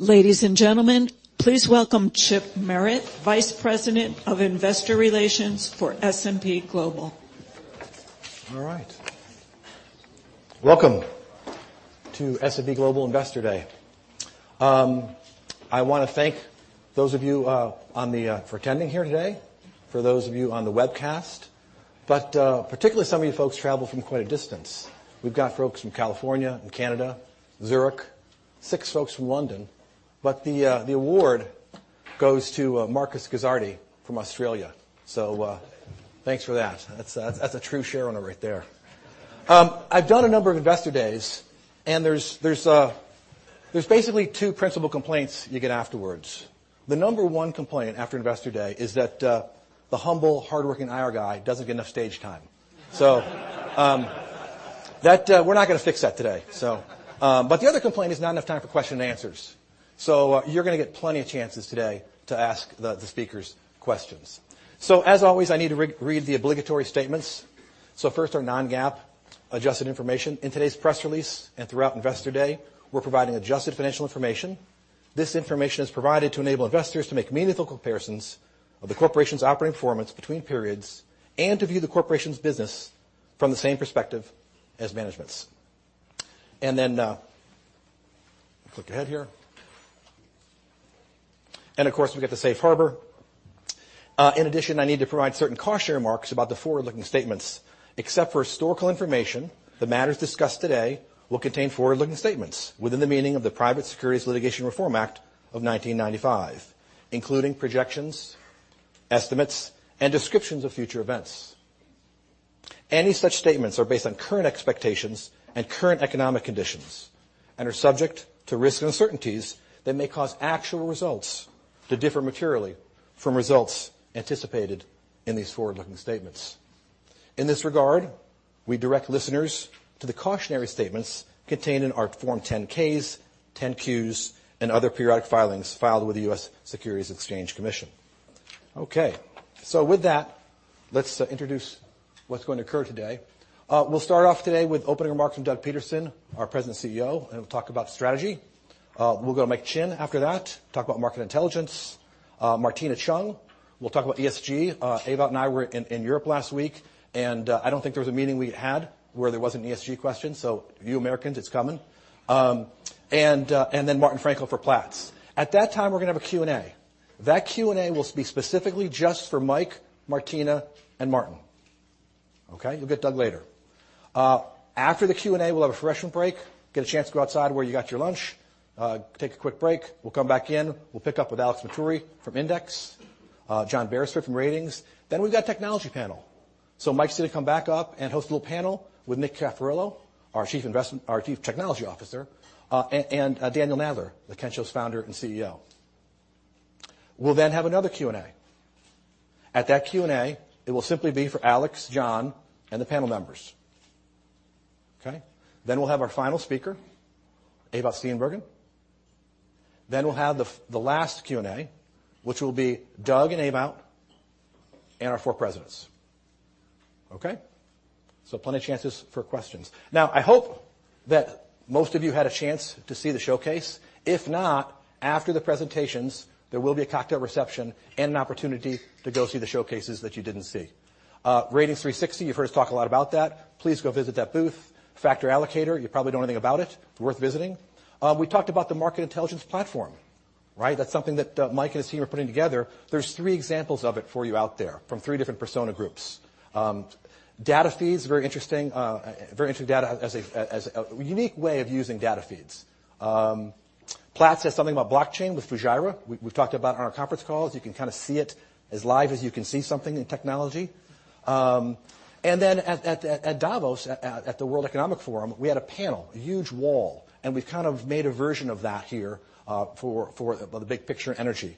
Ladies and gentlemen, please welcome Chip Merritt, Vice President of Investor Relations for S&P Global. All right. Welcome to S&P Global Investor Day. I wanna thank those of you on the for attending here today, for those of you on the webcast, but particularly some of you folks traveled from quite a distance. We've got folks from California and Canada, Zurich, six folks from London, but the award goes to Marcus Guzzardi from Australia. Thanks for that. That's that's a true shareholder right there. I've done a number of investor days, and there's there's basically two principal complaints you get afterwards. The number one complaint after Investor Day is that the humble, hardworking IR guy doesn't get enough stage time. That we're not gonna fix that today. But the other complaint is not enough time for question and answers. You're gonna get plenty of chances today to ask the speakers questions. As always, I need to re-read the obligatory statements. First, our non-GAAP adjusted information. In today's press release and throughout Investor Day, we're providing adjusted financial information. This information is provided to enable investors to make meaningful comparisons of the corporation's operating performance between periods and to view the corporation's business from the same perspective as management's. Click ahead here. Of course, we got the safe harbor. In addition, I need to provide certain cautionary remarks about the forward-looking statements. Except for historical information, the matters discussed today will contain forward-looking statements within the meaning of the Private Securities Litigation Reform Act of 1995, including projections, estimates, and descriptions of future events. Any such statements are based on current expectations and current economic conditions and are subject to risks and uncertainties that may cause actual results to differ materially from results anticipated in these forward-looking statements. In this regard, we direct listeners to the cautionary statements contained in our Form 10-Ks, 10-Qs, and other periodic filings filed with the U.S. Securities and Exchange Commission. Okay. With that, let's introduce what's going to occur today. We'll start off today with opening remarks from Doug Peterson, our president and CEO, and he'll talk about strategy. We'll go to Mike Chinn after that, talk about market intelligence. Martina Cheung will talk about ESG. Ewout and I were in Europe last week, and, I don't think there was a meeting we had where there wasn't an ESG question, so you Americans, it's coming. Then Martin Fraenkel for Platts. At that time, we're gonna have a Q&A. That Q&A will be specifically just for Mike, Martina, and Martin, okay? You'll get Doug later. After the Q&A, we'll have a refreshment break, get a chance to go outside where you got your lunch, take a quick break. We'll come back in. We'll pick up with Alex Matturri from Index, John Berisford from Ratings. Then we've got technology panel. Mike's gonna come back up and host a little panel with Nick Cafferillo, our Chief Technology Officer, and Daniel Nadler, Kensho's Founder and CEO. We'll then have another Q&A. At that Q&A, it will simply be for Alex, John, and the panel members. Okay? Then we'll have our final speaker, Ewout Steenbergen. We'll have the last Q&A, which will be Doug and Ewout and our four presidents. Okay? Plenty of chances for questions. I hope that most of you had a chance to see the showcase. If not, after the presentations, there will be a cocktail reception and an opportunity to go see the showcases that you didn't see. Ratings360, you've heard us talk a lot about that. Please go visit that booth. Factor Allocator, you probably know anything about it. Worth visiting. We talked about the market intelligence platform, right? That's something that Mike and his team are putting together. There's three examples of it for you out there from three different persona groups. Data feeds, very interesting, very interesting data as a unique way of using data feeds. Platts has something about blockchain with Fujairah. We've talked about it on our conference calls. You can kind of see it as live as you can see something in technology. At Davos, at the World Economic Forum, we had a panel, a huge wall, and we've kind of made a version of that here for the big picture in energy.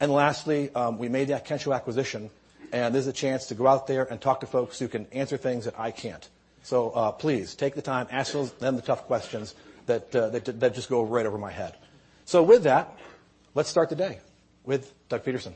Lastly, we made that Kensho acquisition, and this is a chance to go out there and talk to folks who can answer things that I can't. Please take the time, ask them the tough questions that just go right over my head. With that, let's start the day with Doug Peterson.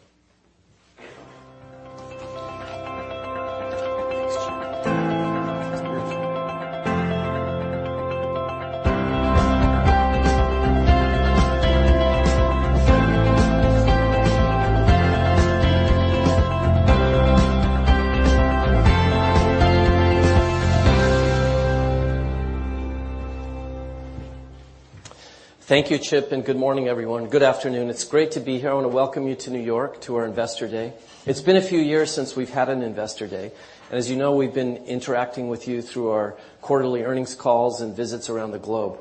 Thank you, Chip, and good morning, everyone. Good afternoon. It's great to be here. I wanna welcome you to New York to our Investor Day. It's been a few years since we've had an Investor Day, and as you know, we've been interacting with you through our quarterly earnings calls and visits around the globe.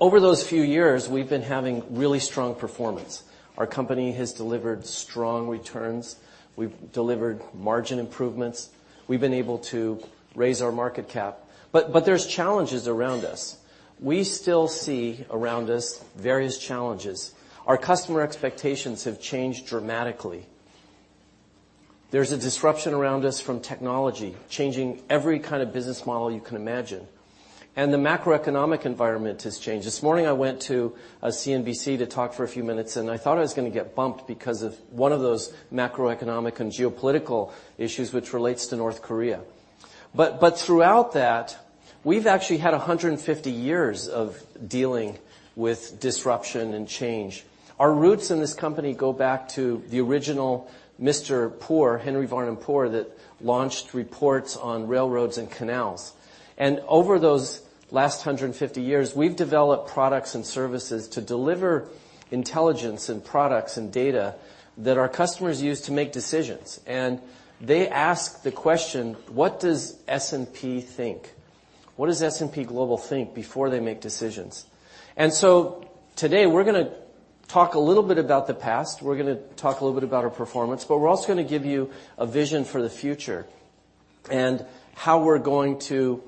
Over those few years, we've been having really strong performance. Our company has delivered strong returns. We've delivered margin improvements. We've been able to raise our market cap. There's challenges around us. We still see around us various challenges. Our customer expectations have changed dramatically. There's a disruption around us from technology changing every kind of business model you can imagine, and the macroeconomic environment has changed. This morning, I went to CNBC to talk for a few minutes, I thought I was gonna get bumped because of one of those macroeconomic and geopolitical issues which relates to North Korea. We've actually had 150 years of dealing with disruption and change. Our roots in this company go back to the original Mr. Poor, Henry Varnum Poor, that launched reports on railroads and canals. Over those last 150 years, we've developed products and services to deliver intelligence and products and data that our customers use to make decisions. They ask the question: what does S&P think? What does S&P Global think before they make decisions? Today, we're gonna talk a little bit about the past, we're gonna talk a little bit about our performance, but we're also gonna give you a vision for the future and how we're going to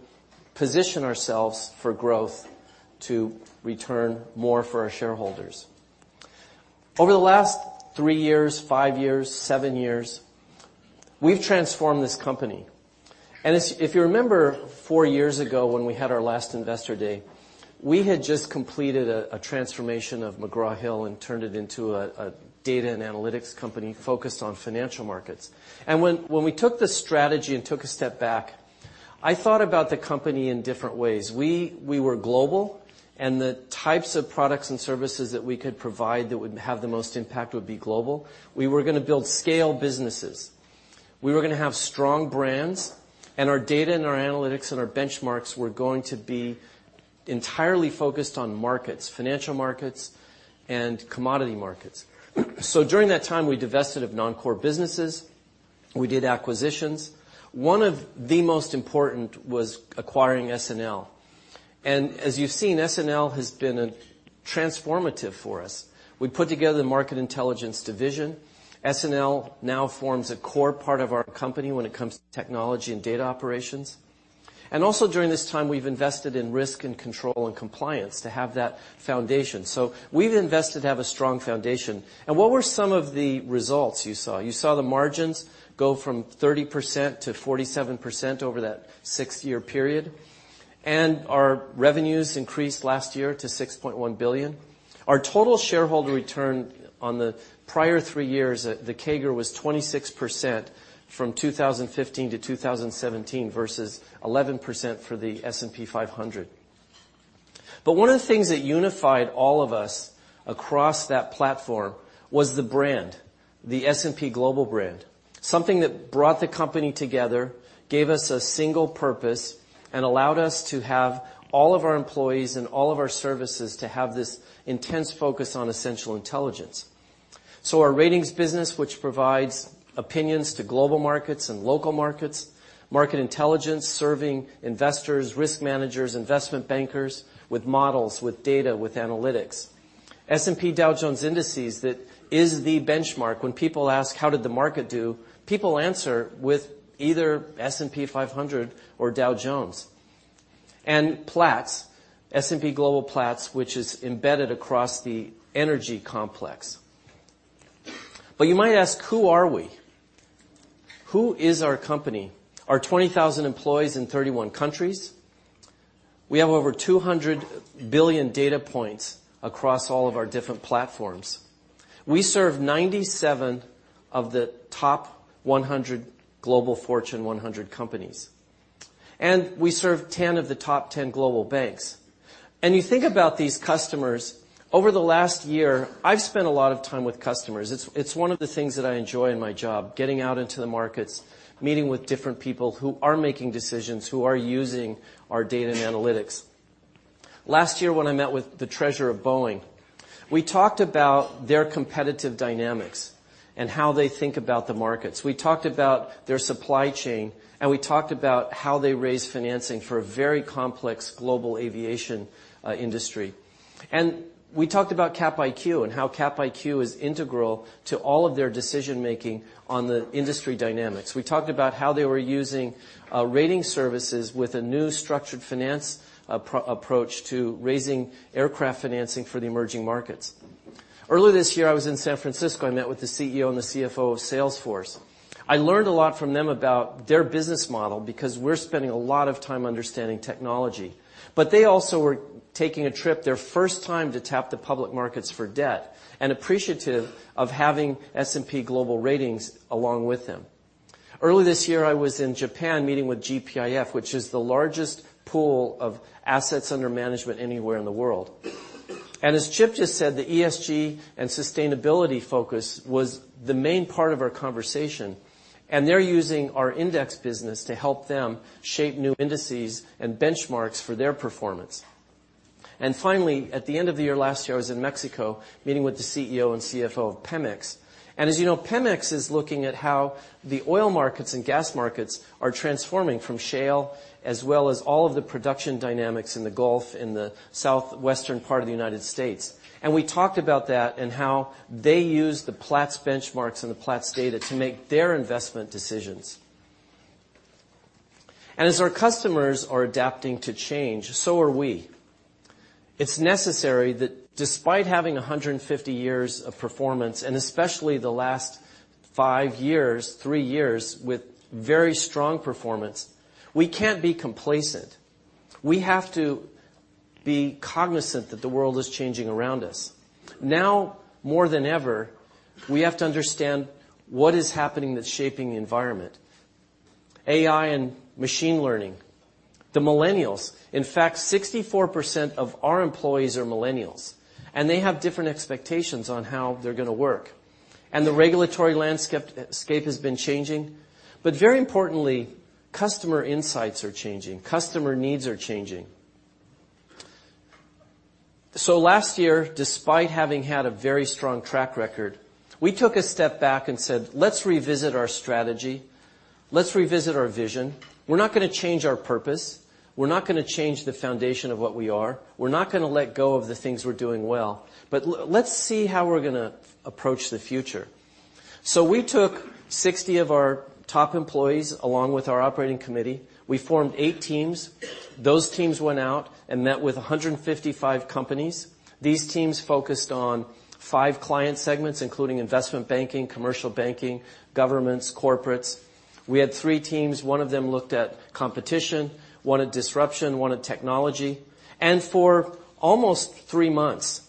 position ourselves for growth to return more for our shareholders. Over the last three years, five years, seven years, we've transformed this company. If you remember four years ago when we had our last investor day, we had just completed a transformation of McGraw Hill and turned it into a data and analytics company focused on financial markets. When we took the strategy and took a step back, I thought about the company in different ways. We were global, and the types of products and services that we could provide that would have the most impact would be global. We were gonna build scale businesses. We were going to have strong brands. Our data and our analytics and our benchmarks were going to be entirely focused on markets, financial markets and commodity markets. During that time, we divested of non-core businesses. We did acquisitions. One of the most important was acquiring SNL. As you've seen, SNL has been transformative for us. We put together the Market Intelligence division. SNL now forms a core part of our company when it comes to technology and data operations. Also during this time, we've invested in risk and control and compliance to have that foundation. We've invested to have a strong foundation. What were some of the results you saw? You saw the margins go from 30% to 47% over that six-year period. Our revenues increased last year to $6.1 billion. Our total shareholder return on the prior three years, the CAGR was 26% from 2015 to 2017, versus 11% for the S&P 500. One of the things that unified all of us across that platform was the brand, the S&P Global brand. Something that brought the company together, gave us a single purpose, and allowed us to have all of our employees and all of our services to have this intense focus on essential intelligence. Our Ratings business, which provides opinions to global markets and local markets, Market Intelligence, serving investors, risk managers, investment bankers with models, with data, with analytics. S&P Dow Jones Indices, that is the benchmark. When people ask, "How did the market do?" People answer with either S&P 500 or Dow Jones. Platts, S&P Global Platts, which is embedded across the energy complex. You might ask, who are we? Who is our company? Our 20,000 employees in 31 countries. We have over 200 billion data points across all of our different platforms. We serve 97 of the top 100 Global Fortune 100 companies. We serve 10 of the top 10 global banks. You think about these customers, over the last year, I've spent a lot of time with customers. It's one of the things that I enjoy in my job, getting out into the markets, meeting with different people who are making decisions, who are using our data and analytics. Last year, when I met with the treasurer of Boeing, we talked about their competitive dynamics and how they think about the markets. We talked about their supply chain, and we talked about how they raise financing for a very complex global aviation industry. We talked about Capital IQ and how Capital IQ is integral to all of their decision-making on the industry dynamics. We talked about how they were using Ratings services with a new structured finance approach to raising aircraft financing for the emerging markets. Earlier this year, I was in San Francisco. I met with the CEO and the CFO of Salesforce. I learned a lot from them about their business model because we're spending a lot of time understanding technology. They also were taking a trip, their first time to tap the public markets for debt, and appreciative of having S&P Global Ratings along with them. Earlier this year, I was in Japan meeting with GPIF, which is the largest pool of assets under management anywhere in the world. As Chip just said, the ESG and sustainability focus was the main part of our conversation, and they're using our index business to help them shape new indices and benchmarks for their performance. Finally, at the end of the year last year, I was in Mexico meeting with the CEO and CFO of Pemex. As you know, Pemex is looking at how the oil markets and gas markets are transforming from shale, as well as all of the production dynamics in the Gulf, in the southwestern part of the U.S. We talked about that and how they use the Platts benchmarks and the Platts data to make their investment decisions. As our customers are adapting to change, so are we. It's necessary that despite having 150 years of performance, and especially the last five years, three years with very strong performance, we can't be complacent. We have to be cognizant that the world is changing around us. Now more than ever, we have to understand what is happening that's shaping the environment. AI and machine learning, the millennials. In fact, 64% of our employees are millennials, and they have different expectations on how they're gonna work. The regulatory landscape has been changing. Very importantly, customer insights are changing. Customer needs are changing. Last year, despite having had a very strong track record, we took a step back and said, "Let's revisit our strategy. Let's revisit our vision. We're not gonna change our purpose. We're not gonna change the foundation of what we are. We're not gonna let go of the things we're doing well. Let's see how we're gonna approach the future. We took 60 of our top employees, along with our operating committee. We formed eight teams. Those teams went out and met with 155 companies. These teams focused on five client segments, including investment banking, commercial banking, governments, corporates. We had three teams. One of them looked at competition, one at disruption, one at technology. For almost three months,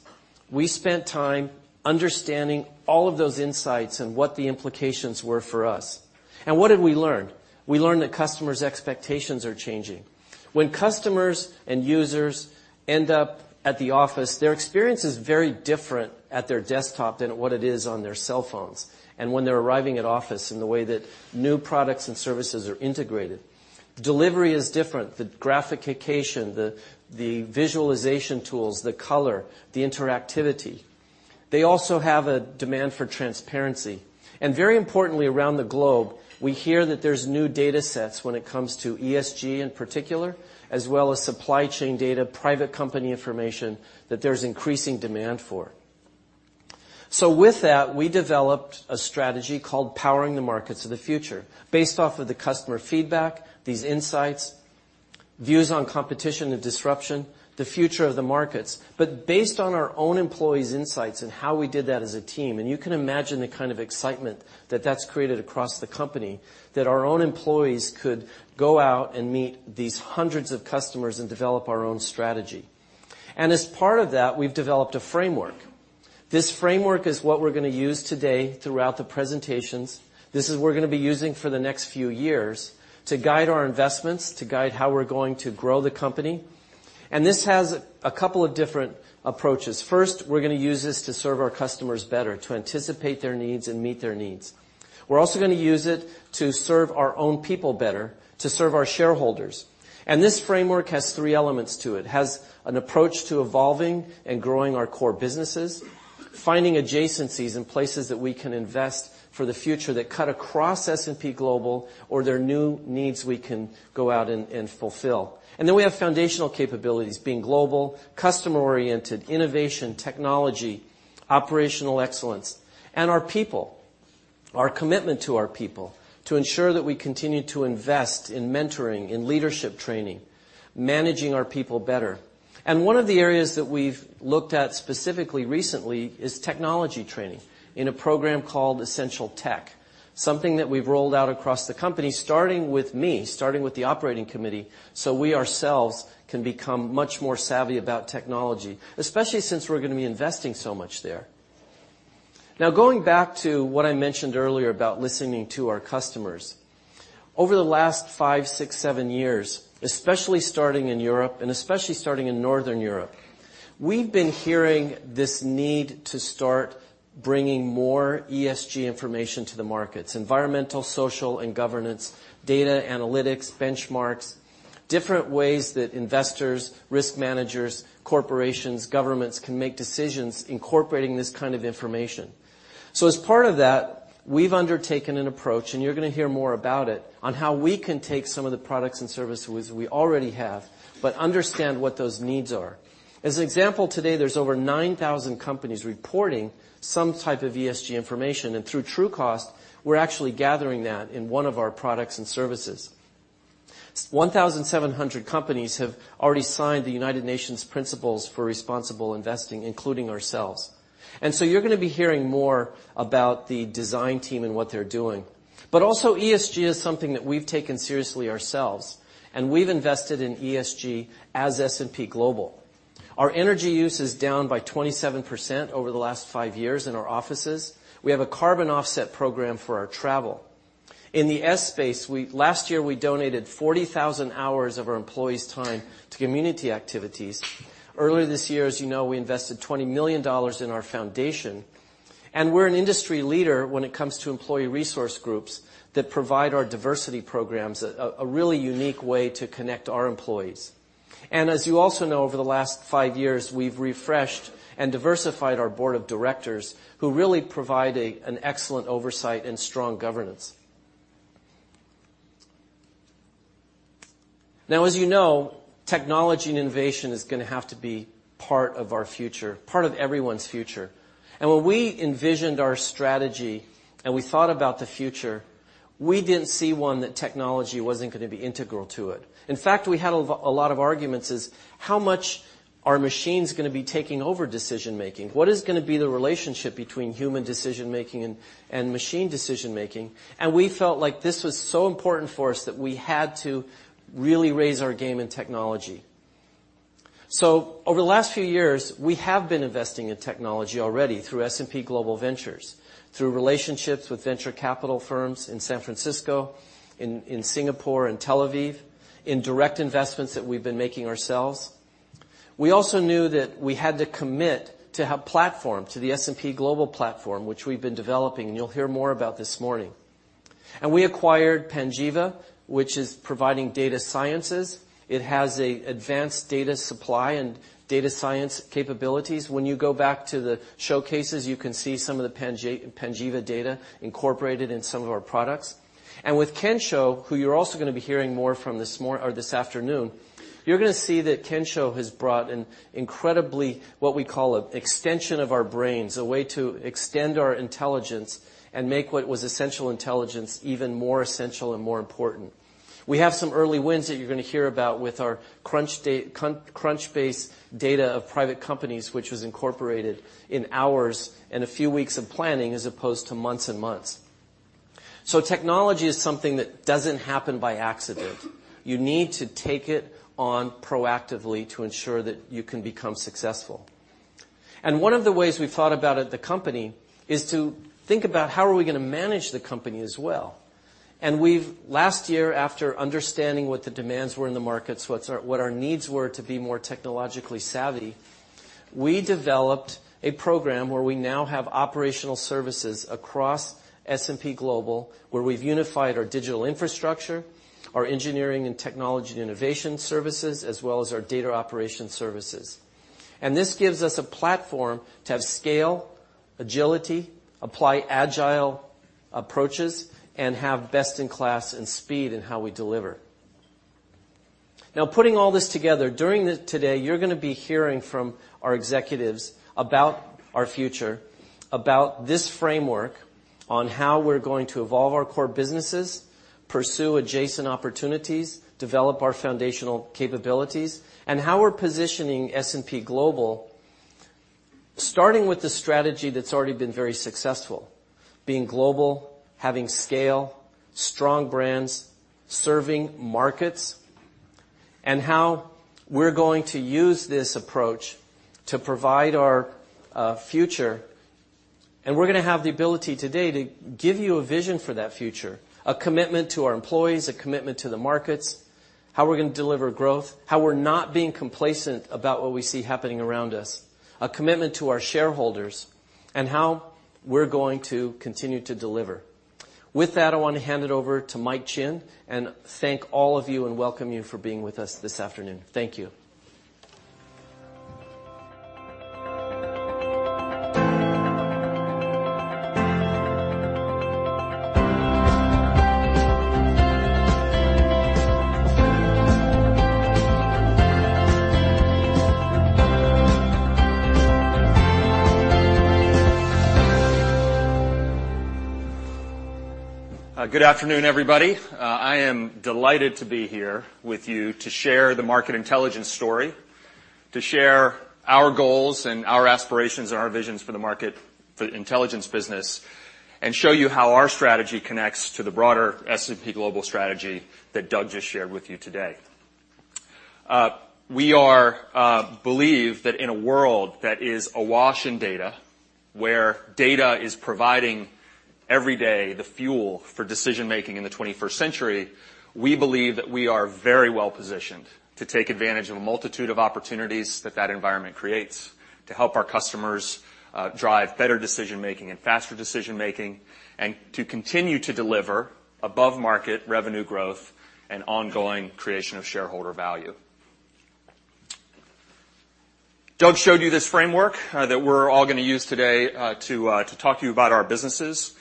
we spent time understanding all of those insights and what the implications were for us. What did we learn? We learned that customers' expectations are changing. When customers and users end up at the office, their experience is very different at their desktop than what it is on their cell phones and when they're arriving at office and the way that new products and services are integrated. The delivery is different, the graphication, the visualization tools, the color, the interactivity. They also have a demand for transparency. Very importantly, around the globe, we hear that there's new data sets when it comes to ESG in particular, as well as supply chain data, private company information, that there's increasing demand for. With that, we developed a strategy called Powering the Markets of the Future based off of the customer feedback, these insights, views on competition and disruption, the future of the markets, based on our own employees' insights and how we did that as a team. You can imagine the kind of excitement that that's created across the company, that our own employees could go out and meet these hundreds of customers and develop our own strategy. As part of that, we've developed a framework. This framework is what we're gonna use today throughout the presentations. This is we're gonna be using for the next few years to guide our investments, to guide how we're going to grow the company. This has a couple of different approaches. First, we're gonna use this to serve our customers better, to anticipate their needs and meet their needs. We're also gonna use it to serve our own people better, to serve our shareholders. This framework has three elements to it. It has an approach to evolving and growing our core businesses, finding adjacencies in places that we can invest for the future that cut across S&P Global or their new needs we can go out and fulfill. We have foundational capabilities, being global, customer-oriented, innovation, technology, operational excellence. Our people, our commitment to our people, to ensure that we continue to invest in mentoring, in leadership training, managing our people better. One of the areas that we've looked at specifically recently is technology training in a program called EssentialTECH, something that we've rolled out across the company, starting with me, starting with the operating committee, so we ourselves can become much more savvy about technology, especially since we're gonna be investing so much there. Going back to what I mentioned earlier about listening to our customers, over the last five, six, seven years, especially starting in Europe and especially starting in Northern Europe, we've been hearing this need to start bringing more ESG information to the markets, environmental, social, and governance, data analytics, benchmarks, different ways that investors, risk managers, corporations, governments can make decisions incorporating this kind of information. As part of that, we've undertaken an approach, and you're gonna hear more about it, on how we can take some of the products and services we already have, but understand what those needs are. As an example, today, there's over 9,000 companies reporting some type of ESG information. Through Trucost, we're actually gathering that in one of our products and services. 1,700 companies have already signed the United Nations Principles for Responsible Investment, including ourselves. You're gonna be hearing more about the design team and what they're doing. ESG is something that we've taken seriously ourselves, and we've invested in ESG as S&P Global. Our energy use is down by 27% over the last five years in our offices. We have a carbon offset program for our travel. In the ESG space, last year, we donated 40,000 hours of our employees' time to community activities. Earlier this year, as you know, we invested $20 million in our foundation. We're an industry leader when it comes to employee resource groups that provide our diversity programs, a really unique way to connect our employees. As you also know, over the last five years, we've refreshed and diversified our board of directors, who really provide an excellent oversight and strong governance. Now, as you know, technology and innovation is gonna have to be part of our future, part of everyone's future. When we envisioned our strategy and we thought about the future, we didn't see one that technology wasn't gonna be integral to it. In fact, we had a lot of arguments is, how much are machines going to be taking over decision-making? What is gonna be the relationship between human decision-making and machine decision-making? We felt like this was so important for us that we had to really raise our game in technology. So over the last few years, we have been investing in technology already through S&P Global Ventures, through relationships with venture capital firms in San Francisco, in Singapore and Tel Aviv, in direct investments that we've been making ourselves. We also knew that we had to commit to have platform, to the S&P Global platform, which we've been developing, and you'll hear more about this morning. We acquired Panjiva, which is providing data sciences. It has a advanced data supply and data science capabilities. When you go back to the showcases, you can see some of the Panjiva data incorporated in some of our products. With Kensho, who you're also going to be hearing more from this afternoon, you're going to see that Kensho has brought an incredibly, what we call a extension of our brains, a way to extend our intelligence and make what was essential intelligence even more essential and more important. We have some early wins that you're going to hear about with our Crunchbase data of private companies, which was incorporated in hours and a few weeks of planning, as opposed to months and months. Technology is something that doesn't happen by accident. You need to take it on proactively to ensure that you can become successful. One of the ways we've thought about it at the company is to think about how are we gonna manage the company as well. Last year, after understanding what the demands were in the markets, what our needs were to be more technologically savvy, we developed a program where we now have operational services across S&P Global, where we've unified our digital infrastructure, our engineering and technology and innovation services, as well as our data operation services. This gives us a platform to have scale, agility, apply agile approaches, and have best in class and speed in how we deliver. Now, putting all this together, during today, you're gonna be hearing from our executives about our future, about this framework on how we're going to evolve our core businesses, pursue adjacent opportunities, develop our foundational capabilities, and how we're positioning S&P Global, starting with the strategy that's already been very successful, being global, having scale, strong brands, serving markets, and how we're going to use this approach to provide our future. We're gonna have the ability today to give you a vision for that future, a commitment to our employees, a commitment to the markets, how we're gonna deliver growth, how we're not being complacent about what we see happening around us, a commitment to our shareholders, and how we're going to continue to deliver. With that, I want to hand it over to Mike Chinn and thank all of you and welcome you for being with us this afternoon. Thank you. Good afternoon, everybody. I am delighted to be here with you to share the Market Intelligence story, to share our goals and our aspirations and our visions for the Market Intelligence business, and show you how our strategy connects to the broader S&P Global strategy that Doug just shared with you today. We are believe that in a world that is awash in data, where data is providing, every day, the fuel for decision-making in the twenty-first century, we believe that we are very well-positioned to take advantage of a multitude of opportunities that that environment creates to help our customers, drive better decision-making and faster decision-making, and to continue to deliver above-market revenue growth and ongoing creation of shareholder value. Doug showed you this framework, that we're all gonna use today, to talk to you about our businesses.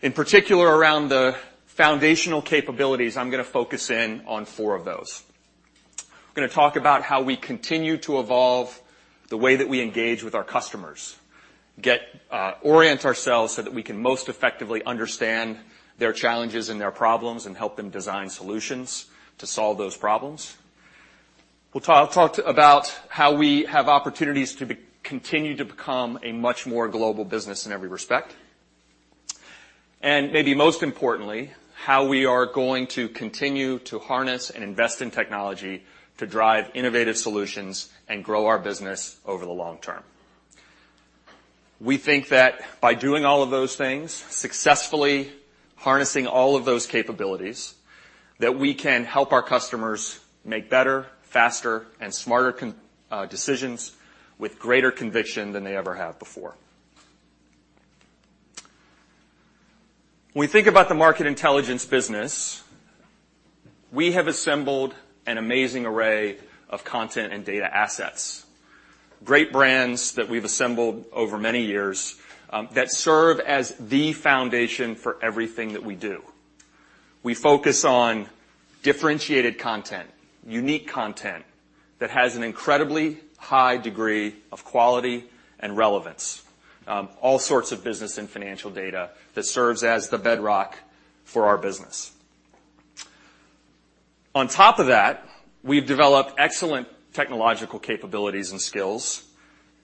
In particular, around the foundational capabilities, I'm gonna focus in on four of those. I'm gonna talk about how we continue to evolve the way that we engage with our customers, get orient ourselves so that we can most effectively understand their challenges and their problems and help them design solutions to solve those problems. We'll talk about how we have opportunities to continue to become a much more global business in every respect. Maybe most importantly, how we are going to continue to harness and invest in technology to drive innovative solutions and grow our business over the long term. We think that by doing all of those things, successfully harnessing all of those capabilities, that we can help our customers make better, faster, and smarter decisions with greater conviction than they ever have before. When we think about the Market Intelligence business, we have assembled an amazing array of content and data assets, great brands that we've assembled over many years, that serve as the foundation for everything that we do. We focus on differentiated content, unique content that has an incredibly high degree of quality and relevance, all sorts of business and financial data that serves as the bedrock for our business. On top of that, we've developed excellent technological capabilities and skills.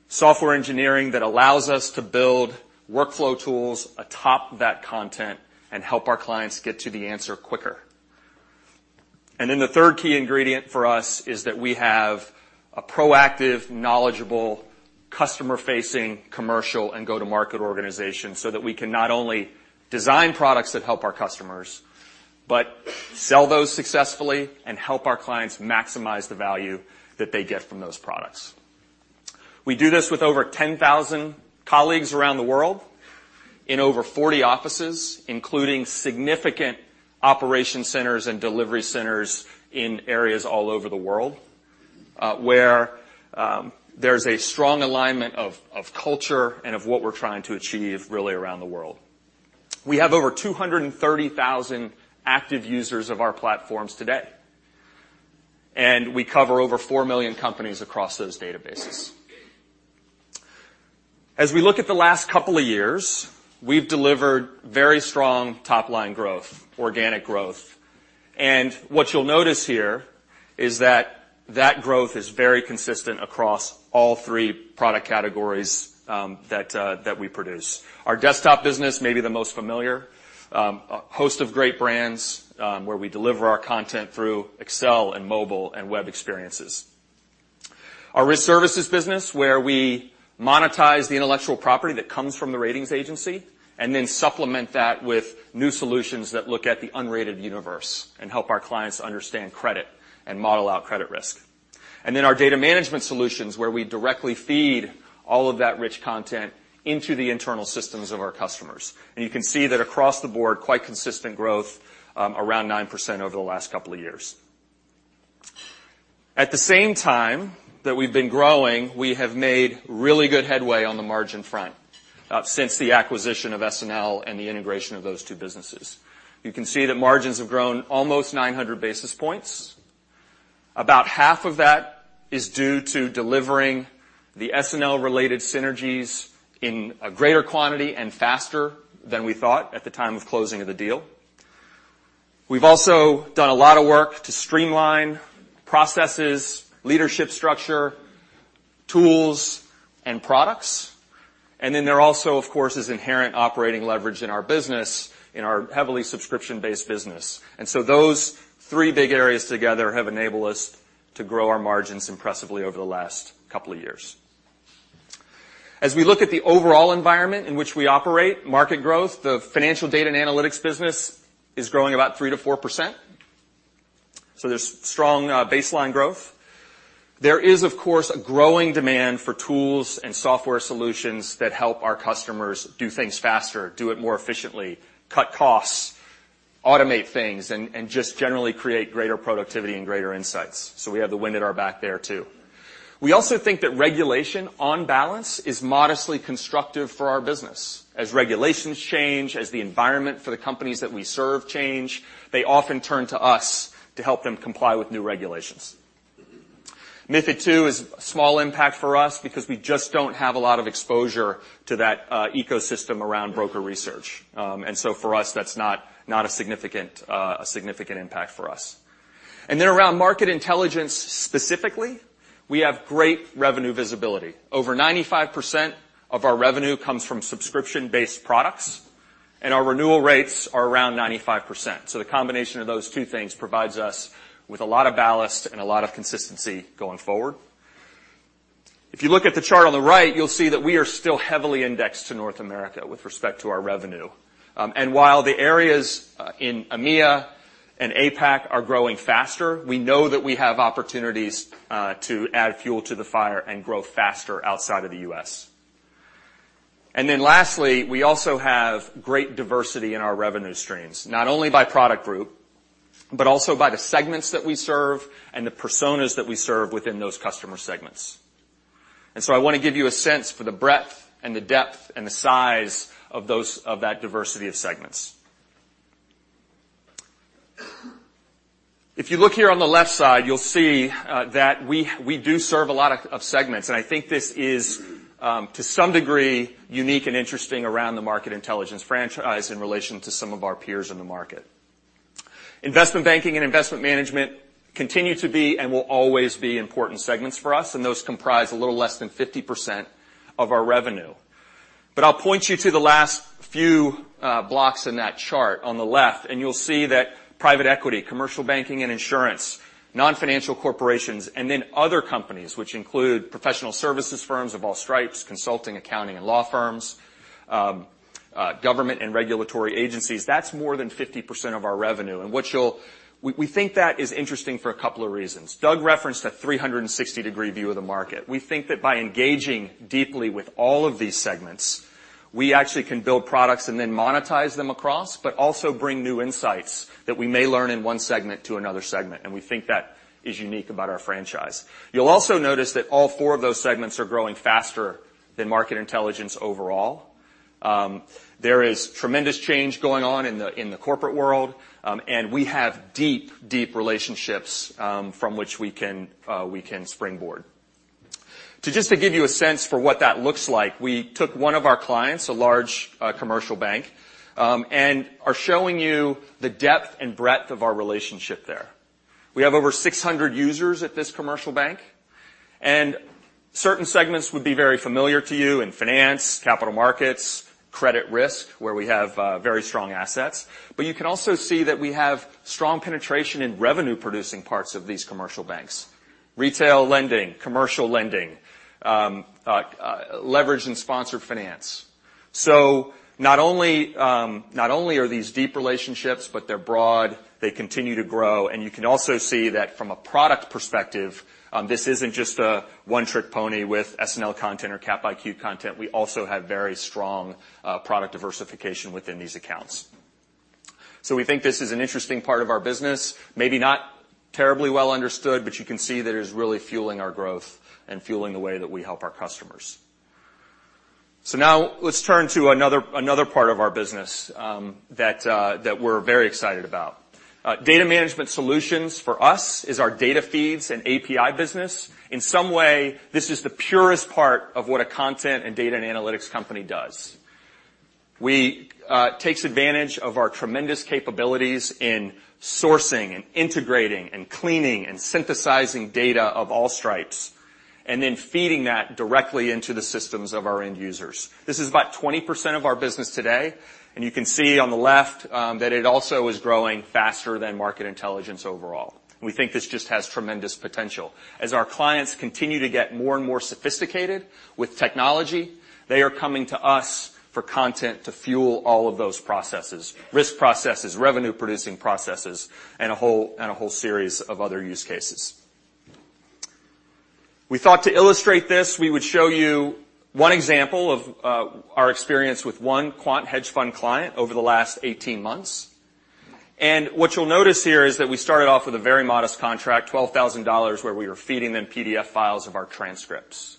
Software engineering that allows us to build workflow tools atop that content and help our clients get to the answer quicker. The third key ingredient for us is that we have a proactive, knowledgeable, customer-facing commercial and go-to-market organization so that we can not only design products that help our customers, but sell those successfully and help our clients maximize the value that they get from those products. We do this with over 10,000 colleagues around the world in over 40 offices, including significant operation centers and delivery centers in areas all over the world, where there's a strong alignment of culture and of what we're trying to achieve really around the world. We have over 230,000 active users of our platforms today. We cover over 4 million companies across those databases. As we look at the last couple of years, we've delivered very strong top-line growth, organic growth. What you'll notice here is that that growth is very consistent across all three product categories that we produce. Our desktop business may be the most familiar. A host of great brands where we deliver our content through Excel and mobile and web experiences. Our Risk Services business where we monetize the intellectual property that comes from the ratings agency and then supplement that with new solutions that look at the unrated universe and help our clients understand credit and model out credit risk. Our data management solutions where we directly feed all of that rich content into the internal systems of our customers. You can see that across the board, quite consistent growth, around 9% over the last couple of years. At the same time that we've been growing, we have made really good headway on the margin front, since the acquisition of SNL and the integration of those two businesses. You can see that margins have grown almost 900 basis points. About half of that is due to delivering the SNL-related synergies in a greater quantity and faster than we thought at the time of closing of the deal. We've also done a lot of work to streamline processes, leadership structure, tools, and products. There also, of course, is inherent operating leverage in our business, in our heavily subscription-based business. Those three big areas together have enabled us to grow our margins impressively over the last couple of years. As we look at the overall environment in which we operate, market growth, the financial data and analytics business is growing about 3%-4%. There's strong baseline growth. There is, of course, a growing demand for tools and software solutions that help our customers do things faster, do it more efficiently, cut costs, automate things, and just generally create greater productivity and greater insights. We have the wind at our back there too. We also think that regulation on balance is modestly constructive for our business. As regulations change, as the environment for the companies that we serve change, they often turn to us to help them comply with new regulations. MiFID II is small impact for us because we just don't have a lot of exposure to that ecosystem around broker research. For us, that's not a significant, a significant impact for us. Around Market Intelligence specifically, we have great revenue visibility. Over 95% of our revenue comes from subscription-based products, and our renewal rates are around 95%. The combination of those two things provides us with a lot of ballast and a lot of consistency going forward. You look at the chart on the right, you'll see that we are still heavily indexed to North America with respect to our revenue. While the areas, in EMEA and APAC are growing faster, we know that we have opportunities, to add fuel to the fire and grow faster outside of the U.S. Then lastly, we also have great diversity in our revenue streams, not only by product group, but also by the segments that we serve and the personas that we serve within those customer segments. So I wanna give you a sense for the breadth and the depth and the size of that diversity of segments. If you look here on the left side, you'll see that we do serve a lot of segments. I think this is to some degree unique and interesting around the Market Intelligence franchise in relation to some of our peers in the market. Investment banking and investment management continue to be and will always be important segments for us, and those comprise a little less than 50% of our revenue. I'll point you to the last few blocks in that chart on the left, and you'll see that private equity, commercial banking and insurance, non-financial corporations, and then other companies, which include professional services firms of all stripes, consulting, accounting, and law firms, government and regulatory agencies, that's more than 50% of our revenue. What We think that is interesting for a couple of reasons. Doug referenced that 360-degree view of the market. We think that by engaging deeply with all of these segments, we actually can build products and then monetize them across, but also bring new insights that we may learn in one segment to another segment, and we think that is unique about our franchise. You'll also notice that all four of those segments are growing faster than Market Intelligence overall. There is tremendous change going on in the, in the corporate world, and we have deep, deep relationships from which we can springboard. To just to give you a sense for what that looks like, we took one of our clients, a large commercial bank, and are showing you the depth and breadth of our relationship there. We have over 600 users at this commercial bank. Certain segments would be very familiar to you in finance, capital markets, credit risk, where we have very strong assets. You can also see that we have strong penetration in revenue-producing parts of these commercial banks. Retail lending, commercial lending, leverage and sponsored finance. Not only, not only are these deep relationships, but they're broad, they continue to grow. You can also see that from a product perspective, this isn't just a one-trick pony with SNL content or Capital IQ content. We also have very strong product diversification within these accounts. We think this is an interesting part of our business, maybe not terribly well understood, but you can see that it is really fueling our growth and fueling the way that we help our customers. Now let's turn to another part of our business that we're very excited about. Data management solutions for us is our data feeds and API business. In some way, this is the purest part of what a content and data and analytics company does. We takes advantage of our tremendous capabilities in sourcing and integrating and cleaning and synthesizing data of all stripes, and then feeding that directly into the systems of our end users. This is about 20% of our business today, and you can see on the left, that it also is growing faster than market intelligence overall. We think this just has tremendous potential. As our clients continue to get more and more sophisticated with technology, they are coming to us for content to fuel all of those processes, risk processes, revenue-producing processes, and a whole series of other use cases. We thought to illustrate this, we would show you one example of our experience with one quant hedge fund client over the last 18 months. What you'll notice here is that we started off with a very modest contract, $12,000, where we were feeding them PDF files of our transcripts.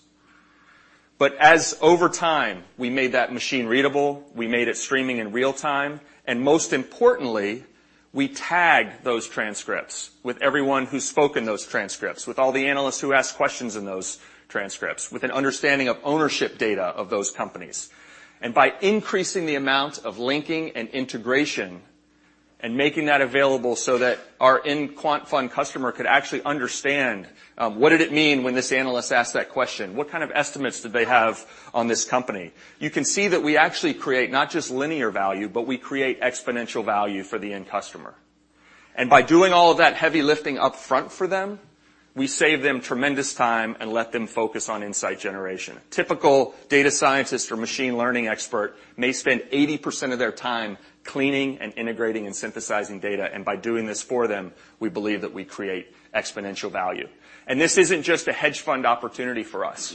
As over time, we made that machine readable, we made it streaming in real time, and most importantly, we tagged those transcripts with everyone who spoke in those transcripts, with all the analysts who asked questions in those transcripts, with an understanding of ownership data of those companies. By increasing the amount of linking and integration and making that available so that our end quant fund customer could actually understand what did it mean when this analyst asked that question? What kind of estimates did they have on this company? You can see that we actually create not just linear value, but we create exponential value for the end customer. By doing all of that heavy lifting up front for them, we save them tremendous time and let them focus on insight generation. Typical data scientist or machine learning expert may spend 80% of their time cleaning and integrating and synthesizing data. By doing this for them, we believe that we create exponential value. This isn't just a hedge fund opportunity for us.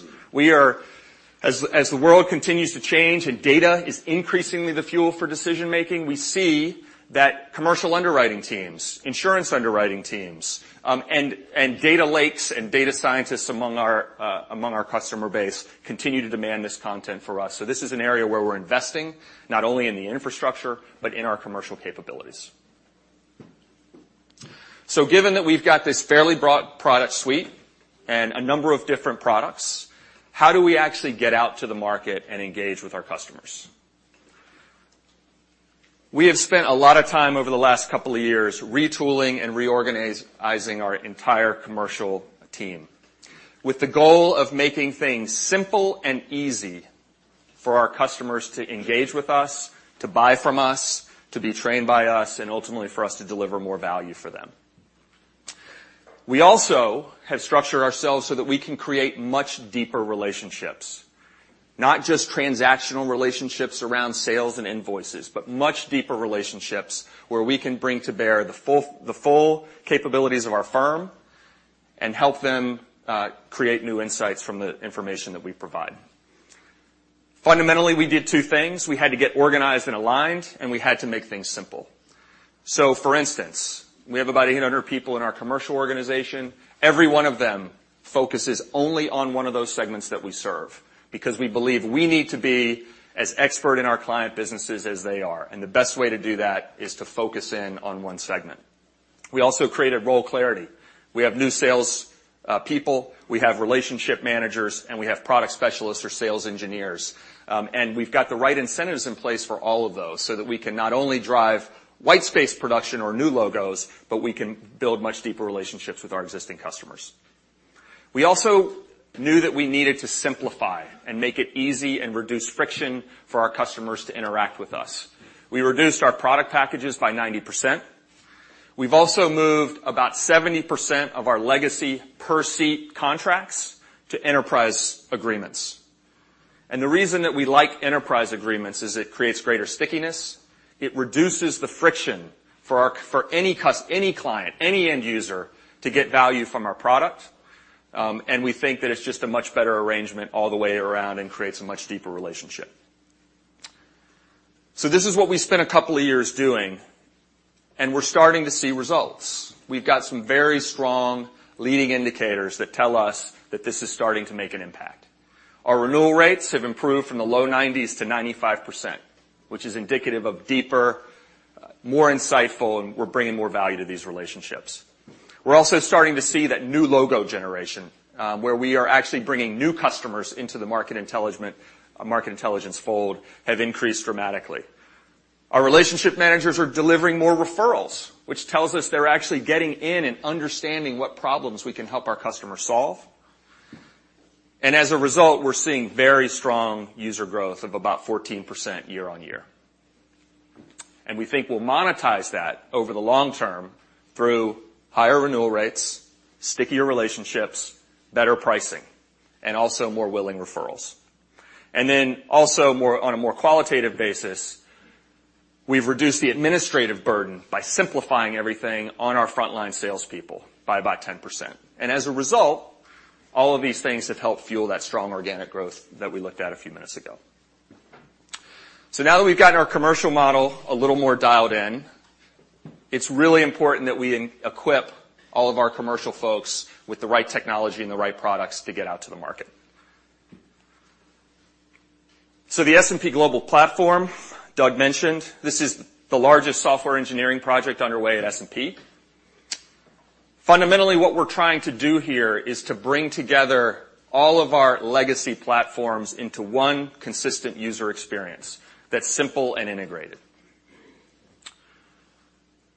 As the world continues to change and data is increasingly the fuel for decision-making, we see that commercial underwriting teams, insurance underwriting teams, and data lakes and data scientists among our customer base continue to demand this content for us. This is an area where we're investing not only in the infrastructure, but in our commercial capabilities. Given that we've got this fairly broad product suite and a number of different products, how do we actually get out to the market and engage with our customers? We have spent a lot of time over the last couple of years retooling and reorganizing our entire commercial team with the goal of making things simple and easy for our customers to engage with us, to buy from us, to be trained by us, and ultimately for us to deliver more value for them. We also have structured ourselves so that we can create much deeper relationships. Not just transactional relationships around sales and invoices, but much deeper relationships where we can bring to bear the full capabilities of our firm and help them create new insights from the information that we provide. Fundamentally, we did two things. We had to get organized and aligned, and we had to make things simple. For instance, we have about 800 people in our commercial organization. Every one of them focuses only on one of those segments that we serve because we believe we need to be as expert in our client businesses as they are, and the best way to do that is to focus in on one segment. We also created role clarity. We have new sales people, we have relationship managers, and we have product specialists or sales engineers. We've got the right incentives in place for all of those so that we can not only drive white space production or new logos, but we can build much deeper relationships with our existing customers. We also knew that we needed to simplify and make it easy and reduce friction for our customers to interact with us. We reduced our product packages by 90%. We've also moved about 70% of our legacy per-seat contracts to enterprise agreements. The reason that we like enterprise agreements is it creates greater stickiness. It reduces the friction for any client, any end user to get value from our product. We think that it's just a much better arrangement all the way around and creates a much deeper relationship. This is what we spent a couple of years doing, and we're starting to see results. We've got some very strong leading indicators that tell us that this is starting to make an impact. Our renewal rates have improved from the low 90s to 95%, which is indicative of deeper, more insightful, we're bringing more value to these relationships. We're also starting to see that new logo generation, where we are actually bringing new customers into the Market Intelligence fold have increased dramatically. Our relationship managers are delivering more referrals, which tells us they're actually getting in and understanding what problems we can help our customers solve. As a result, we're seeing very strong user growth of about 14% year-on-year. We think we'll monetize that over the long term through higher renewal rates, stickier relationships, better pricing, also more willing referrals. Also on a more qualitative basis, we've reduced the administrative burden by simplifying everything on our frontline salespeople by about 10%. As a result, all of these things have helped fuel that strong organic growth that we looked at a few minutes ago. Now that we've gotten our commercial model a little more dialed in, it's really important that we equip all of our commercial folks with the right technology and the right products to get out to the market. The S&P Global Platform, Doug mentioned, this is the largest software engineering project underway at S&P. Fundamentally, what we're trying to do here is to bring together all of our legacy platforms into one consistent user experience that's simple and integrated.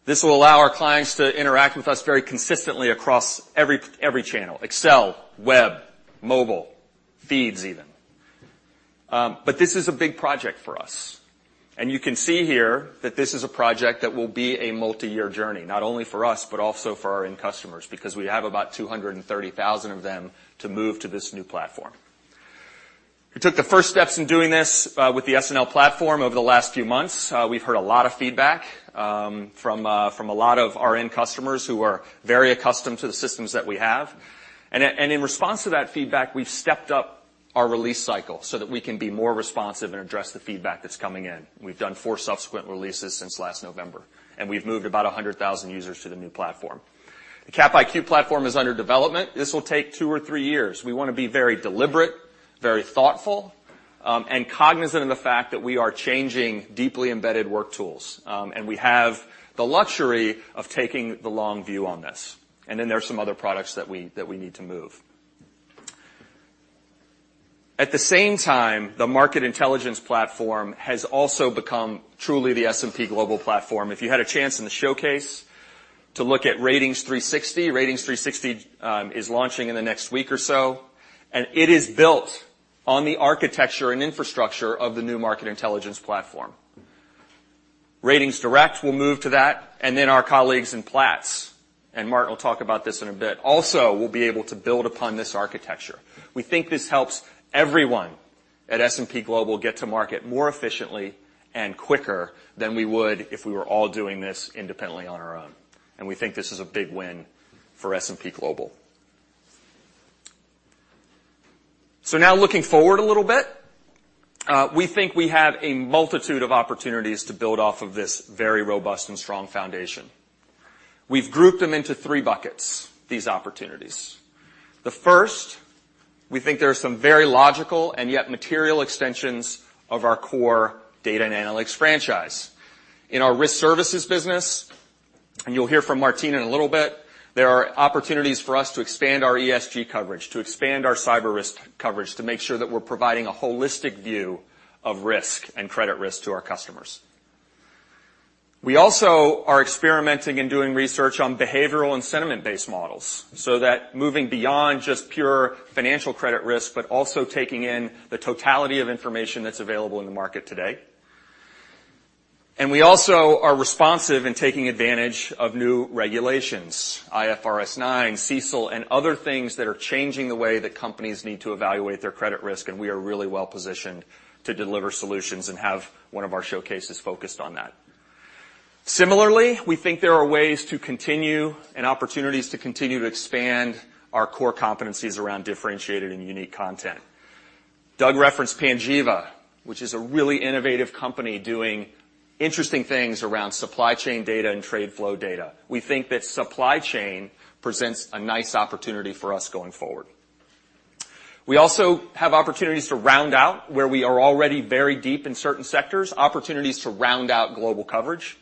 This will allow our clients to interact with us very consistently across every channel: Excel, web, mobile, feeds even. This is a big project for us, and you can see here that this is a project that will be a multi-year journey, not only for us, but also for our end customers, because we have about 230,000 of them to move to this new platform. We took the first steps in doing this with the SNL platform over the last few months. We've heard a lot of feedback from a lot of our end customers who are very accustomed to the systems that we have. In response to that feedback, we've stepped up our release cycle so that we can be more responsive and address the feedback that's coming in. We've done four subsequent releases since last November, and we've moved about 100,000 users to the new platform. The Capital IQ platform is under development. This will take two or three years. We want to be very deliberate, very thoughtful, and cognizant of the fact that we are changing deeply embedded work tools. We have the luxury of taking the long view on this. There are some other products that we need to move. At the same time, the Market Intelligence Platform has also become truly the S&P Global Platform. If you had a chance in the showcase to look at Ratings360, is launching in the next week or so, and it is built on the architecture and infrastructure of the new Market Intelligence Platform. RatingsDirect will move to that, our colleagues in Platts, and Martin will talk about this in a bit, also will be able to build upon this architecture. We think this helps everyone at S&P Global get to market more efficiently and quicker than we would if we were all doing this independently on our own. We think this is a big win for S&P Global. Now looking forward a little bit, we think we have a multitude of opportunities to build off of this very robust and strong foundation. We've grouped them into three buckets, these opportunities. The first, we think there are some very logical and yet material extensions of our core data and analytics franchise. In our risk services business, and you'll hear from Martina in a little bit, there are opportunities for us to expand our ESG coverage, to expand our cyber risk coverage, to make sure that we're providing a holistic view of risk and credit risk to our customers. We also are experimenting and doing research on behavioral and sentiment-based models, moving beyond just pure financial credit risk, but also taking in the totality of information that is available in the market today. We also are responsive in taking advantage of new regulations, IFRS 9, CECL, and other things that are changing the way that companies need to evaluate their credit risk, and we are really well-positioned to deliver solutions and have one of our showcases focused on that. Similarly, we think there are ways to continue and opportunities to continue to expand our core competencies around differentiated and unique content. Doug referenced Panjiva, which is a really innovative company doing interesting things around supply chain data and trade flow data. We think that supply chain presents a nice opportunity for us going forward. We also have opportunities to round out where we are already very deep in certain sectors, opportunities to round out global coverage.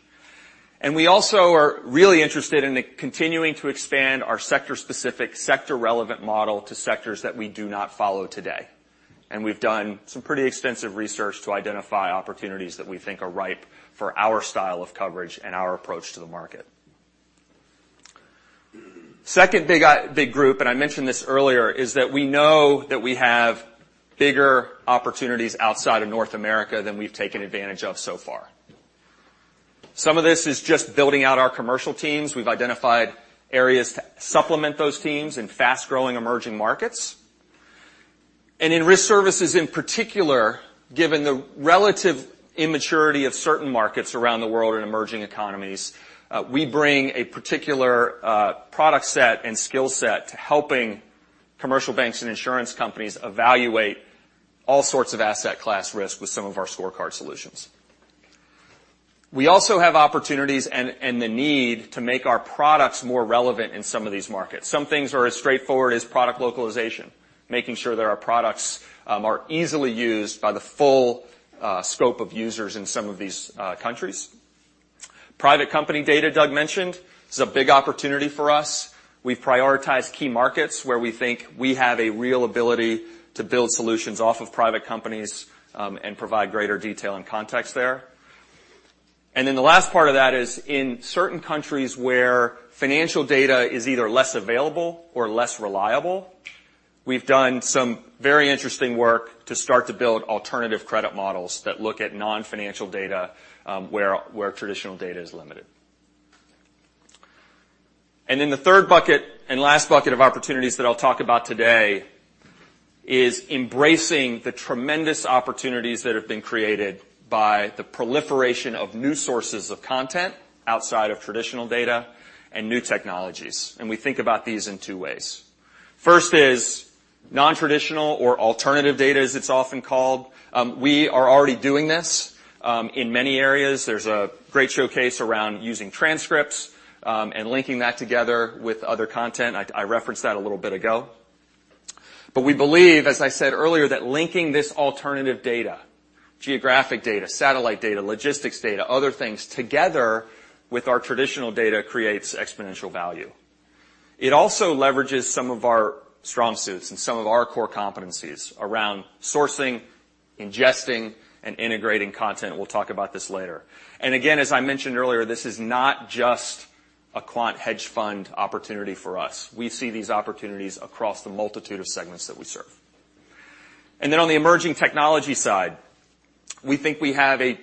We also are really interested in continuing to expand our sector-specific, sector-relevant model to sectors that we do not follow today. We've done some pretty extensive research to identify opportunities that we think are ripe for our style of coverage and our approach to the market. Second big group, and I mentioned this earlier, is that we know that we have bigger opportunities outside of North America than we've taken advantage of so far. Some of this is just building out our commercial teams. We've identified areas to supplement those teams in fast-growing emerging markets. In Risk Services in particular, given the relative immaturity of certain markets around the world in emerging economies, we bring a particular product set and skill set to helping commercial banks and insurance companies evaluate all sorts of asset class risk with some of our scorecard solutions. We also have opportunities and the need to make our products more relevant in some of these markets. Some things are as straightforward as product localization, making sure that our products are easily used by the full scope of users in some of these countries. Private company data Doug mentioned is a big opportunity for us. We prioritize key markets where we think we have a real ability to build solutions off of private companies, and provide greater detail and context there. The last part of that is in certain countries where financial data is either less available or less reliable, we've done some very interesting work to start to build alternative credit models that look at non-financial data, where traditional data is limited. The third bucket and last bucket of opportunities that I'll talk about today is embracing the tremendous opportunities that have been created by the proliferation of new sources of content outside of traditional data and new technologies, and we think about these in two ways. First is nontraditional or alternative data, as it's often called. We are already doing this in many areas. There's a great showcase around using transcripts and linking that together with other content. I referenced that a little bit ago. We believe, as I said earlier, that linking this alternative data, geographic data, satellite data, logistics data, other things together with our traditional data creates exponential value. It also leverages some of our strong suits and some of our core competencies around sourcing, ingesting, and integrating content. We'll talk about this later. Again, as I mentioned earlier, this is not just a quant hedge fund opportunity for us. We see these opportunities across the multitude of segments that we serve. On the emerging technology side, we think we have a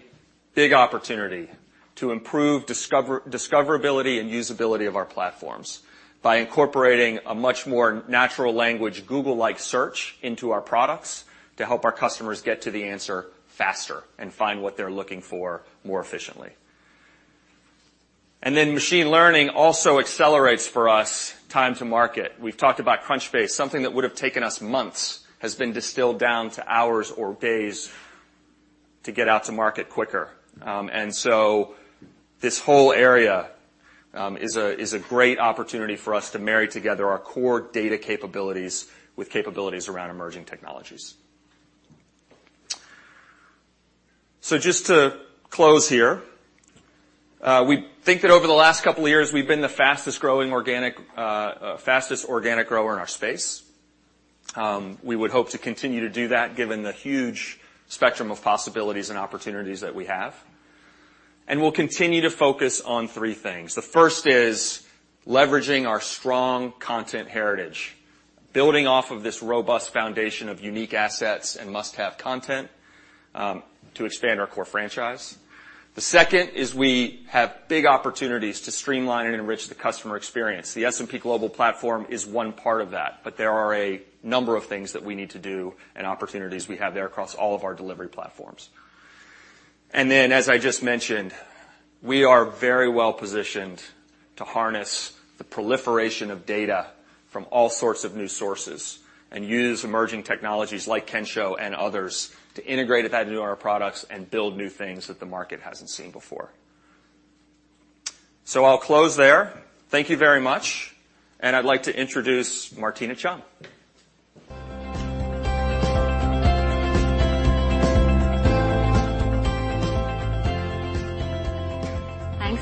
big opportunity to improve discover, discoverability and usability of our platforms by incorporating a much more natural language, Google-like search into our products to help our customers get to the answer faster and find what they're looking for more efficiently. Machine learning also accelerates for us time to market. We've talked about Crunchbase. Something that would've taken us months has been distilled down to hours or days to get out to market quicker. This whole area is a great opportunity for us to marry together our core data capabilities with capabilities around emerging technologies. Just to close here, we think that over the last couple of years we've been the fastest growing organic, fastest organic grower in our space. We would hope to continue to do that given the huge spectrum of possibilities and opportunities that we have, and we'll continue to focus on three things. The first is leveraging our strong content heritage, building off of this robust foundation of unique assets and must-have content, to expand our core franchise. The second is we have big opportunities to streamline and enrich the customer experience. The S&P Global Platform is one part of that, but there are a number of things that we need to do and opportunities we have there across all of our delivery platforms. As I just mentioned, we are very well positioned to harness the proliferation of data from all sorts of new sources, and use emerging technologies like Kensho and others to integrate that into our products and build new things that the market hasn't seen before. I'll close there. Thank you very much, and I'd like to introduce Martina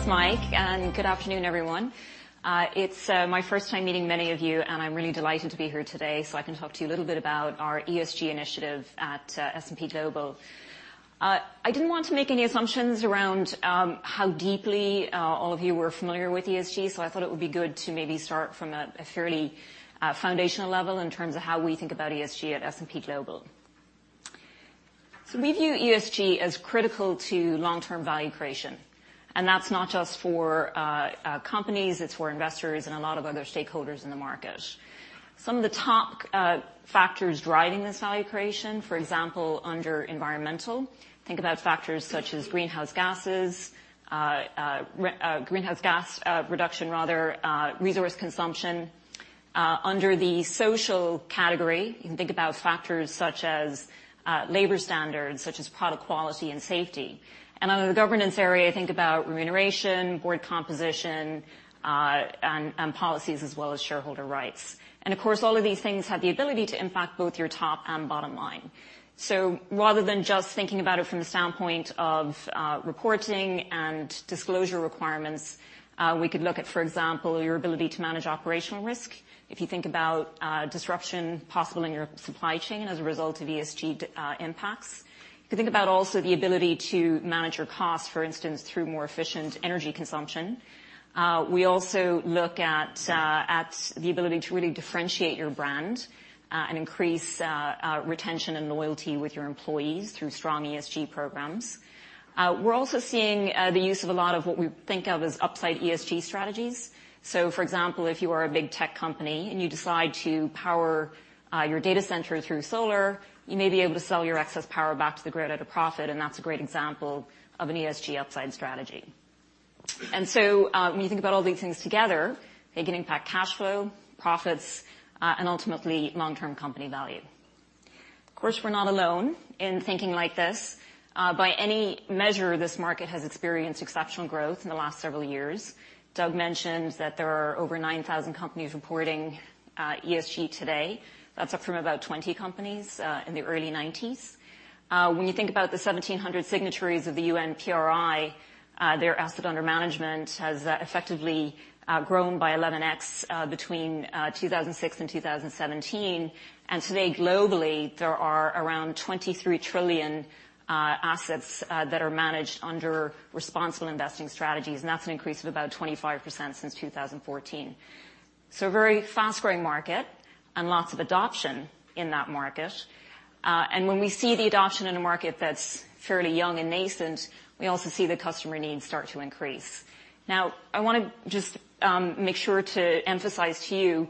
Cheung. Thanks, Mike. Good afternoon, everyone. It's my first time meeting many of you, and I'm really delighted to be here today so I can talk to you a little bit about our ESG initiative at S&P Global. I didn't want to make any assumptions around how deeply all of you were familiar with ESG, so I thought it would be good to maybe start from a fairly foundational level in terms of how we think about ESG at S&P Global. We view ESG as critical to long-term value creation, and that's not just for companies, it's for investors and a lot of other stakeholders in the market. Some of the top factors driving this value creation, for example, under environmental, think about factors such as greenhouse gas reduction rather, resource consumption. Under the social category, you can think about factors such as labor standards, such as product quality and safety. Under the governance area, think about remuneration, board composition, and policies as well as shareholder rights. Of course, all of these things have the ability to impact both your top and bottom line. Rather than just thinking about it from the standpoint of reporting and disclosure requirements, we could look at, for example, your ability to manage operational risk. If you think about disruption possible in your supply chain as a result of ESG impacts. You could think about also the ability to manage your costs, for instance, through more efficient energy consumption. We also look at the ability to really differentiate your brand and increase retention and loyalty with your employees through strong ESG programs. We're also seeing the use of a lot of what we think of as upside ESG strategies. For example, if you are a big tech company and you decide to power your data center through solar, you may be able to sell your excess power back to the grid at a profit, and that's a great example of an ESG upside strategy. When you think about all these things together, they can impact cash flow, profits, and ultimately long-term company value. Of course, we're not alone in thinking like this. By any measure, this market has experienced exceptional growth in the last several years. Doug mentioned that there are over 9,000 companies reporting ESG today. That's up from about 20 companies in the early 1990s. When you think about the 1,700 signatories of the UNPRI, their asset under management has effectively grown by 11x between 2006 and 2017. Today, globally, there are around $23 trillion assets that are managed under responsible investing strategies, and that's an increase of about 25% since 2014. Very fast-growing market and lots of adoption in that market. When we see the adoption in a market that's fairly young and nascent, we also see the customer needs start to increase. I wanna just make sure to emphasize to you,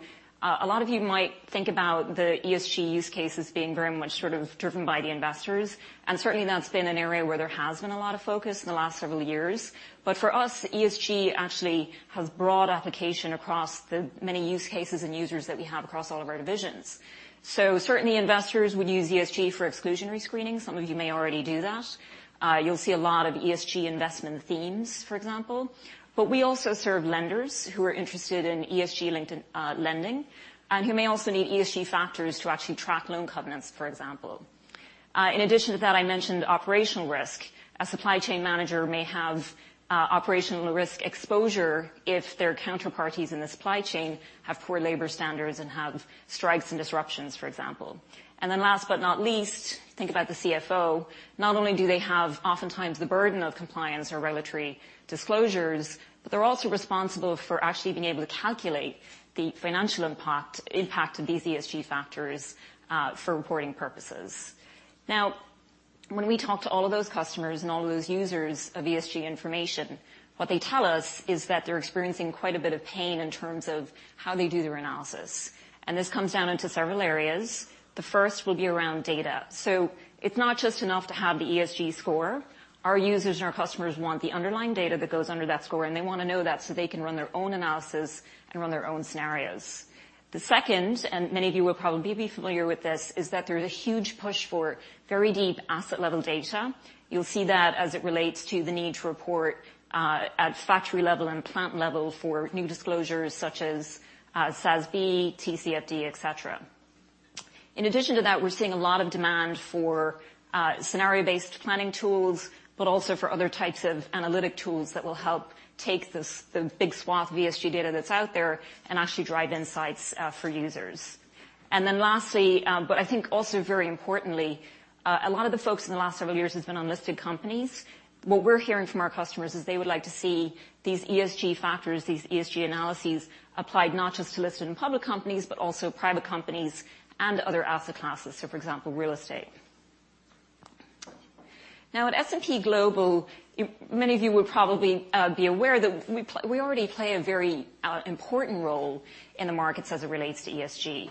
a lot of you might think about the ESG use cases being very much sort of driven by the investors, and certainly, that's been an area where there has been a lot of focus in the last several years. For us, ESG actually has broad application across the many use cases and users that we have across all of our divisions. Certainly investors would use ESG for exclusionary screening. Some of you may already do that. You'll see a lot of ESG investment themes, for example. We also serve lenders who are interested in ESG-linked lending and who may also need ESG factors to actually track loan covenants, for example. In addition to that, I mentioned operational risk. A supply chain manager may have operational risk exposure if their counterparties in the supply chain have poor labor standards and have strikes and disruptions, for example. Last but not least, think about the CFO. Not only do they have oftentimes the burden of compliance or regulatory disclosures, but they're also responsible for actually being able to calculate the financial impact of these ESG factors for reporting purposes. When we talk to all of those customers and all of those users of ESG information, what they tell us is that they're experiencing quite a bit of pain in terms of how they do their analysis, and this comes down into several areas. The first will be around data. It's not just enough to have the ESG score. Our users and our customers want the underlying data that goes under that score, and they wanna know that so they can run their own analysis and run their own scenarios. The second, and many of you will probably be familiar with this, is that there's a huge push for very deep asset-level data. You'll see that as it relates to the need to report at factory level and plant level for new disclosures such as SASB, TCFD, et cetera. In addition to that, we're seeing a lot of demand for scenario-based planning tools, but also for other types of analytic tools that will help take this, the big swath of ESG data that's out there and actually drive insights for users. Lastly, but I think also very importantly, a lot of the folks in the last several years has been unlisted companies. What we're hearing from our customers is they would like to see these ESG factors, these ESG analyses applied not just to listed and public companies, but also private companies and other asset classes, so, for example, real estate. At S&P Global, many of you will probably be aware that we already play a very important role in the markets as it relates to ESG.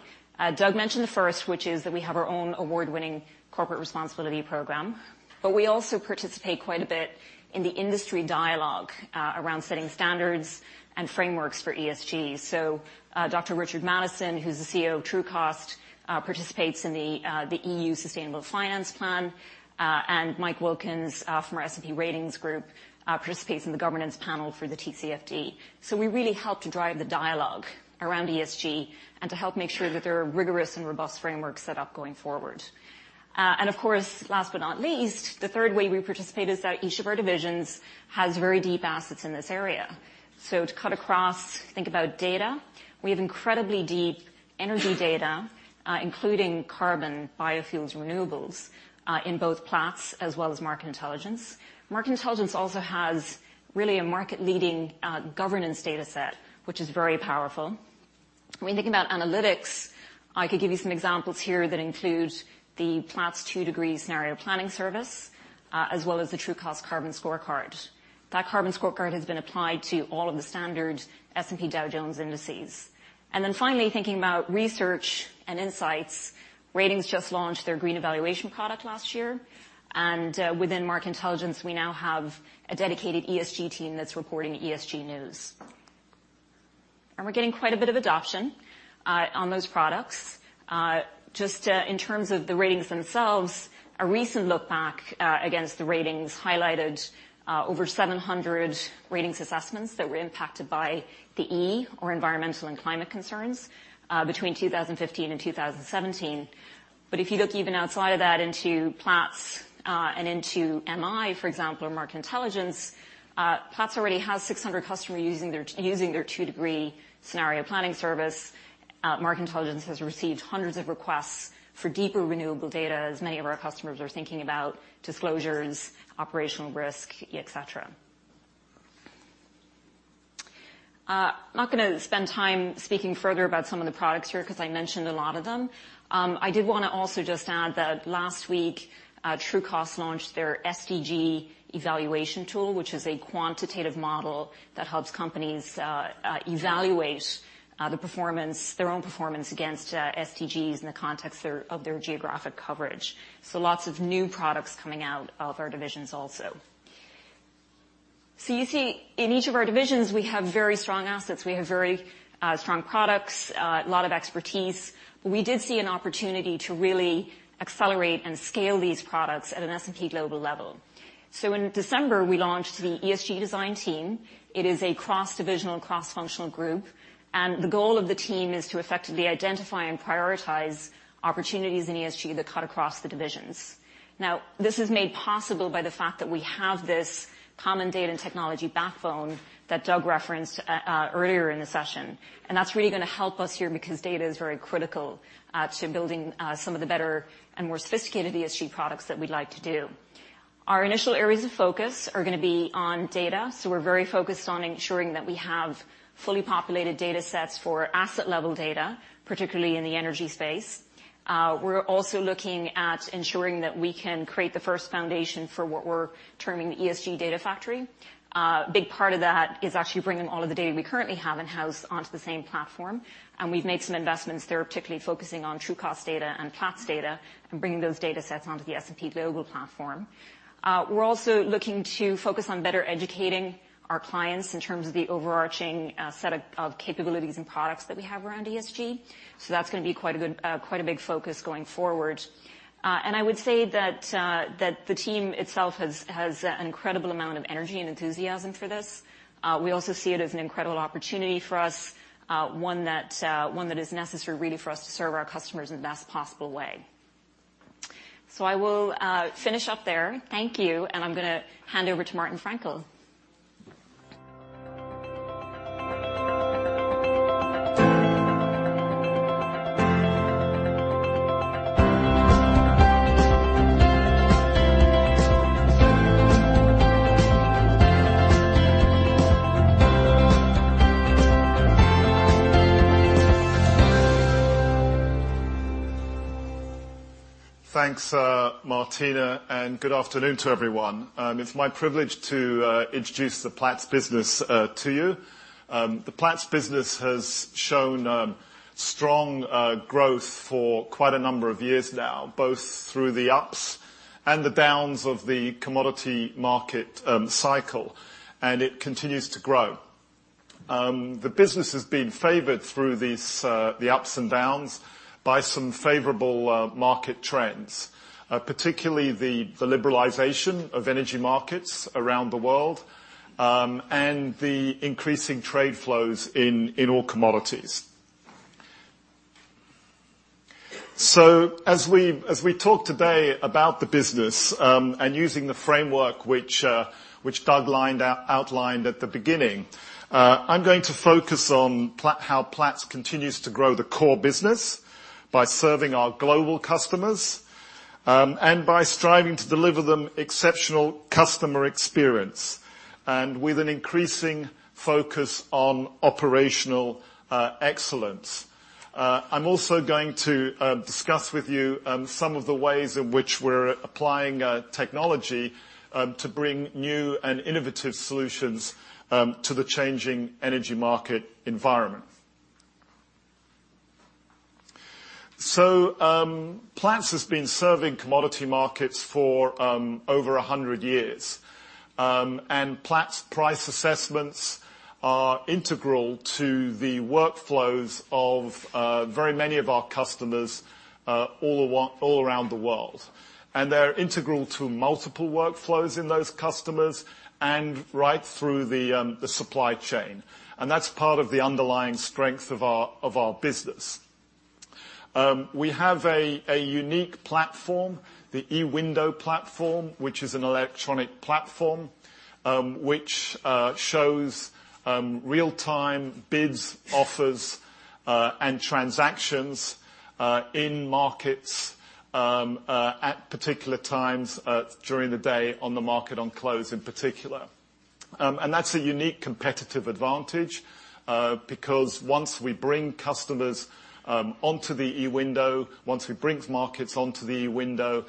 Doug mentioned the 1st, which is that we have our own award-winning corporate responsibility program, but we also participate quite a bit in the industry dialogue around setting standards and frameworks for ESG. Dr. Richard Mattison, who's the CEO of Trucost, participates in the EU Sustainable Finance Plan, and Michael Wilkins from our S&P Global Ratings group participates in the governance panel for the TCFD. We really help to drive the dialogue around ESG and to help make sure that there are rigorous and robust frameworks set up going forward. Of course, last but not least, the third way we participate is that each of our divisions has very deep assets in this area. To cut across, think about data. We have incredibly deep energy data, including carbon, biofuels, renewables, in both Platts as well as Market Intelligence. Market Intelligence also has really a market-leading governance dataset, which is very powerful. When you think about analytics, I could give you some examples here that include the Platts Scenario Planning Service, as well as the Trucost Carbon Scorecard. That Carbon Scorecard has been applied to all of the standard S&P Dow Jones Indices. Finally, thinking about research and insights, Ratings just launched their Green Evaluation product last year, within Market Intelligence, we now have a dedicated ESG team that's reporting ESG news. We're getting quite a bit of adoption on those products. Just in terms of the ratings themselves, a recent look back against the ratings highlighted over 700 ratings assessments that were impacted by the E or environmental and climate concerns between 2015 and 2017. If you look even outside of that into Platts and into MI, for example, or Market Intelligence, Platts already has 600 customers using their Two-Degree Scenario Planning Service. Market Intelligence has received hundreds of requests for deeper renewable data, as many of our customers are thinking about disclosures, operational risk, et cetera. I'm not gonna spend time speaking further about some of the products here 'cause I mentioned a lot of them. I did wanna also just add that last week, Trucost launched their SDG Evaluation Tool, which is a quantitative model that helps companies evaluate the performance, their own performance against SDGs in the context of their geographic coverage. Lots of new products coming out of our divisions also. You see, in each of our divisions, we have very strong assets. We have very strong products, lot of expertise. We did see an opportunity to really accelerate and scale these products at an S&P Global level. In December, we launched the ESG design team. It is a cross-divisional, cross-functional group, and the goal of the team is to effectively identify and prioritize opportunities in ESG that cut across the divisions. This is made possible by the fact that we have this common data and technology backbone that Doug referenced earlier in the session, and that's really gonna help us here because data is very critical to building some of the better and more sophisticated ESG products that we'd like to do. Our initial areas of focus are gonna be on data, so we're very focused on ensuring that we have fully populated datasets for asset-level data, particularly in the energy space. We're also looking at ensuring that we can create the first foundation for what we're terming the ESG Data Factory. Big part of that is actually bringing all of the data we currently have in-house onto the same platform, and we've made some investments there, particularly focusing on Trucost data and Platts data and bringing those datasets onto the S&P Global Platform. We're also looking to focus on better educating our clients in terms of the overarching set of capabilities and products that we have around ESG. That's gonna be quite a big focus going forward. And I would say that the team itself has an incredible amount of energy and enthusiasm for this. We also see it as an incredible opportunity for us, one that, one that is necessary really for us to serve our customers in the best possible way. I will finish up there. Thank you, and I'm gonna hand over to Martin Fraenkel. Thanks, Martina, good afternoon to everyone. It's my privilege to introduce the Platts business to you. The Platts business has shown strong growth for quite a number of years now, both through the ups and the downs of the commodity market cycle, it continues to grow. The business has been favored through these the ups and downs by some favorable market trends, particularly the liberalization of energy markets around the world, the increasing trade flows in all commodities. As we, as we talk today about the business, and using the framework which Doug outlined at the beginning, I'm going to focus on how Platts continues to grow the core business by serving our global customers, and by striving to deliver them exceptional customer experience and with an increasing focus on operational excellence. I'm also going to discuss with you some of the ways in which we're applying technology to bring new and innovative solutions to the changing energy market environment. Platts has been serving commodity markets for over 100 years. Platts price assessments are integral to the workflows of very many of our customers all around the world, and they're integral to multiple workflows in those customers and right through the supply chain, and that's part of the underlying strength of our business. We have a unique platform, the eWindow platform, which is an electronic platform, which shows real-time bids, offers, and transactions in markets at particular times during the day on the market on close in particular. That's a unique competitive advantage because once we bring customers onto the eWindow, once we bring markets onto the eWindow,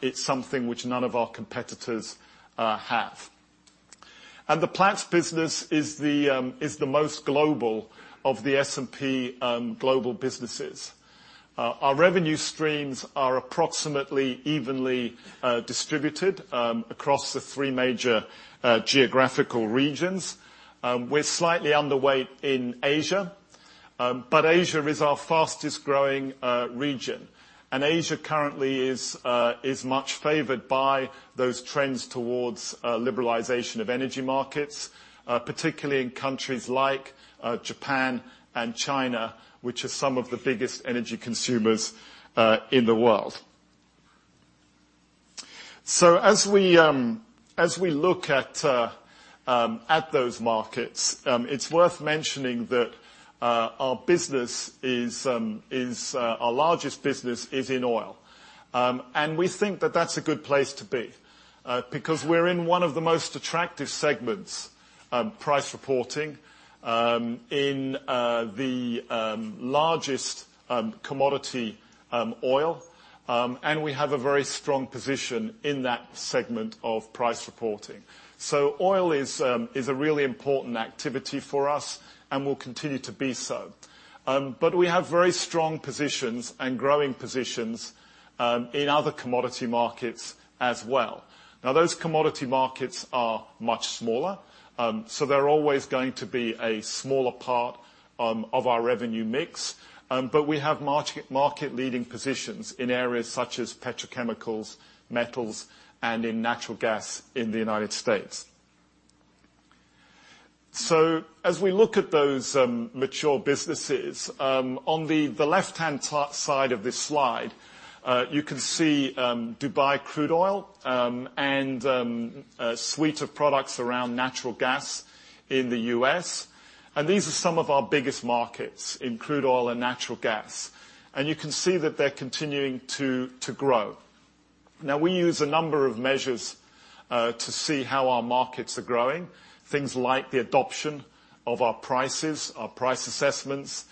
it's something which none of our competitors have. The Platts business is the most global of the S&P Global businesses. Our revenue streams are approximately evenly distributed across the three major geographical regions. We're slightly underweight in Asia is our fastest growing region. Asia currently is much favored by those trends towards liberalization of energy markets, particularly in countries like Japan and China, which are some of the biggest energy consumers in the world. As we look at those markets, it's worth mentioning that our business is our largest business is in oil. We think that that's a good place to be because we're in one of the most attractive segments, price reporting, in the largest commodity, oil, and we have a very strong position in that segment of price reporting. Oil is a really important activity for us and will continue to be so. We have very strong positions and growing positions in other commodity markets as well. Those commodity markets are much smaller, they're always going to be a smaller part of our revenue mix, we have market-leading positions in areas such as petrochemicals, metals, and in natural gas in the U.S. As we look at those mature businesses on the left-hand side of this slide, you can see Dubai crude oil and a suite of products around natural gas in the U.S. These are some of our biggest markets in crude oil and natural gas. You can see that they're continuing to grow. We use a number of measures to see how our markets are growing, things like the adoption of our prices, our price assessments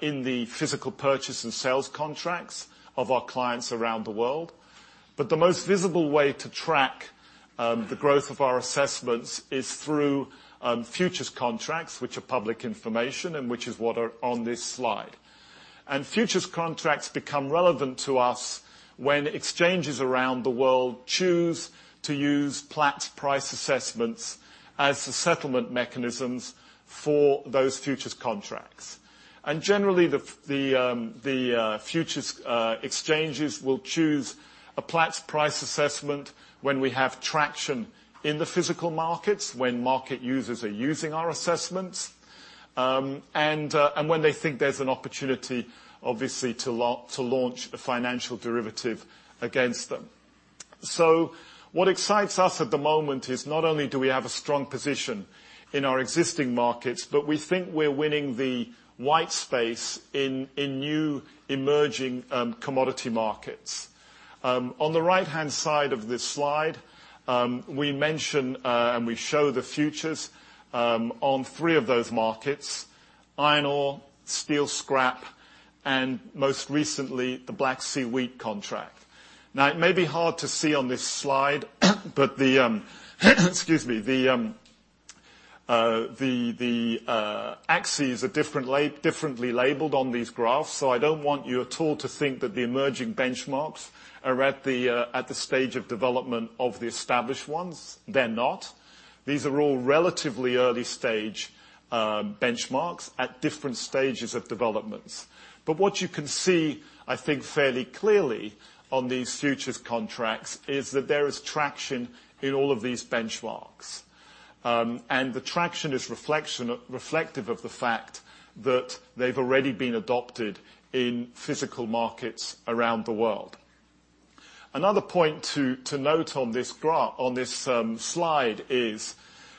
in the physical purchase and sales contracts of our clients around the world. The most visible way to track the growth of our assessments is through futures contracts, which are public information and which is what are on this slide. Futures contracts become relevant to us when exchanges around the world choose to use Platts price assessments as the settlement mechanisms for those futures contracts. Generally, the futures exchanges will choose a Platts price assessment when we have traction in the physical markets, when market users are using our assessments, and when they think there's an opportunity, obviously, to launch a financial derivative against them. What excites us at the moment is not only do we have a strong position in our existing markets, but we think we're winning the white space in new emerging commodity markets. On the right-hand side of this slide, we mention and we show the futures on three of those markets: iron ore, steel scrap, and most recently, the Black Sea wheat contract. It may be hard to see on this slide, but the, excuse me, the axes are differently labeled on these graphs, so I don't want you at all to think that the emerging benchmarks are at the stage of development of the established ones. They're not. These are all relatively early stage benchmarks at different stages of developments. What you can see, I think, fairly clearly on these futures contracts is that there is traction in all of these benchmarks. The traction is reflective of the fact that they've already been adopted in physical markets around the world. Another point to note on this slide is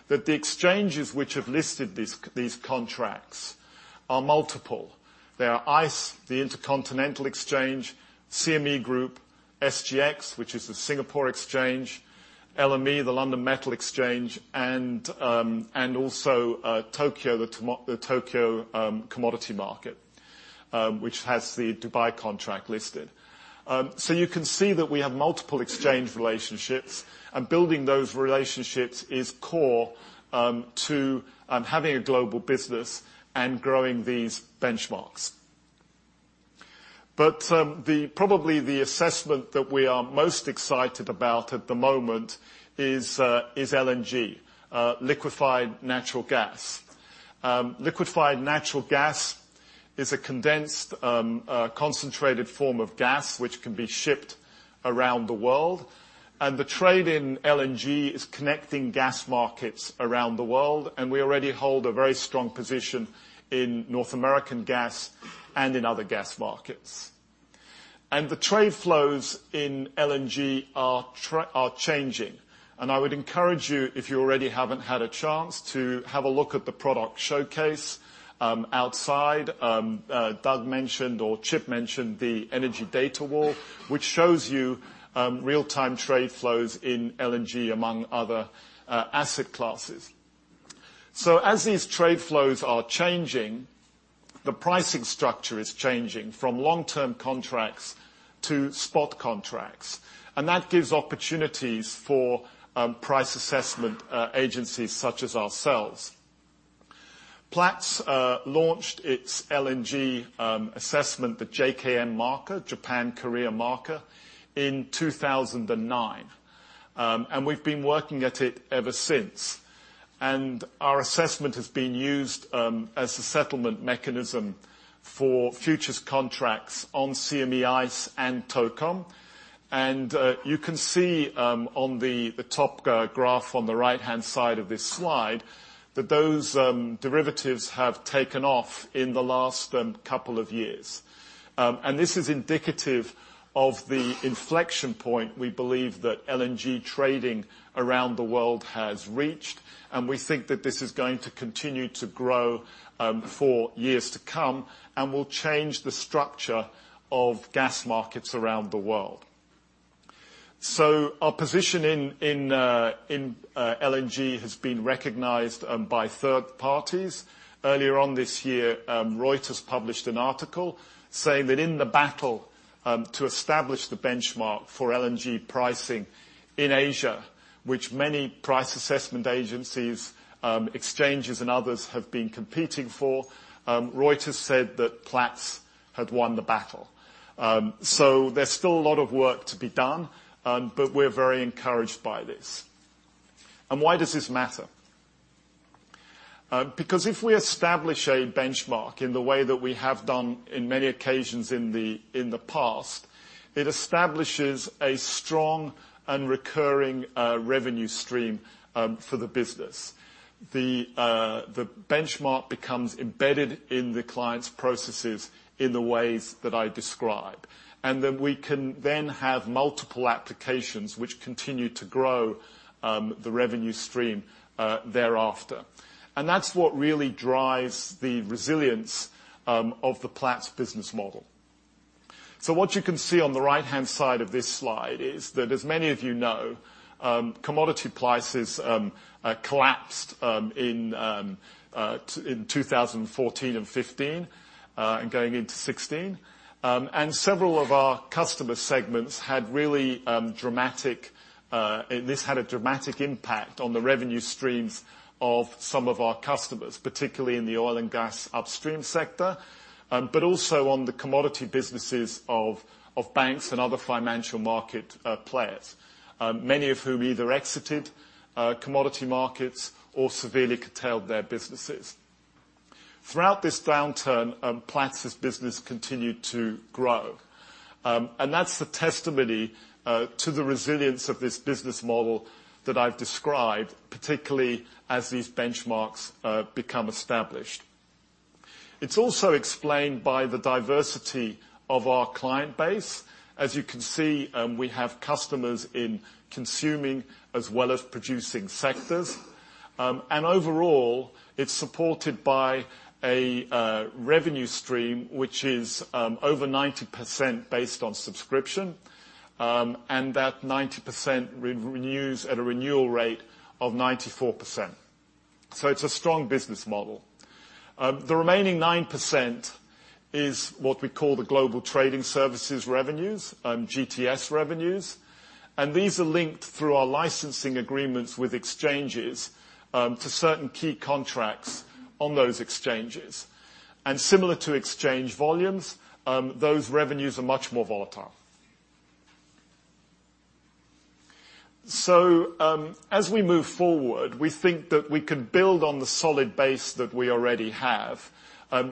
that the exchanges which have listed these contracts are multiple. They are ICE, the Intercontinental Exchange, CME Group, SGX, which is the Singapore Exchange, LME, the London Metal Exchange, and also Tokyo, the Tokyo Commodity Market, which has the Dubai contract listed. You can see that we have multiple exchange relationships, and building those relationships is core to having a global business and growing these benchmarks. The probably the assessment that we are most excited about at the moment is LNG, liquefied natural gas. Liquefied natural gas is a condensed, concentrated form of gas which can be shipped around the world, and the trade in LNG is connecting gas markets around the world, and we already hold a very strong position in North American gas and in other gas markets. The trade flows in LNG are changing, and I would encourage you, if you already haven't had a chance, to have a look at the product showcase outside. Doug mentioned or Chip mentioned the energy data wall, which shows you real-time trade flows in LNG, among other asset classes. As these trade flows are changing, the pricing structure is changing from long-term contracts to spot contracts, and that gives opportunities for price assessment agencies such as ourselves. Platts launched its LNG assessment, the JKM marker, Japan-Korea marker, in 2009. We've been working at it ever since. Our assessment has been used as a settlement mechanism for futures contracts on CME, ICE, and TOCOM. You can see on the top graph on the right-hand side of this slide that those derivatives have taken off in the last two years. This is indicative of the inflection point we believe that LNG trading around the world has reached, and we think that this is going to continue to grow for years to come and will change the structure of gas markets around the world. Our position in LNG has been recognized by third parties. Earlier on this year, Reuters published an article saying that in the battle to establish the benchmark for LNG pricing in Asia, which many price assessment agencies, exchanges and others have been competing for, Reuters said that Platts had won the battle. There's still a lot of work to be done, but we're very encouraged by this. Why does this matter? Because if we establish a benchmark in the way that we have done in many occasions in the past, it establishes a strong and recurring revenue stream for the business. The benchmark becomes embedded in the client's processes in the ways that I describe. Then we can then have multiple applications which continue to grow the revenue stream thereafter. That's what really drives the resilience of the Platts business model. What you can see on the right-hand side of this slide is that as many of you know, commodity prices collapsed in 2014 and 2015 and going into 2016. Several of our customer segments had really And this had a dramatic impact on the revenue streams of some of our customers, particularly in the oil and gas upstream sector, but also on the commodity businesses of banks and other financial market players, many of whom either exited commodity markets or severely curtailed their businesses. Throughout this downturn, Platts' business continued to grow. And that's the testimony to the resilience of this business model that I've described, particularly as these benchmarks become established. It's also explained by the diversity of our client base. As you can see, we have customers in consuming as well as producing sectors. And overall, it's supported by a revenue stream, which is over 90% based on subscription. That 90% renews at a renewal rate of 94%. It's a strong business model. The remaining 9% is what we call the Global Trading Services revenues, GTS revenues, and these are linked through our licensing agreements with exchanges, to certain key contracts on those exchanges. Similar to exchange volumes, those revenues are much more volatile. As we move forward, we think that we can build on the solid base that we already have,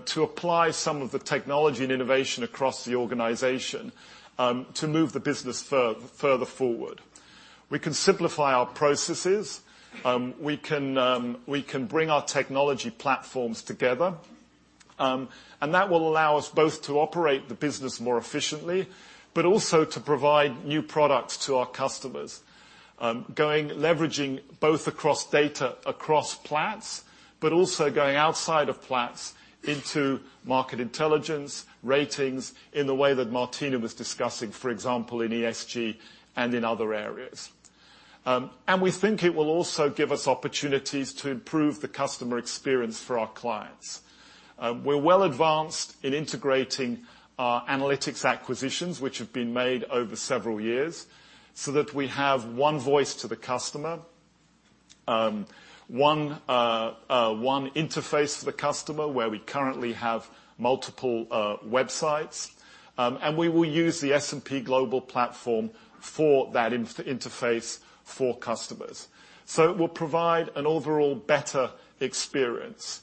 to apply some of the technology and innovation across the organization, to move the business further forward. We can simplify our processes. We can, we can bring our technology platforms together. That will allow us both to operate the business more efficiently, but also to provide new products to our customers, leveraging both across data across Platts, but also going outside of Platts into Market Intelligence, Ratings, in the way that Martina was discussing, for example, in ESG and in other areas. We think it will also give us opportunities to improve the customer experience for our clients. We're well advanced in integrating our analytics acquisitions, which have been made over several years, so that we have one voice to the customer, one interface for the customer, where we currently have multiple websites. We will use the S&P Global Platform for that interface for customers. It will provide an overall better experience.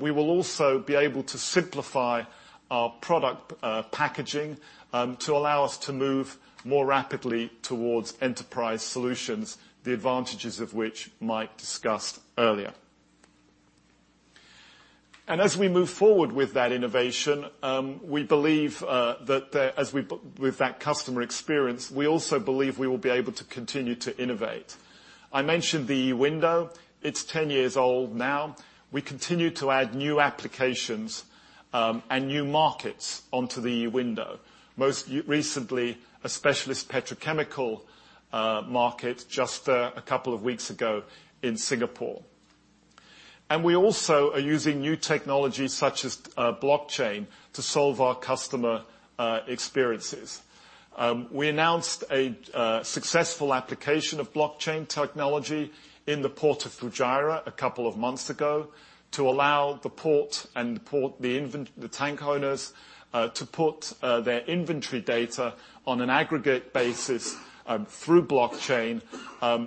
We will also be able to simplify our product packaging to allow us to move more rapidly towards enterprise solutions, the advantages of which Mike discussed earlier. As we move forward with that innovation, we believe with that customer experience, we also believe we will be able to continue to innovate. I mentioned the eWindow. It's 10 years old now. We continue to add new applications and new markets onto the eWindow. Most recently a specialist petrochemical market just a couple of weeks ago in Singapore. We also are using new technologies such as blockchain to solve our customer experiences. We announced a successful application of blockchain technology in the Port of Fujairah a couple of months ago to allow the port and the tank owners to put their inventory data on an aggregate basis through blockchain,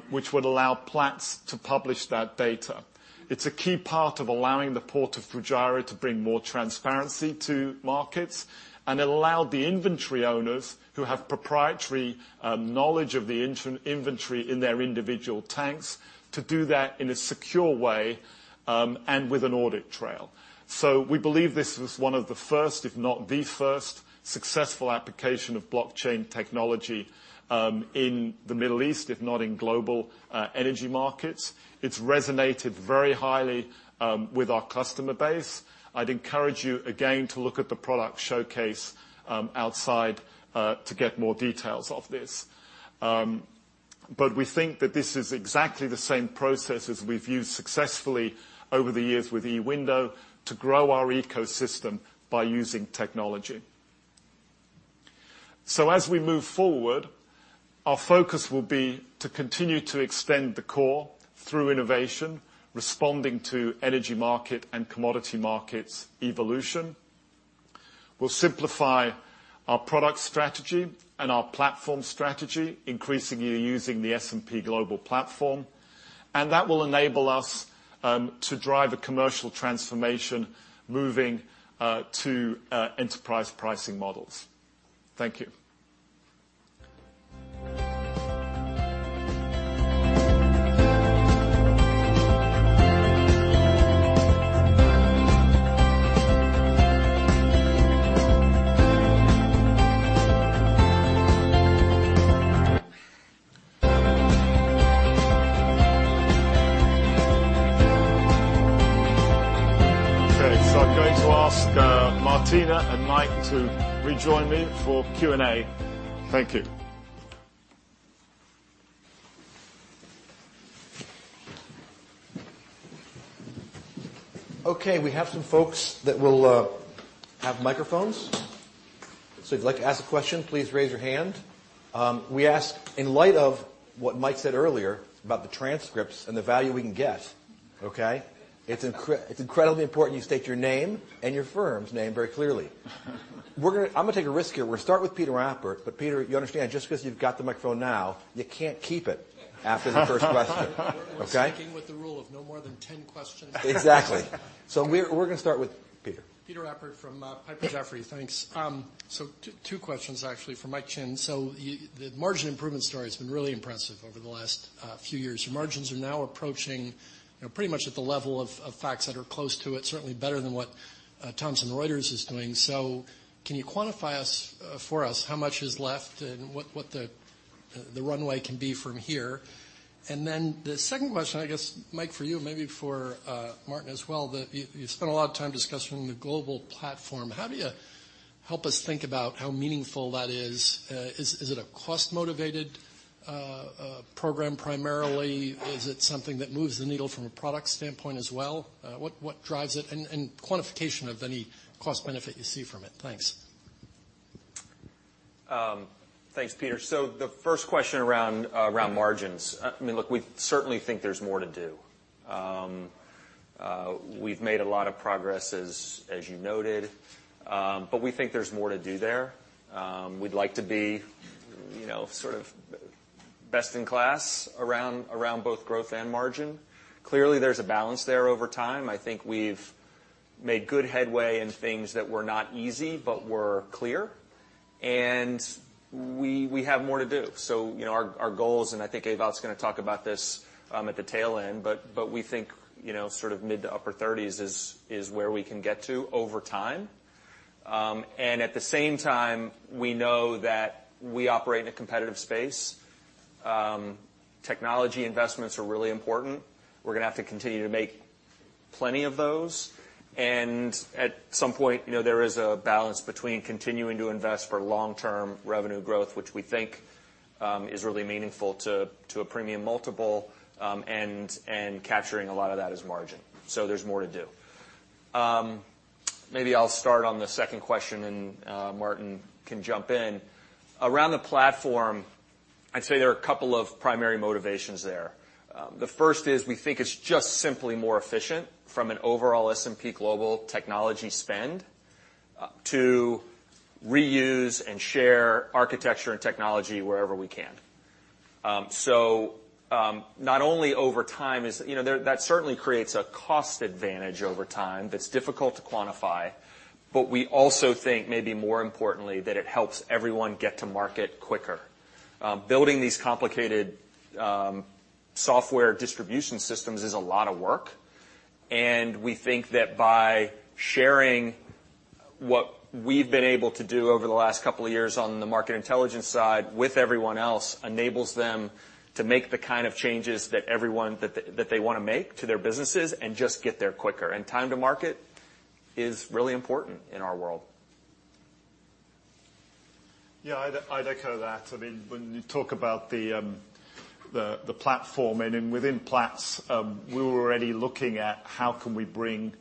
which would allow Platts to publish that data. It's a key part of allowing the Port of Fujairah to bring more transparency to markets, and it allowed the inventory owners who have proprietary knowledge of the inventory in their individual tanks to do that in a secure way and with an audit trail. We believe this is one of the first, if not the first, successful application of blockchain technology in the Middle East, if not in global energy markets. It's resonated very highly with our customer base. I'd encourage you again to look at the product showcase outside to get more details of this. We think that this is exactly the same process as we've used successfully over the years with eWindow to grow our ecosystem by using technology. As we move forward, our focus will be to continue to extend the core through innovation, responding to energy market and commodity markets evolution. We'll simplify our product strategy and our platform strategy, increasingly using the S&P Global platform. That will enable us to drive a commercial transformation, moving to enterprise pricing models. Thank you. Okay. I'm going to ask Martina and Mike to rejoin me for Q&A. Thank you. Okay. We have some folks that will have microphones. If you'd like to ask a question, please raise your hand. We ask, in light of what Mike said earlier about the transcripts and the value we can get, okay? It's incredibly important you state your name and your firm's name very clearly. I'm gonna take a risk here. We'll start with Peter Appert. Peter, you understand, just 'cause you've got the microphone now, you can't keep it after the first question, okay? We're sticking with the rule of no more than ten questions. Exactly. We're gonna start with Peter. Peter Appert from Piper Jaffray. Thanks. Two questions actually for Mike Chinn. You the margin improvement story has been really impressive over the last few years. Your margins are now approaching, you know, pretty much at the level of FactSet are close to it, certainly better than what Thomson Reuters is doing. Can you quantify us for us how much is left and what the runway can be from here? The second question, I guess, Mike, for you, maybe for Martin as well, you spent a lot of time discussing the S&P Global Platform. How do you help us think about how meaningful that is? Is it a cost-motivated program primarily? Is it something that moves the needle from a product standpoint as well? What drives it? Quantification of any cost benefit you see from it. Thanks. Thanks, Peter. The first question around margins. I mean, look, we certainly think there's more to do. We've made a lot of progress, as you noted, but we think there's more to do there. We'd like to be, you know, sort of best in class around both growth and margin. Clearly, there's a balance there over time. I think we've made good headway in things that were not easy, but were clear, and we have more to do. You know, our goals, and I think Ewout's gonna talk about this at the tail end, but we think, you know, sort of mid to upper thirties is where we can get to over time. At the same time, we know that we operate in a competitive space. Technology investments are really important. We're gonna have to continue to make plenty of those. At some point, you know, there is a balance between continuing to invest for long-term revenue growth, which we think is really meaningful to a premium multiple and capturing a lot of that as margin. There's more to do. Maybe I'll start on the second question, Martin can jump in. Around the S&P Global Platform, I'd say there are a couple of primary motivations there. The first is we think it's just simply more efficient from an overall S&P Global technology spend to reuse and share architecture and technology wherever we can. Not only over time that certainly creates a cost advantage over time that's difficult to quantify, but we also think maybe more importantly that it helps everyone get to market quicker. Building these complicated software distribution systems is a lot of work, and we think that by sharing what we've been able to do over the last couple of years on the market intelligence side with everyone else enables them to make the kind of changes that they wanna make to their businesses and just get there quicker. Time to market is really important in our world. Yeah, I'd echo that. I mean, when you talk about the platform and within Platts, we were already looking at how can we bring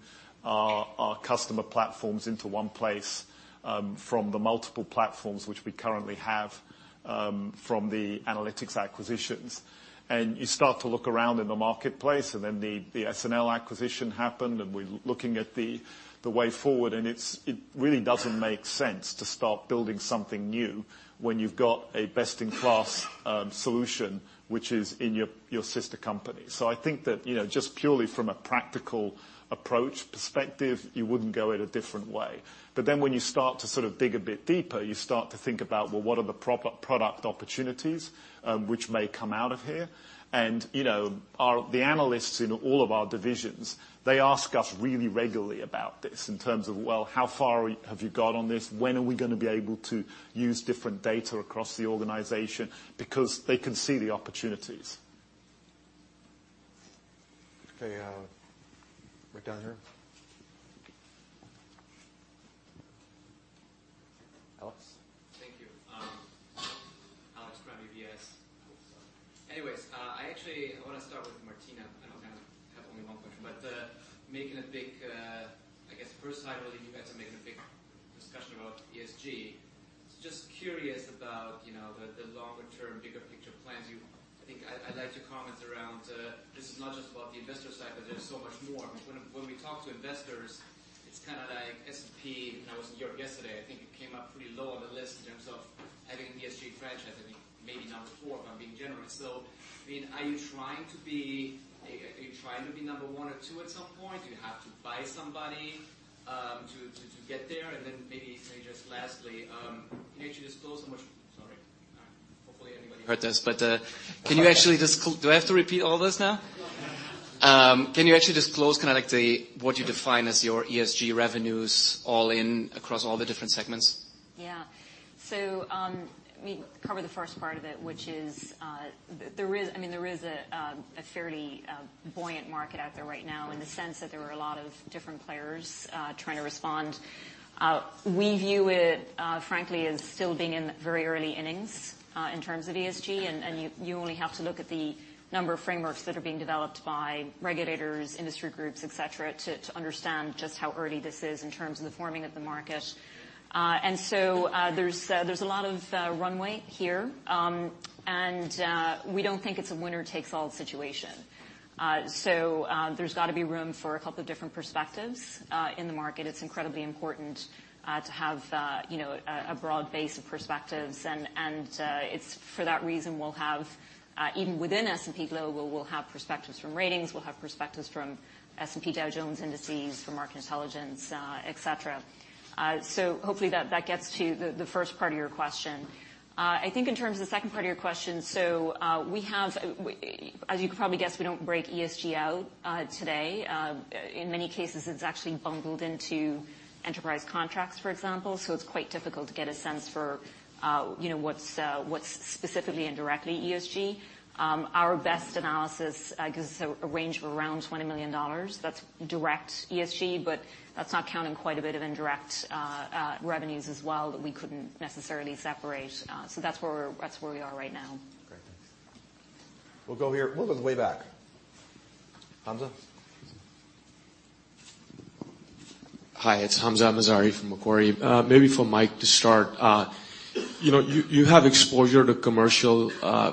our customer platforms into one place from the multiple platforms which we currently have from the analytics acquisitions. You start to look around in the marketplace, then the SNL acquisition happened, we're looking at the way forward, it really doesn't make sense to start building something new when you've got a best in class solution which is in your sister company. I think that, you know, just purely from a practical approach perspective, you wouldn't go at a different way. When you start to sort of dig a bit deeper, you start to think about, well, what are the product opportunities which may come out of here? You know, the analysts in all of our divisions, they ask us really regularly about this in terms of, "Well, how far have you got on this? When are we gonna be able to use different data across the organization?" Because they can see the opportunities. Okay, right down here. Alex? Thank you. Alex Kramm from UBS. Oops, sorry. I actually wanna start with Martina. I know I have only one question, but making a big I guess first time really you guys are making a big discussion about ESG. Just curious about, you know, the longer-term, bigger picture plans. I think I liked your comments around this is not just about the investor side, but there's so much more. When we talk to investors, it's kinda like S&P, you know, I was in New York yesterday, I think it came up pretty low on the list in terms of having an ESG franchise. I think maybe number four, if I'm being generous. I mean, are you trying to be number one or two at some point? Do you have to buy somebody to get there? Then maybe just lastly, Sorry. Hopefully everybody heard this, Do I have to repeat all this now? Can you actually disclose kinda like the, what you define as your ESG revenues all in across all the different segments? Yeah. Let me cover the first part of it, which is, there is I mean, there is a fairly, buoyant market out there right now in the sense that there are a lot of different players, trying to respond. We view it, frankly as still being in the very early innings, in terms of ESG. You only have to look at the number of frameworks that are being developed by regulators, industry groups, et cetera, to understand just how early this is in terms of the forming of the market. There's a lot of runway here. We don't think it's a winner-takes-all situation. There's gotta be room for a couple of different perspectives, in the market. It's incredibly important, you know, a broad base of perspectives. It's for that reason we'll have, even within S&P Global, we'll have perspectives from Ratings, we'll have perspectives from S&P Dow Jones Indices, from Market Intelligence, et cetera. Hopefully that gets to the first part of your question. I think in terms of the second part of your question, we have, as you can probably guess, we don't break ESG out today. In many cases, it's actually bundled into enterprise contracts, for example, so it's quite difficult to get a sense for, you know, what's specifically and directly ESG. Our best analysis gives a range of around $20 million. That's direct ESG, but that's not counting quite a bit of indirect revenues as well that we couldn't necessarily separate. That's where we are right now. Great. Thanks. We'll go here. We'll go to the way back. Hamzah. Hi, it's Hamzah Mazari from Macquarie. Maybe for Mike to start. You know, you have exposure to commercial,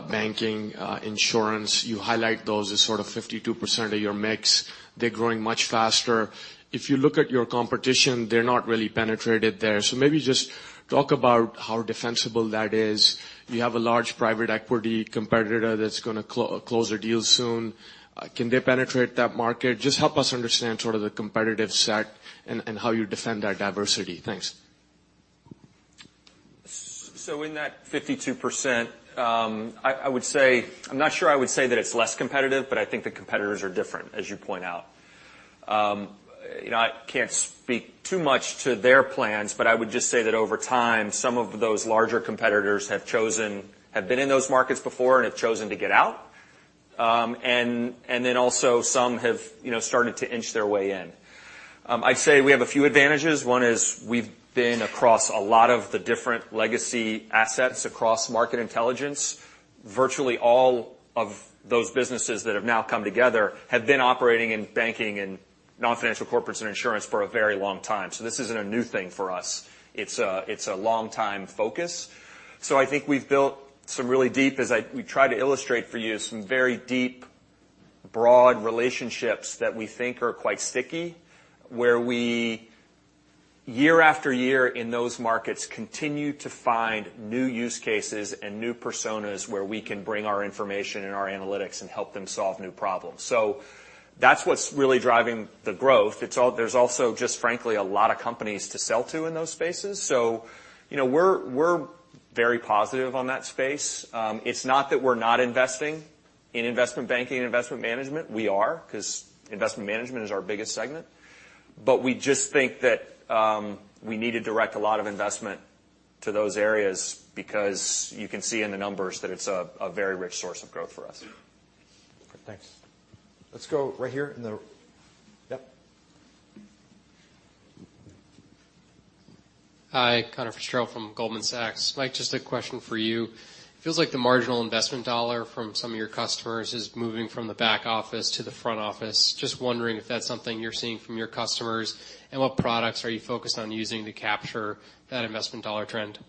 banking, insurance. You highlight those as sort of 52% of your mix. They're growing much faster. If you look at your competition, they're not really penetrated there. Maybe just talk about how defensible that is. You have a large private equity competitor that's gonna close a deal soon. Can they penetrate that market? Just help us understand sort of the competitive set and how you defend that diversity. Thanks. In that 52%, I would say I'm not sure I would say that it's less competitive, but I think the competitors are different, as you point out. You know, I can't speak too much to their plans, but I would just say that over time, some of those larger competitors have been in those markets before and have chosen to get out. And then also some have, you know, started to inch their way in. I'd say we have a few advantages. One is we've been across a lot of the different legacy assets across Market Intelligence. Virtually all of those businesses that have now come together have been operating in banking and non-financial corporates and insurance for a very long time. This isn't a new thing for us. It's a long time focus. I think we've built some really deep, as we tried to illustrate for you, some very deep, broad relationships that we think are quite sticky, where we, year after year in those markets, continue to find new use cases and new personas where we can bring our information and our analytics and help them solve new problems. That's what's really driving the growth. There's also just frankly, a lot of companies to sell to in those spaces. You know, we're very positive on that space. It's not that we're not investing in investment banking and investment management. We are, 'cause investment management is our biggest segment. We just think that we need to direct a lot of investment to those areas because you can see in the numbers that it's a very rich source of growth for us. Great. Thanks. Let's go right here in the Yep. Hi. Conor Fitzgerald from Goldman Sachs. Mike, just a question for you. It feels like the marginal investment dollar from some of your customers is moving from the back office to the front office. Just wondering if that's something you're seeing from your customers, and what products are you focused on using to capture that investment dollar trend?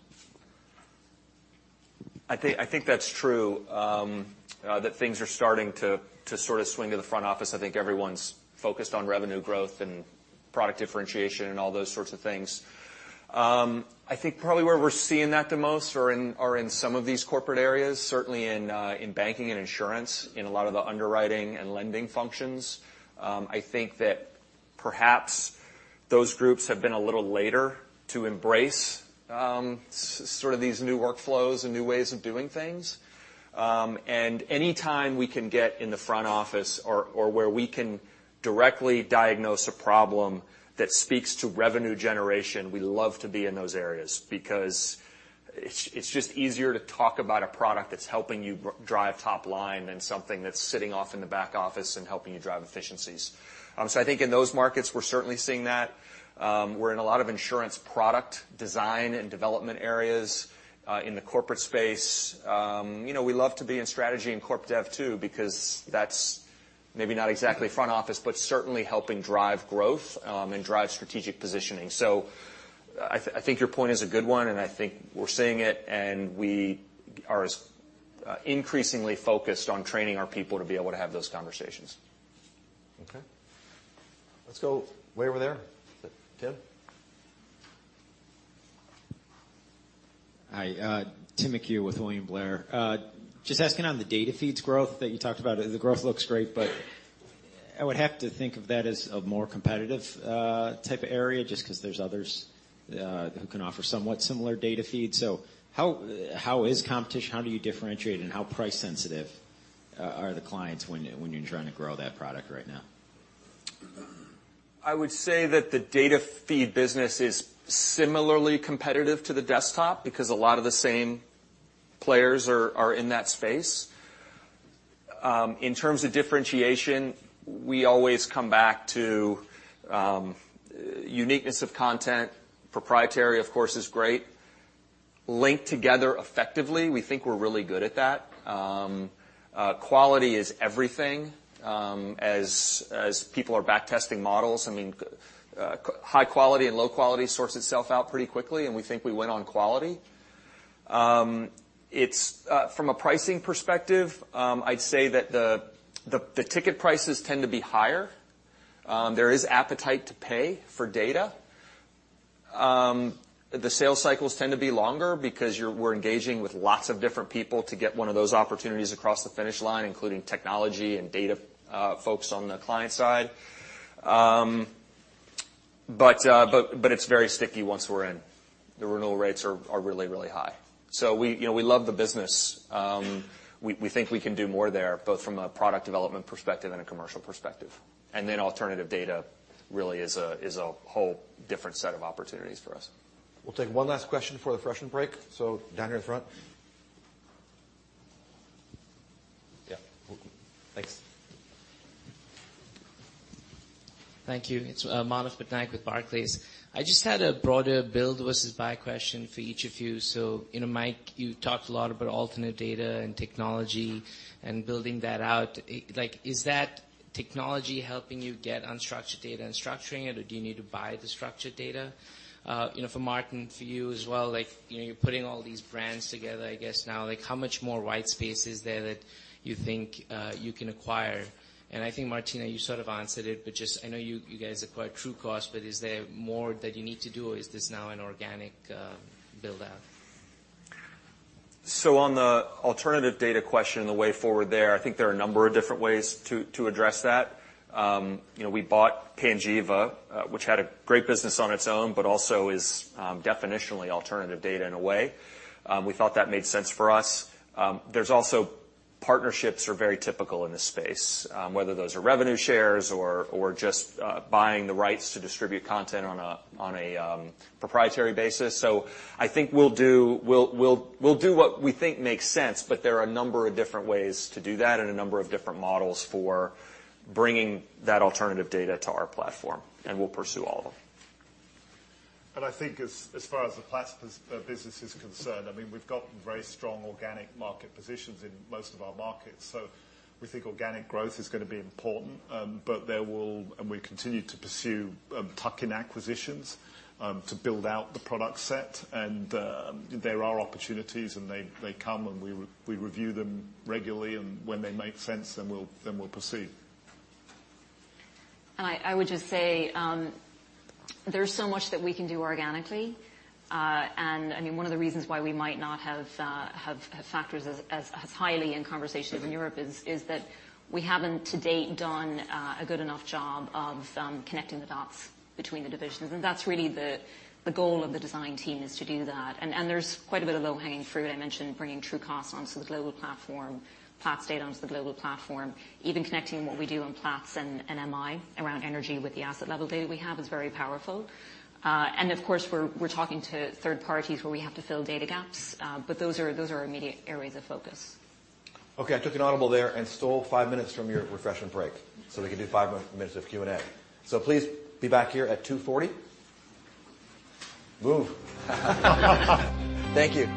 I think that's true that things are starting to sort of swing to the front office. I think everyone's focused on revenue growth and product differentiation and all those sorts of things. I think probably where we're seeing that the most are in some of these corporate areas, certainly in banking and insurance, in a lot of the underwriting and lending functions. I think that perhaps those groups have been a little later to embrace sort of these new workflows and new ways of doing things. Any time we can get in the front office or where we can directly diagnose a problem that speaks to revenue generation, we love to be in those areas because it's just easier to talk about a product that's helping you drive top line than something that's sitting off in the back office and helping you drive efficiencies. I think in those markets, we're certainly seeing that. We're in a lot of insurance product design and development areas in the corporate space. You know, we love to be in strategy and corp dev too, because maybe not exactly front office, but certainly helping drive growth and drive strategic positioning. I think your point is a good one, and I think we're seeing it, and we are as, increasingly focused on training our people to be able to have those conversations. Okay. Let's go way over there. Tim? Hi, Tim McHugh with William Blair. Just asking on the data feeds growth that you talked about. The growth looks great, but I would have to think of that as a more competitive type of area just 'cause there's others who can offer somewhat similar data feeds. How is competition? How do you differentiate and how price sensitive are the clients when you're trying to grow that product right now? I would say that the data feed business is similarly competitive to the desktop because a lot of the same players are in that space. In terms of differentiation, we always come back to uniqueness of content. Proprietary, of course, is great. Linked together effectively, we think we're really good at that. Quality is everything. As people are backtesting models, I mean, high quality and low quality sorts itself out pretty quickly, and we think we win on quality. It's from a pricing perspective, I'd say that the ticket prices tend to be higher. There is appetite to pay for data. The sales cycles tend to be longer because we're engaging with lots of different people to get one of those opportunities across the finish line, including technology and data folks on the client side. It's very sticky once we're in. The renewal rates are really high. We, you know, we love the business. We think we can do more there, both from a product development perspective and a commercial perspective. Alternative data really is a whole different set of opportunities for us. We'll take one last question before the refresh break. Down here in the front. Yeah. Thanks. Thank you. It's Manav Patnaik with Barclays. I just had a broader build versus buy question for each of you. You know, Mike, you talked a lot about alternate data and technology and building that out. Is that technology helping you get unstructured data and structuring it, or do you need to buy the structured data? You know, for Martin, for you as well, you know, you're putting all these brands together, I guess now. How much more white space is there that you think you can acquire? I think, Martina, you sort of answered it, but just I know you guys acquired Trucost, but is there more that you need to do, or is this now an organic build-out? On the alternative data question and the way forward there, I think there are a number of different ways to address that. You know, we bought Panjiva, which had a great business on its own, but also is definitionally alternative data in a way. We thought that made sense for us. There's also partnerships are very typical in this space, whether those are revenue shares or just buying the rights to distribute content on a proprietary basis. I think we'll do what we think makes sense, but there are a number of different ways to do that and a number of different models for bringing that alternative data to our platform, and we'll pursue all of them. I think as far as the Platts business is concerned, I mean, we've got very strong organic market positions in most of our markets. We think organic growth is gonna be important. We continue to pursue tuck-in acquisitions to build out the product set. There are opportunities, and they come and we review them regularly. When they make sense, then we'll proceed. I would just say, there's so much that we can do organically. I mean, one of the reasons why we might not have factors as highly in conversations in Europe is that we haven't to date done a good enough job of connecting the dots between the divisions. That's really the goal of the design team is to do that. There's quite a bit of low-hanging fruit. I mentioned bringing Trucost onto the S&P Global Platform, S&P Global Platts data onto the S&P Global Platform. Even connecting what we do on S&P Global Platts and S&P Global Market Intelligence around energy with the asset level data we have is very powerful. Of course, we're talking to third parties where we have to fill data gaps. Those are immediate areas of focus. I took an audible there and stole five minutes from your refreshment break, we can do five minutes of Q&A. Please be back here at 2:40. Move. Thank you.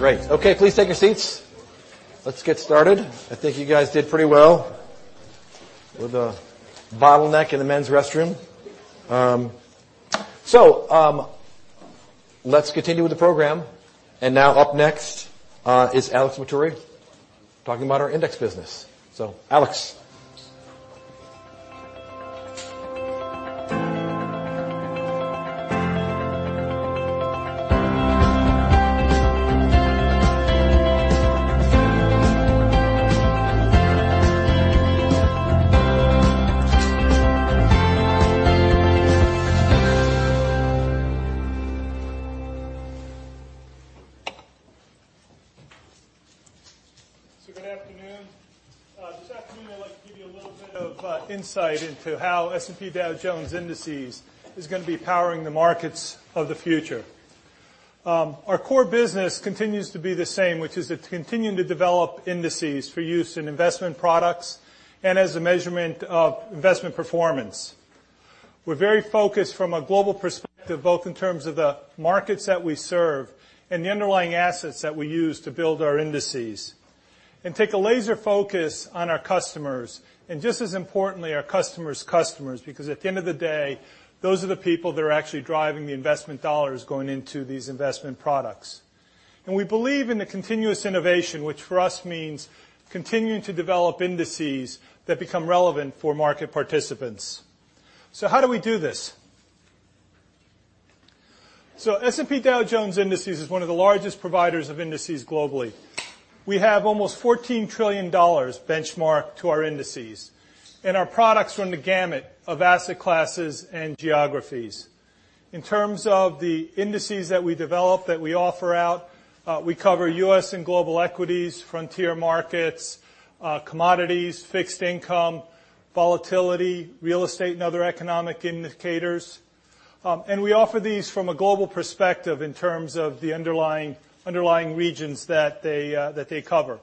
Can you hear me? Yes. Great. Please take your seats. Let's get started. I think you guys did pretty well with the bottleneck in the men's restroom. Let's continue with the program. Now up next is Alex Matturri talking about our index business. Alex. Good afternoon. This afternoon, I'd like to give you a little bit of insight into how S&P Dow Jones Indices is going to be powering the markets of the future. Our core business continues to be the same, which is to continue to develop indices for use in investment products and as a measurement of investment performance. We're very focused from a global perspective, both in terms of the markets that we serve and the underlying assets that we use to build our indices, and take a laser focus on our customers, and just as importantly, our customers' customers, because at the end of the day, those are the people that are actually driving the investment dollars going into these investment products. We believe in the continuous innovation, which for us means continuing to develop indices that become relevant for market participants. How do we do this? S&P Dow Jones Indices is one of the largest providers of indices globally. We have almost $14 trillion benchmarked to our indices and our products run the gamut of asset classes and geographies. In terms of the indices that we develop, that we offer out, we cover U.S. and global equities, frontier markets, commodities, fixed income, volatility, real estate and other economic indicators. And we offer these from a global perspective in terms of the underlying regions that they cover.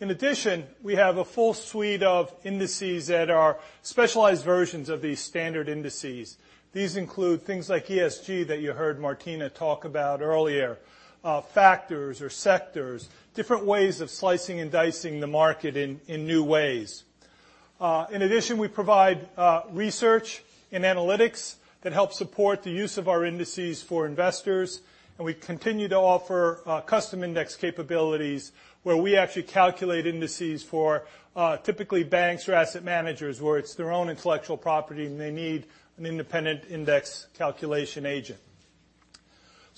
In addition, we have a full suite of indices that are specialized versions of these standard indices. These include things like ESG that you heard Martina talk about earlier, factors or sectors, different ways of slicing and dicing the market in new ways. In addition, we provide research and analytics that help support the use of our indices for investors, and we continue to offer custom index capabilities where we actually calculate indices for typically banks or asset managers, where it's their own intellectual property, and they need an independent index calculation agent.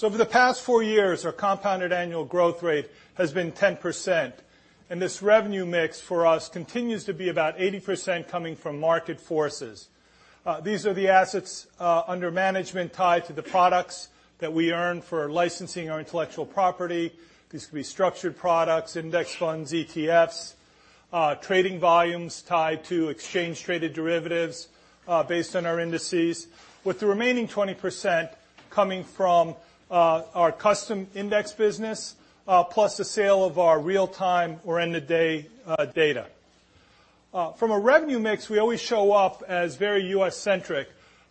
Over the past four years, our compounded annual growth rate has been 10%, and this revenue mix for us continues to be about 80% coming from market forces. These are the assets under management tied to the products that we earn for licensing our intellectual property. These could be structured products, index funds, ETFs, trading volumes tied to exchange traded derivatives based on our indices, with the remaining 20% coming from our custom index business, plus the sale of our real time or end-of-day data. From a revenue mix, we always show up as very U.S.-centric,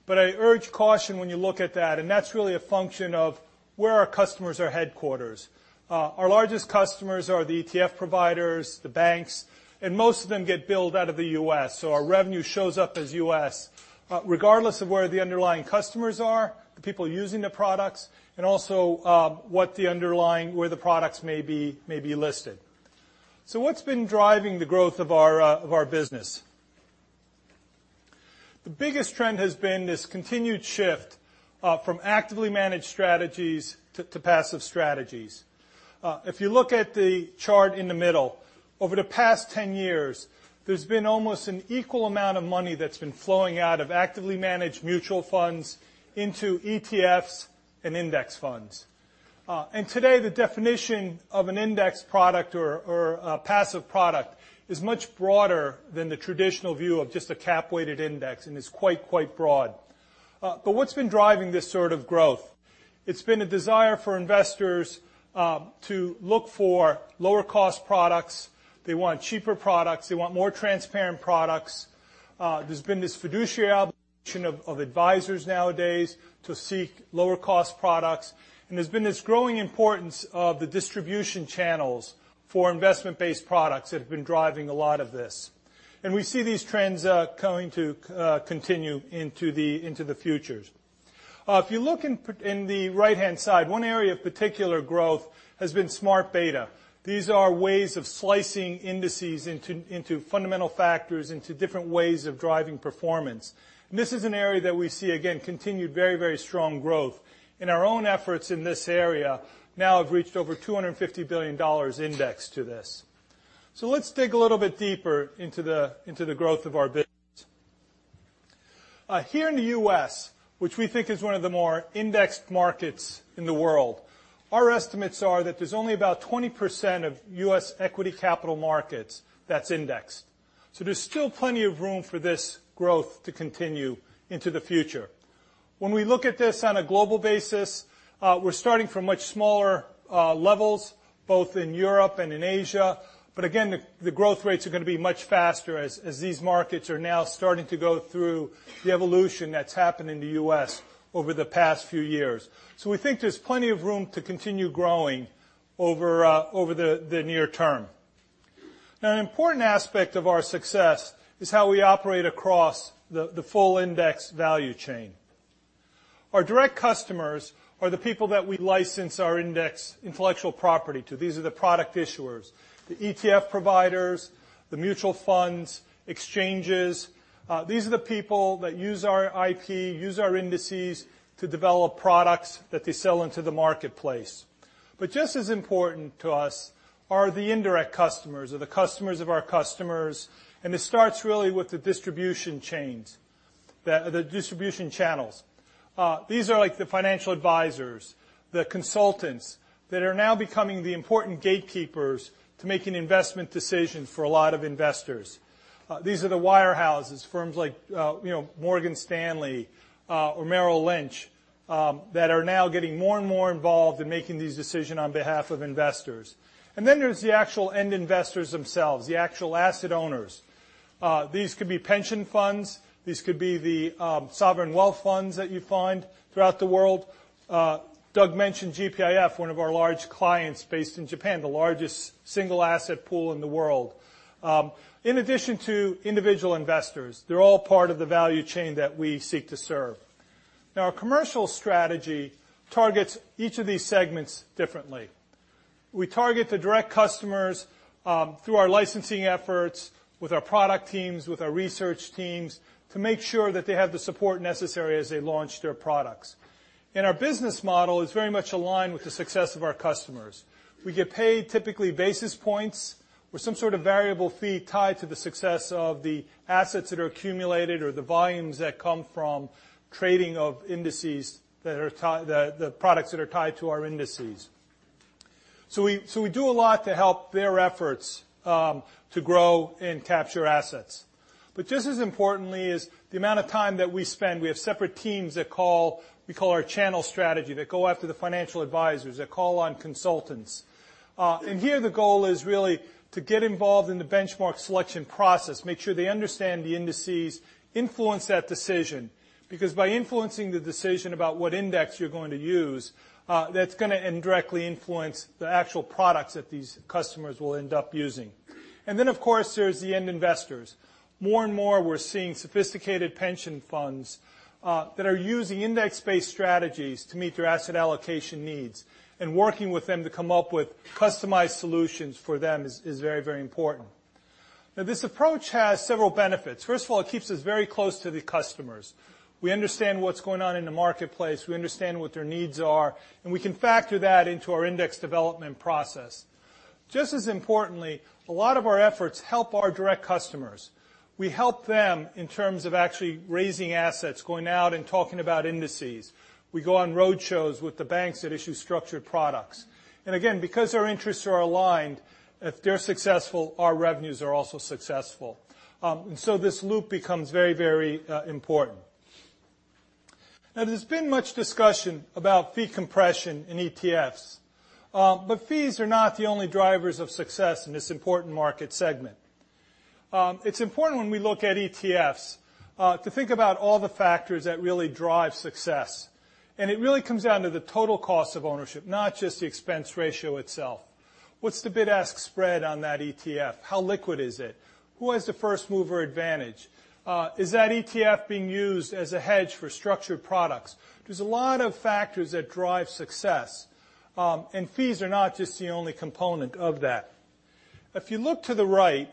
but I urge caution when you look at that. That's really a function of where our customers are headquarters. Our largest customers are the ETF providers, the banks, and most of them get billed out of the U.S., so our revenue shows up as U.S. regardless of where the underlying customers are, the people using the products, and also what the underlying where the products may be listed. What's been driving the growth of our of our business? The biggest trend has been this continued shift from actively managed strategies to passive strategies. If you look at the chart in the middle, over the past 10 years, there's been almost an equal amount of money that's been flowing out of actively managed mutual funds into ETFs and index funds. Today, the definition of an index product or a passive product is much broader than the traditional view of just a cap-weighted index and is quite broad. What's been driving this sort of growth? It's been a desire for investors to look for lower cost products. They want cheaper products. They want more transparent products. There's been this fiduciary obligation of advisors nowadays to seek lower cost products, and there's been this growing importance of the distribution channels for investment-based products that have been driving a lot of this. We see these trends going to continue into the futures. If you look in the right-hand side, one area of particular growth has been smart beta. These are ways of slicing indices into fundamental factors, into different ways of driving performance. This is an area that we see again, continued very strong growth. In our own efforts in this area now have reached over $250 billion indexed to this. Let's dig a little bit deeper into the growth of our business. Here in the U.S., which we think is one of the more indexed markets in the world, our estimates are that there's only about 20% of U.S. equity capital markets that's indexed. There's still plenty of room for this growth to continue into the future. When we look at this on a global basis, we're starting from much smaller levels both in Europe and in Asia. Again, the growth rates are gonna be much faster as these markets are now starting to go through the evolution that's happened in the U.S. over the past few years. We think there's plenty of room to continue growing over the near term. Now, an important aspect of our success is how we operate across the full index value chain. Our direct customers are the people that we license our index intellectual property to. These are the product issuers, the ETF providers, the mutual funds, exchanges. These are the people that use our IP, use our indices to develop products that they sell into the marketplace. Just as important to us are the indirect customers or the customers of our customers, and it starts really with the distribution channels. These are like the financial advisors, the consultants that are now becoming the important gatekeepers to making investment decisions for a lot of investors. These are the wirehouses, firms like, you know, Morgan Stanley or Merrill Lynch. That are now getting more and more involved in making these decision on behalf of investors. There's the actual end investors themselves, the actual asset owners. These could be pension funds, these could be the sovereign wealth funds that you find throughout the world. Doug mentioned GPIF, one of our large clients based in Japan, the largest single asset pool in the world. In addition to individual investors, they're all part of the value chain that we seek to serve. Our commercial strategy targets each of these segments differently. We target the direct customers through our licensing efforts with our product teams, with our research teams to make sure that they have the support necessary as they launch their products. Our business model is very much aligned with the success of our customers. We get paid typically basis points or some sort of variable fee tied to the success of the assets that are accumulated or the volumes that come from trading of indices that are the products that are tied to our indices. We do a lot to help their efforts to grow and capture assets. Just as importantly is the amount of time that we spend. We have separate teams that we call our channel strategy, that go after the financial advisors, that call on consultants. Here the goal is really to get involved in the benchmark selection process, make sure they understand the indices, influence that decision because by influencing the decision about what index you're going to use, that's gonna indirectly influence the actual products that these customers will end up using. Then, of course, there's the end investors. More and more we're seeing sophisticated pension funds that are using index-based strategies to meet their asset allocation needs, and working with them to come up with customized solutions for them is very, very important. Now, this approach has several benefits. First of all, it keeps us very close to the customers. We understand what's going on in the marketplace, we understand what their needs are, and we can factor that into our index development process. Just as importantly, a lot of our efforts help our direct customers. We help them in terms of actually raising assets, going out and talking about indices. We go on road shows with the banks that issue structured products. Again, because our interests are aligned, if they're successful, our revenues are also successful. This loop becomes very, very important. Now, there's been much discussion about fee compression in ETFs, fees are not the only drivers of success in this important market segment. It's important when we look at ETFs, to think about all the factors that really drive success, and it really comes down to the total cost of ownership, not just the expense ratio itself. What's the bid-ask spread on that ETF? How liquid is it? Who has the first-mover advantage? Is that ETF being used as a hedge for structured products? There's a lot of factors that drive success, and fees are not just the only component of that. If you look to the right,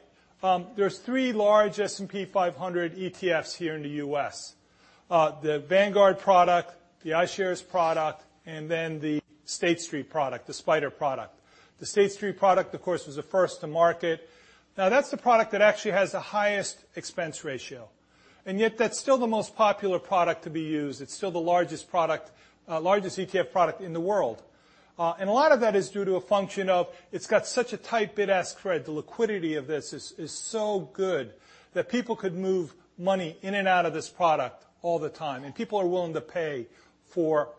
there's three large S&P 500 ETFs here in the U.S. The Vanguard product, the iShares product, and then the State Street product, the SPDR product. The State Street product, of course, was the first to market. That's the product that actually has the highest expense ratio, and yet that's still the most popular product to be used. It's still the largest product, largest ETF product in the world. A lot of that is due to a function of it's got such a tight bid-ask spread. The liquidity of this is so good that people could move money in and out of this product all the time. People are willing to pay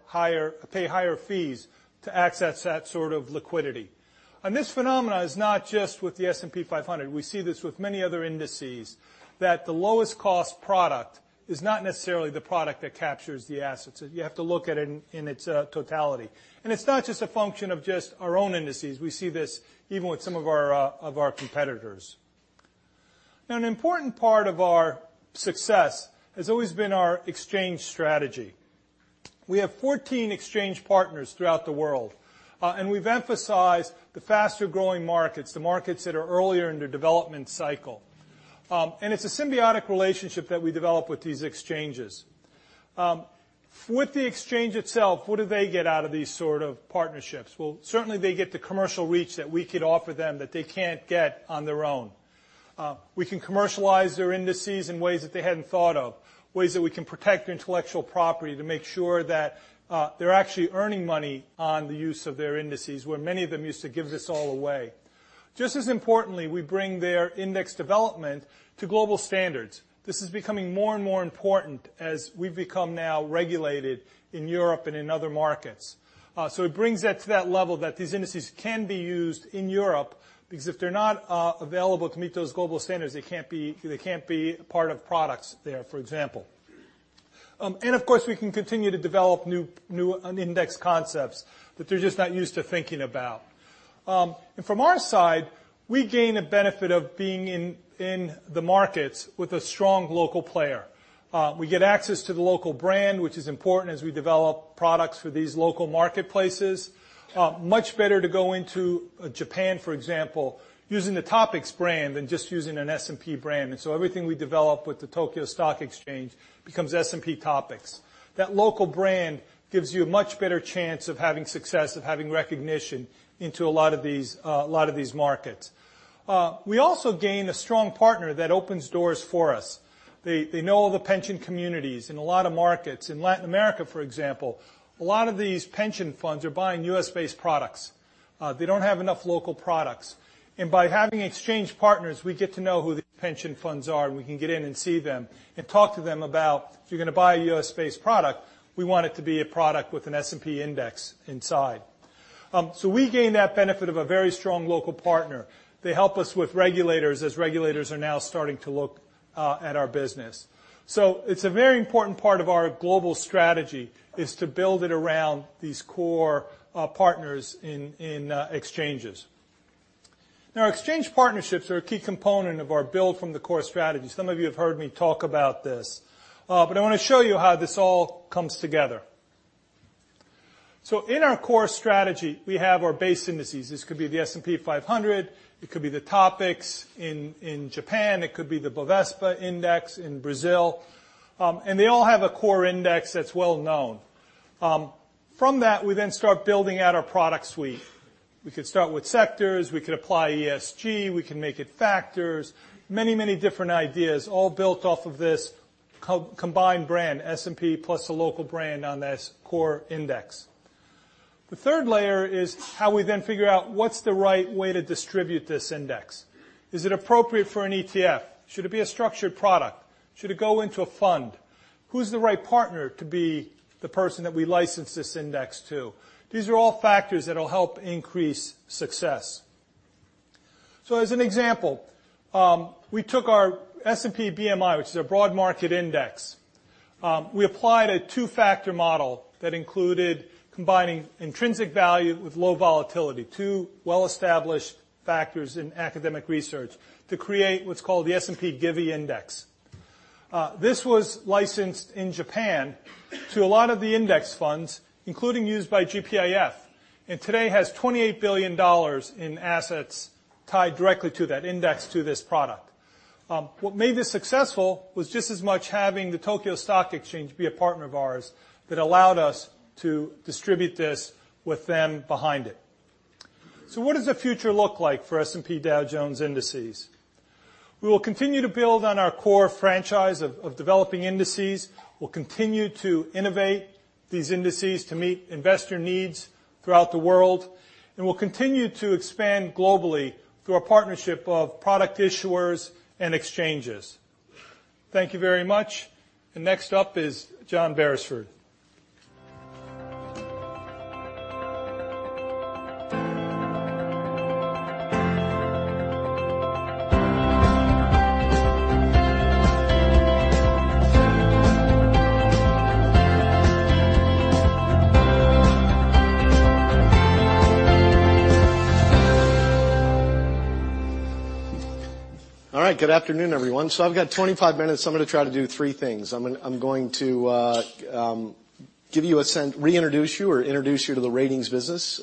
higher fees to access that sort of liquidity. This phenomena is not just with the S&P 500. We see this with many other indices, that the lowest cost product is not necessarily the product that captures the assets. You have to look at it in its totality. It's not just a function of just our own indices. We see this even with some of our competitors. An important part of our success has always been our exchange strategy. We have 14 exchange partners throughout the world. We've emphasized the faster-growing markets, the markets that are earlier in their development cycle. It's a symbiotic relationship that we develop with these exchanges. With the exchange itself, what do they get out of these sort of partnerships? Well certainly they get the commercial reach that we could offer them that they can't get on their own. We can commercialize their indices in ways that they hadn't thought of, ways that we can protect their intellectual property to make sure that they're actually earning money on the use of their indices, where many of them used to give this all away. Just as importantly, we bring their index development to global standards. This is becoming more and more important as we've become now regulated in Europe and in other markets. It brings that to that level that these indices can be used in Europe because if they're not available to meet those global standards, they can't be a part of products there, for example. Of course, we can continue to develop new index concepts that they're just not used to thinking about. From our side, we gain a benefit of being in the markets with a strong local player. We get access to the local brand, which is important as we develop products for these local marketplaces. Much better to go into Japan, for example, using the TOPIX brand than just using an S&P brand. Everything we develop with the Tokyo Stock Exchange becomes S&P/TOPIX. That local brand gives you a much better chance of having success, of having recognition into a lot of these, lot of these markets. We also gain a strong partner that opens doors for us. They know all the pension communities in a lot of markets. In Latin America, for example, a lot of these pension funds are buying U.S.-based products. They don't have enough local products. By having exchange partners, we get to know who the pension funds are, and we can get in and see them and talk to them about if you're gonna buy a U.S.-based product, we want it to be a product with an S&P index inside. We gain that benefit of a very strong local partner. They help us with regulators, as regulators are now starting to look at our business. It's a very important part of our global strategy, is to build it around these core partners in exchanges. Exchange partnerships are a key component of our build-from-the-core strategy. Some of you have heard me talk about this. I wanna show you how this all comes together. In our core strategy, we have our base indices. This could be the S&P 500, it could be the TOPIX in Japan, it could be the Bovespa Index in Brazil, they all have a core index that's well-known. From that, we start building out our product suite. We could start with sectors, we could apply ESG, we can make it factors. Many different ideas all built off of this co-combined brand, S&P plus the local brand on this core index. The third layer is how we then figure out what's the right way to distribute this index. Is it appropriate for an ETF? Should it be a structured product? Should it go into a fund? Who's the right partner to be the person that we license this index to? These are all factors that'll help increase success. As an example, we took our S&P Global BMI, which is a broad market index. We applied a 2-factor model that included combining intrinsic value with low volatility, two well-established factors in academic research, to create what's called the S&P GIVI Index. This was licensed in Japan to a lot of the index funds, including used by GPIF, and today has $28 billion in assets tied directly to that index to this product. What made this successful was just as much having the Tokyo Stock Exchange be a partner of ours that allowed us to distribute this with them behind it. What does the future look like for S&P Dow Jones Indices? We will continue to build on our core franchise of developing indices. We'll continue to innovate these indices to meet investor needs throughout the world, and we'll continue to expand globally through our partnership of product issuers and exchanges. Thank you very much. Next up is John Berisford. All right. Good afternoon, everyone. I've got 25 minutes. I'm gonna try to do three things. I'm going to reintroduce you or introduce you to the ratings business,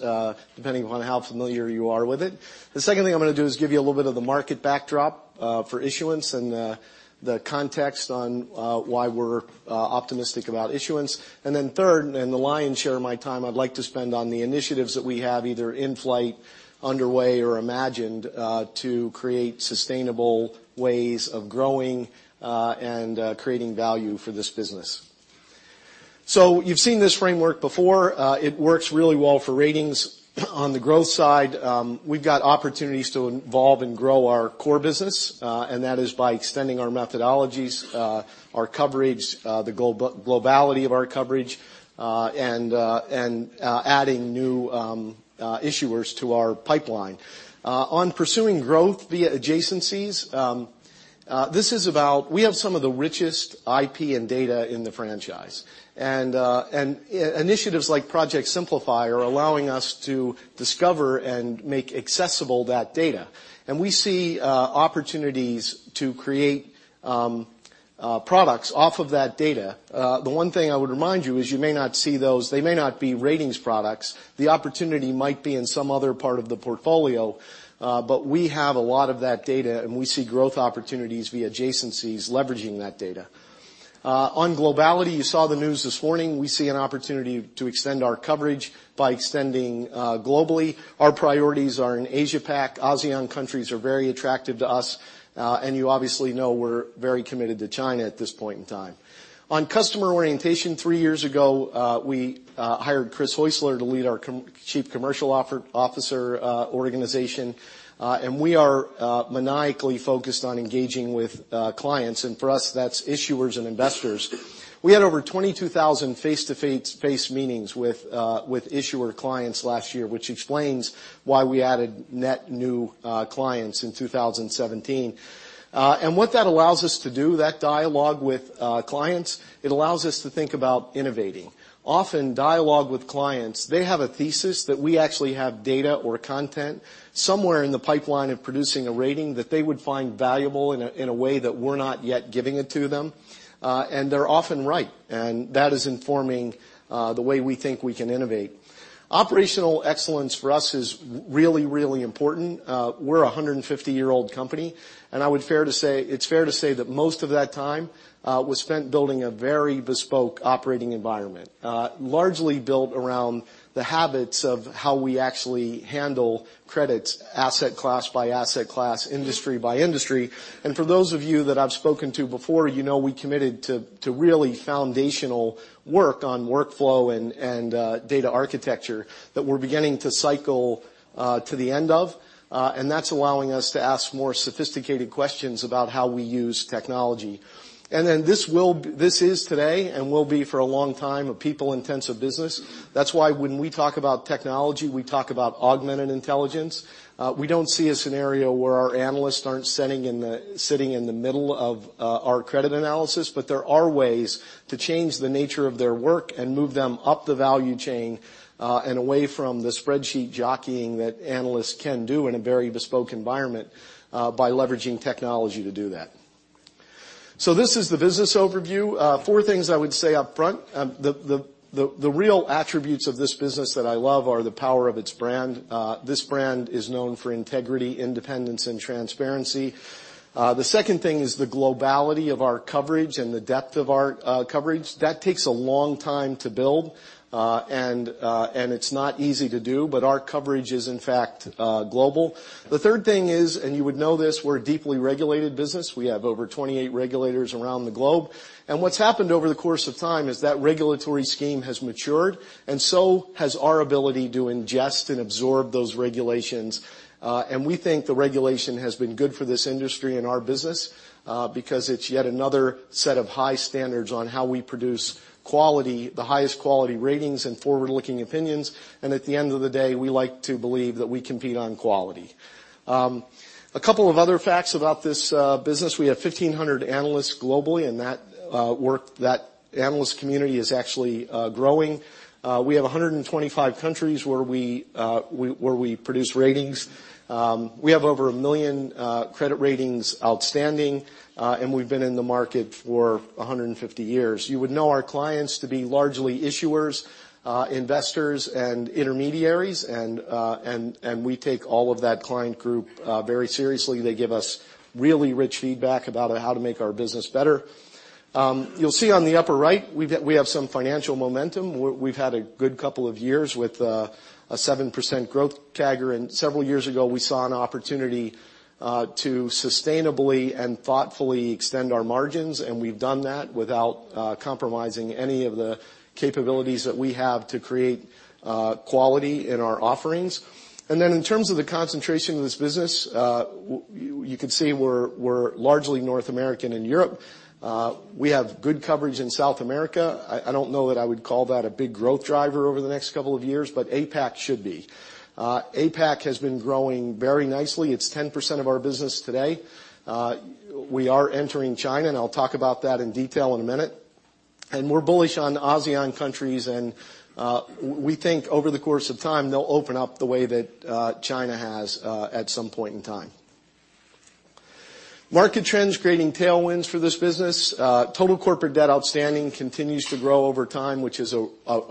depending upon how familiar you are with it. The second thing I'm gonna do is give you a little bit of the market backdrop for issuance and the context on why we're optimistic about issuance. Then third, and the lion's share of my time, I'd like to spend on the initiatives that we have either in flight, underway, or imagined, to create sustainable ways of growing and creating value for this business. You've seen this framework before. It works really well for ratings. On the growth side, we've got opportunities to involve and grow our core business, and that is by extending our methodologies, our coverage, the globality of our coverage, and adding new issuers to our pipeline. On pursuing growth via adjacencies, this is about We have some of the richest IP and data in the franchise. Initiatives like Project Simplify are allowing us to discover and make accessible that data, and we see opportunities to create products off of that data. The one thing I would remind you is you may not see those. They may not be ratings products. The opportunity might be in some other part of the portfolio, but we have a lot of that data, and we see growth opportunities via adjacencies leveraging that data. On globality, you saw the news this morning. We see an opportunity to extend our coverage by extending globally. Our priorities are in Asia Pac. ASEAN countries are very attractive to us. You obviously know we're very committed to China at this point in time. On customer orientation, three years ago, we hired Chris Jones to lead our Chief Commercial Officer organization. We are maniacally focused on engaging with clients, and for us, that's issuers and investors. We had over 22,000 face meetings with issuer clients last year, which explains why we added net new clients in 2017. What that allows us to do, that dialogue with clients, it allows us to think about innovating. Often, dialogue with clients, they have a thesis that we actually have data or content somewhere in the pipeline of producing a rating that they would find valuable in a way that we're not yet giving it to them, and they're often right, and that is informing the way we think we can innovate. Operational excellence for us is really important. We're a 150-year-old company, and I would fair to say it's fair to say that most of that time was spent building a very bespoke operating environment, largely built around the habits of how we actually handle credits asset class by asset class, industry by industry. For those of you that I've spoken to before, you know we committed to really foundational work on workflow and data architecture that we're beginning to cycle to the end of, and that's allowing us to ask more sophisticated questions about how we use technology. This is today and will be for a long time a people-intensive business. That's why when we talk about technology, we talk about augmented intelligence. We don't see a scenario where our analysts aren't sitting in the middle of our credit analysis, but there are ways to change the nature of their work and move them up the value chain, and away from the spreadsheet jockeying that analysts can do in a very bespoke environment, by leveraging technology to do that. This is the business overview. Four things I would say up front. The real attributes of this business that I love are the power of its brand. This brand is known for integrity, independence, and transparency. The second thing is the globality of our coverage and the depth of our coverage. That takes a long time to build, and it's not easy to do, but our coverage is, in fact, global. The third thing is, and you would know this, we're a deeply regulated business. We have over 28 regulators around the globe. What's happened over the course of time is that regulatory scheme has matured, and so has our ability to ingest and absorb those regulations. We think the regulation has been good for this industry and our business because it's yet another set of high standards on how we produce quality, the highest quality ratings and forward-looking opinions. At the end of the day, we like to believe that we compete on quality. A couple of other facts about this business. We have 1,500 analysts globally, and that analyst community is actually growing. We have 125 countries where we produce ratings. We have over 1 million credit ratings outstanding, and we've been in the market for 150 years. You would know our clients to be largely issuers, investors and intermediaries, and we take all of that client group very seriously. They give us really rich feedback about how to make our business better. You'll see on the upper right, we have some financial momentum. We've had a good couple of years with a 7% growth CAGR. Several years ago, we saw an opportunity to sustainably and thoughtfully extend our margins, and we've done that without compromising any of the capabilities that we have to create quality in our offerings. In terms of the concentration of this business, you could see we're largely North American and Europe. We have good coverage in South America. I don't know that I would call that a big growth driver over the next couple of years, but APAC should be. APAC has been growing very nicely. It's 10% of our business today. We are entering China. I'll talk about that in detail in a minute. We're bullish on ASEAN countries, and we think over the course of time, they'll open up the way that China has at some point in time. Market trends creating tailwinds for this business. Total corporate debt outstanding continues to grow over time, which is a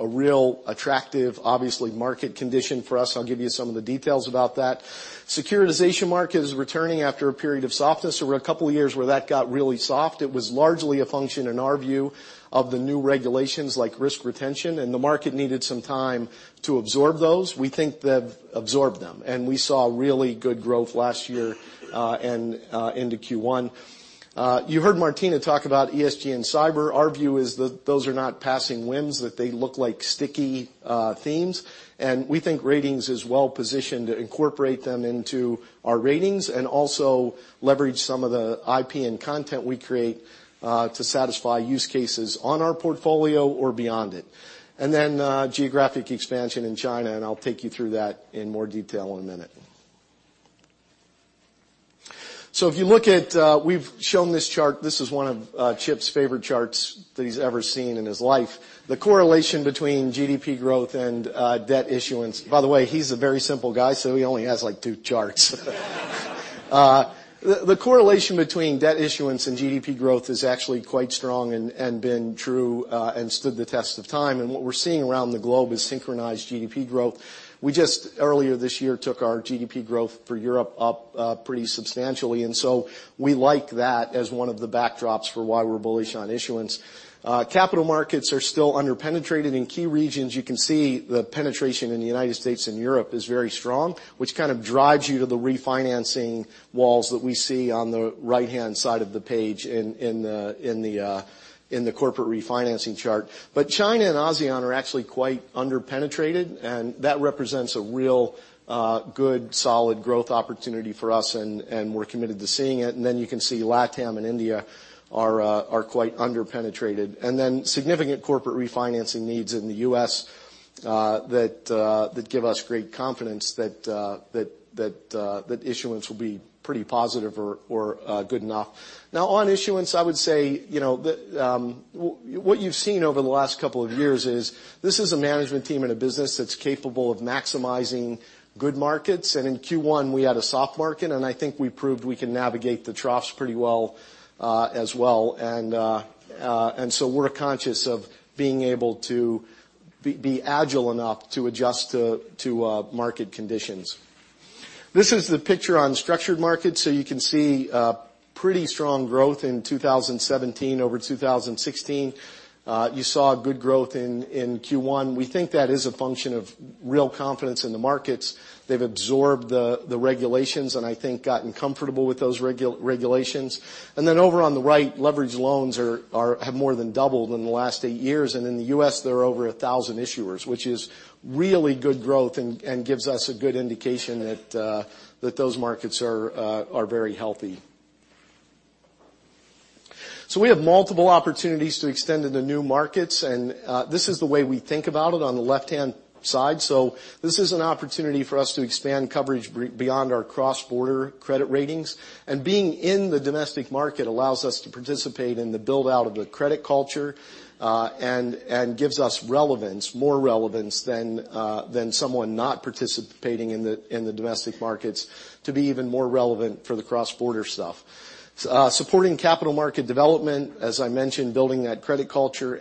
real attractive, obviously, market condition for us. I'll give you some of the details about that. Securitization market is returning after a period of softness. There were a couple of years where that got really soft. It was largely a function, in our view, of the new regulations like risk retention, and the market needed some time to absorb those. We think they've absorbed them, and we saw really good growth last year and into Q1. You heard Martina talk about ESG and cyber. Our view is that those are not passing whims, that they look like sticky themes. We think ratings is well positioned to incorporate them into our ratings and also leverage some of the IP and content we create to satisfy use cases on our portfolio or beyond it. Geographic expansion in China, I'll take you through that in more detail in one minute. If you look at, we've shown this chart. This is one of Chip's favorite charts that he's ever seen in his life. The correlation between GDP growth and debt issuance. By the way, he's a very simple guy, so he only has like two charts. The correlation between debt issuance and GDP growth is actually quite strong and been true and stood the test of time. What we're seeing around the globe is synchronized GDP growth. We just earlier this year took our GDP growth for Europe up pretty substantially. We like that as one of the backdrops for why we're bullish on issuance. Capital markets are still under-penetrated in key regions. You can see the penetration in the United States and Europe is very strong, which kind of drives you to the refinancing walls that we see on the right-hand side of the page in the corporate refinancing chart. China and ASEAN are actually quite under-penetrated, and that represents a real good, solid growth opportunity for us, and we're committed to seeing it. You can see LATAM and India are quite under-penetrated. Significant corporate refinancing needs in the U.S. that give us great confidence that issuance will be pretty positive or good enough. Now, on issuance, I would say, you know, the what you've seen over the last couple of years is this is a management team and a business that's capable of maximizing good markets. In Q1, we had a soft market, and I think we proved we can navigate the troughs pretty well as well. So we're conscious of being able to be agile enough to adjust to market conditions. This is the picture on structured markets. You can see pretty strong growth in 2017 over 2016. You saw good growth in Q1. We think that is a function of real confidence in the markets. They've absorbed the regulations and I think gotten comfortable with those regulations. Over on the right, leveraged loans have more than doubled in the last eight years. In the U.S., there are over 1,000 issuers, which is really good growth and gives us a good indication that those markets are very healthy. We have multiple opportunities to extend into new markets, this is the way we think about it on the left-hand side. This is an opportunity for us to expand coverage beyond our cross-border credit ratings. Being in the domestic market allows us to participate in the build-out of the credit culture, and gives us relevance, more relevance than someone not participating in the domestic markets to be even more relevant for the cross-border stuff. Supporting capital market development, as I mentioned, building that credit culture.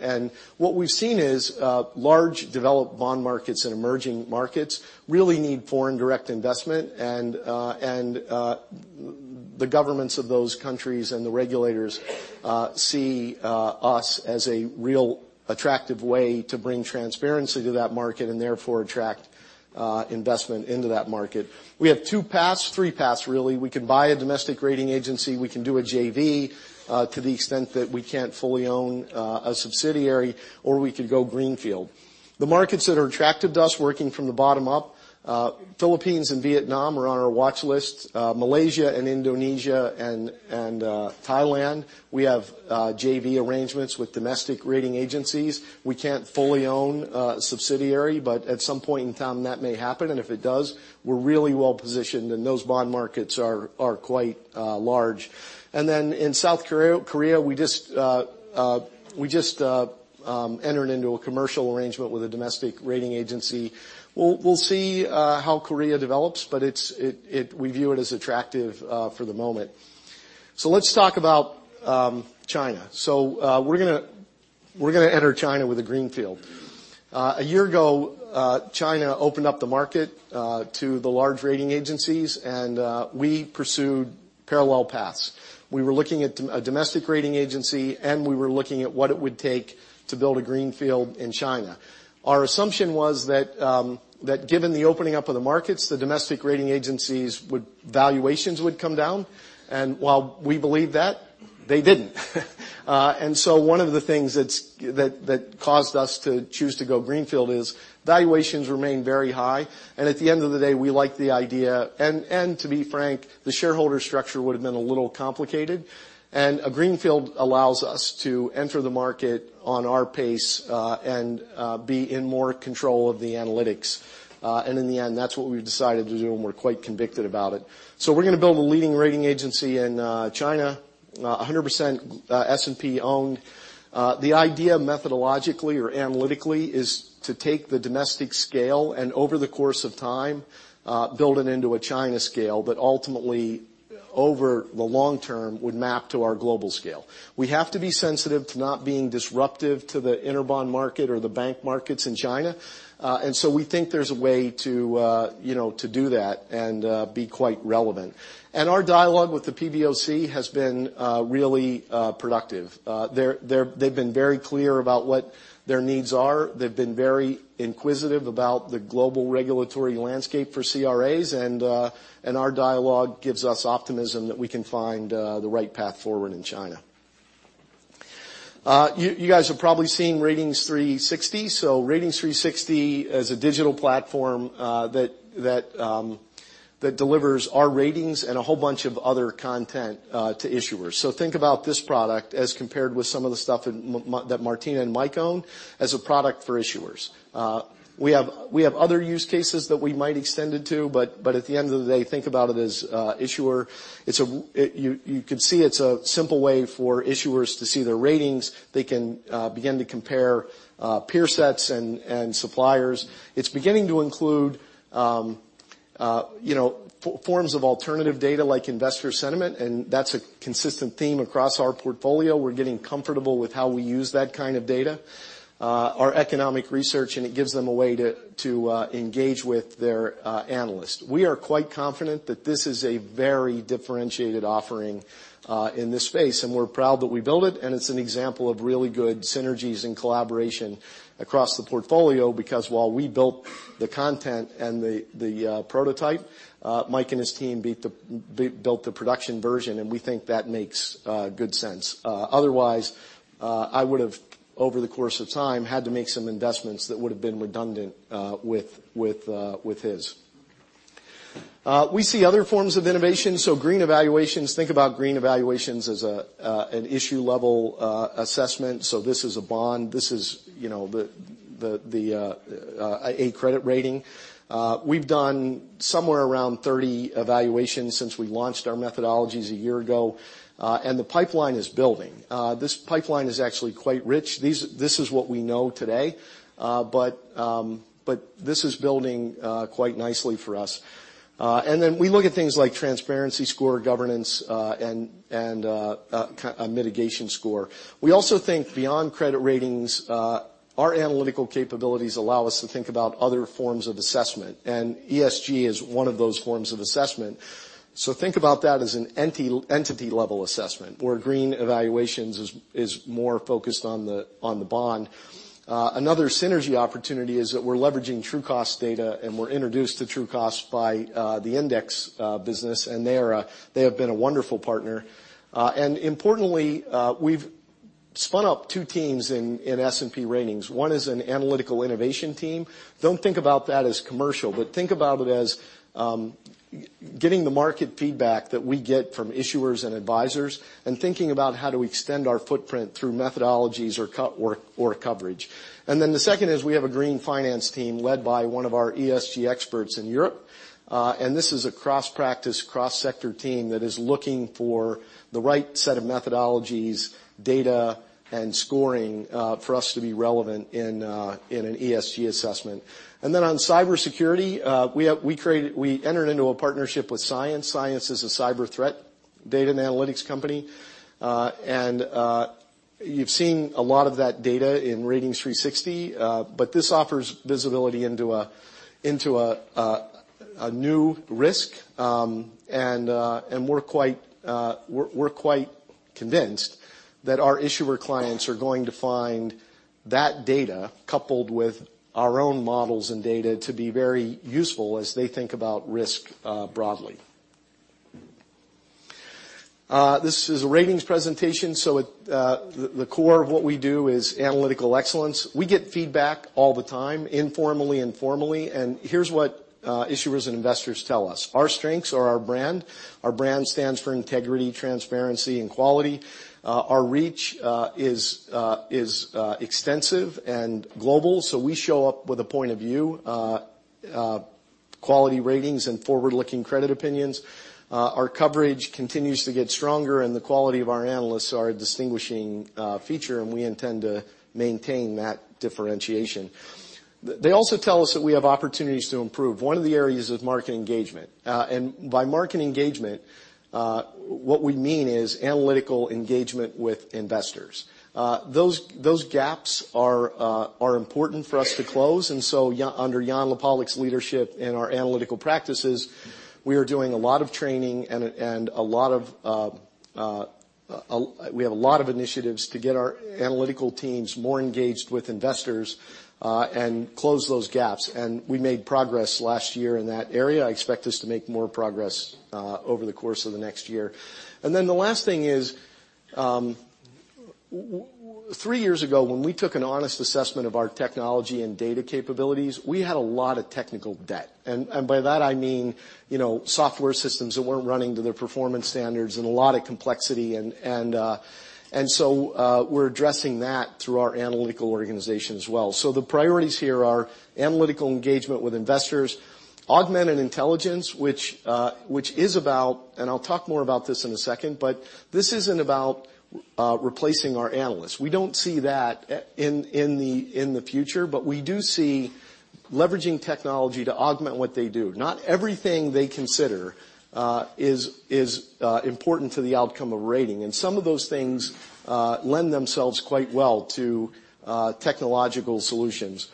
What we've seen is large developed bond markets and emerging markets really need foreign direct investment, and the governments of those countries and the regulators see us as a real attractive way to bring transparency to that market and therefore attract investment into that market. We have two paths, three paths really. We can buy a domestic rating agency, we can do a JV, to the extent that we can't fully own a subsidiary, or we could go greenfield. The markets that are attractive to us working from the bottom up, Philippines and Vietnam are on our watch list. Malaysia and Indonesia and Thailand, we have JV arrangements with domestic rating agencies. We can't fully own a subsidiary, but at some point in time, that may happen, and if it does, we're really well-positioned, and those bond markets are quite large. Then in South Korea, we just entered into a commercial arrangement with a domestic rating agency. We'll see how Korea develops, but we view it as attractive for the moment. Let's talk about China. We're gonna enter China with a greenfield. A year ago China opened up the market to the large rating agencies and we pursued parallel paths. We were looking at a domestic rating agency and we were looking at what it would take to build a greenfield in China. Our assumption was that given the opening up of the markets the domestic rating agencies valuations would come down. While we believe that they didn't. One of the things that caused us to choose to go greenfield is valuations remain very high. At the end of the day we like the idea. To be frank the shareholder structure would have been a little complicated. A greenfield allows us to enter the market on our pace and be in more control of the analytics. In the end, that's what we've decided to do, and we're quite convicted about it. We're gonna build a leading rating agency in China, a 100% S&P owned. The idea methodologically or analytically is to take the domestic scale and over the course of time, build it into a China scale, but ultimately, over the long term, would map to our global scale. We have to be sensitive to not being disruptive to the interbank market or the bank markets in China. We think there's a way to, you know, to do that and be quite relevant. Our dialogue with the PBOC has been really productive. They're, they've been very clear about what their needs are. They've been very inquisitive about the global regulatory landscape for CRAs, and our dialogue gives us optimism that we can find the right path forward in China. You guys have probably seen Ratings360. Ratings360 is a digital platform that delivers our ratings and a whole bunch of other content to issuers. Think about this product as compared with some of the stuff that Martina and Mike own as a product for issuers. We have other use cases that we might extend it to, but at the end of the day, think about it as issuer. You can see it's a simple way for issuers to see their ratings. They can begin to compare peer sets and suppliers. It's beginning to include, you know, forms of alternative data like investor sentiment, and that's a consistent theme across our portfolio. We're getting comfortable with how we use that kind of data, our economic research, and it gives them a way to engage with their analyst. We are quite confident that this is a very differentiated offering in this space, and we're proud that we built it and it's an example of really good synergies and collaboration across the portfolio because while we built the content and the prototype, Mike and his team built the production version, and we think that makes good sense. Otherwise, I would have, over the course of time, had to make some investments that would have been redundant with his. We see other forms of innovation. Green Evaluations, think about Green Evaluations as an issue-level assessment. This is a bond. This is, you know, the credit rating. We've done somewhere around 30 evaluations since we launched our methodologies a year ago, and the pipeline is building. This pipeline is actually quite rich. This is what we know today, but this is building quite nicely for us. Then we look at things like transparency score, governance, and a mitigation score. We also think beyond credit ratings, our analytical capabilities allow us to think about other forms of assessment, and ESG is one of those forms of assessment. Think about that as an entity level assessment, where Green Evaluations is more focused on the bond. Another synergy opportunity is that we're leveraging Trucost data, and we're introduced to Trucost by the index business, and they have been a wonderful partner. And importantly, we've spun up two teams in S&P Ratings. One is an analytical innovation team. Don't think about that as commercial, but think about it as getting the market feedback that we get from issuers and advisors and thinking about how do we extend our footprint through methodologies or coverage. The second is we have a green finance team led by one of our ESG experts in Europe, and this is a cross-practice, cross-sector team that is looking for the right set of methodologies, data, and scoring for us to be relevant in an ESG assessment. On cybersecurity, we entered into a partnership with Cyence. Cyence is a cyber threat data and analytics company. You've seen a lot of that data in Ratings360, but this offers visibility into a new risk, and we're quite convinced that our issuer clients are going to find that data coupled with our own models and data to be very useful as they think about risk broadly. This is a ratings presentation, so it, the core of what we do is analytical excellence. We get feedback all the time, informally and formally, here's what issuers and investors tell us. Our strengths are our brand. Our brand stands for integrity, transparency, and quality. Our reach is extensive and global, so we show up with a point of view, quality ratings and forward-looking credit opinions. Our coverage continues to get stronger and the quality of our analysts are a distinguishing feature, and we intend to maintain that differentiation. They also tell us that we have opportunities to improve. One of the areas is market engagement. By market engagement, what we mean is analytical engagement with investors. Those gaps are important for us to close. Under Yann Le Pallec's leadership in our analytical practices, we are doing a lot of training, and we have a lot of initiatives to get our analytical teams more engaged with investors, and close those gaps. We made progress last year in that area. I expect us to make more progress over the course of the next year. The last thing is, three years ago, when we took an honest assessment of our technology and data capabilities, we had a lot of technical debt. By that I mean, you know, software systems that weren't running to their performance standards and a lot of complexity. We're addressing that through our analytical organization as well. The priorities here are analytical engagement with investors, augmented intelligence, which is about and I'll talk more about this in a second, but this isn't about replacing our analysts. We don't see that in the future, but we do see leveraging technology to augment what they do. Not everything they consider is important to the outcome of rating, and some of those things lend themselves quite well to technological solutions.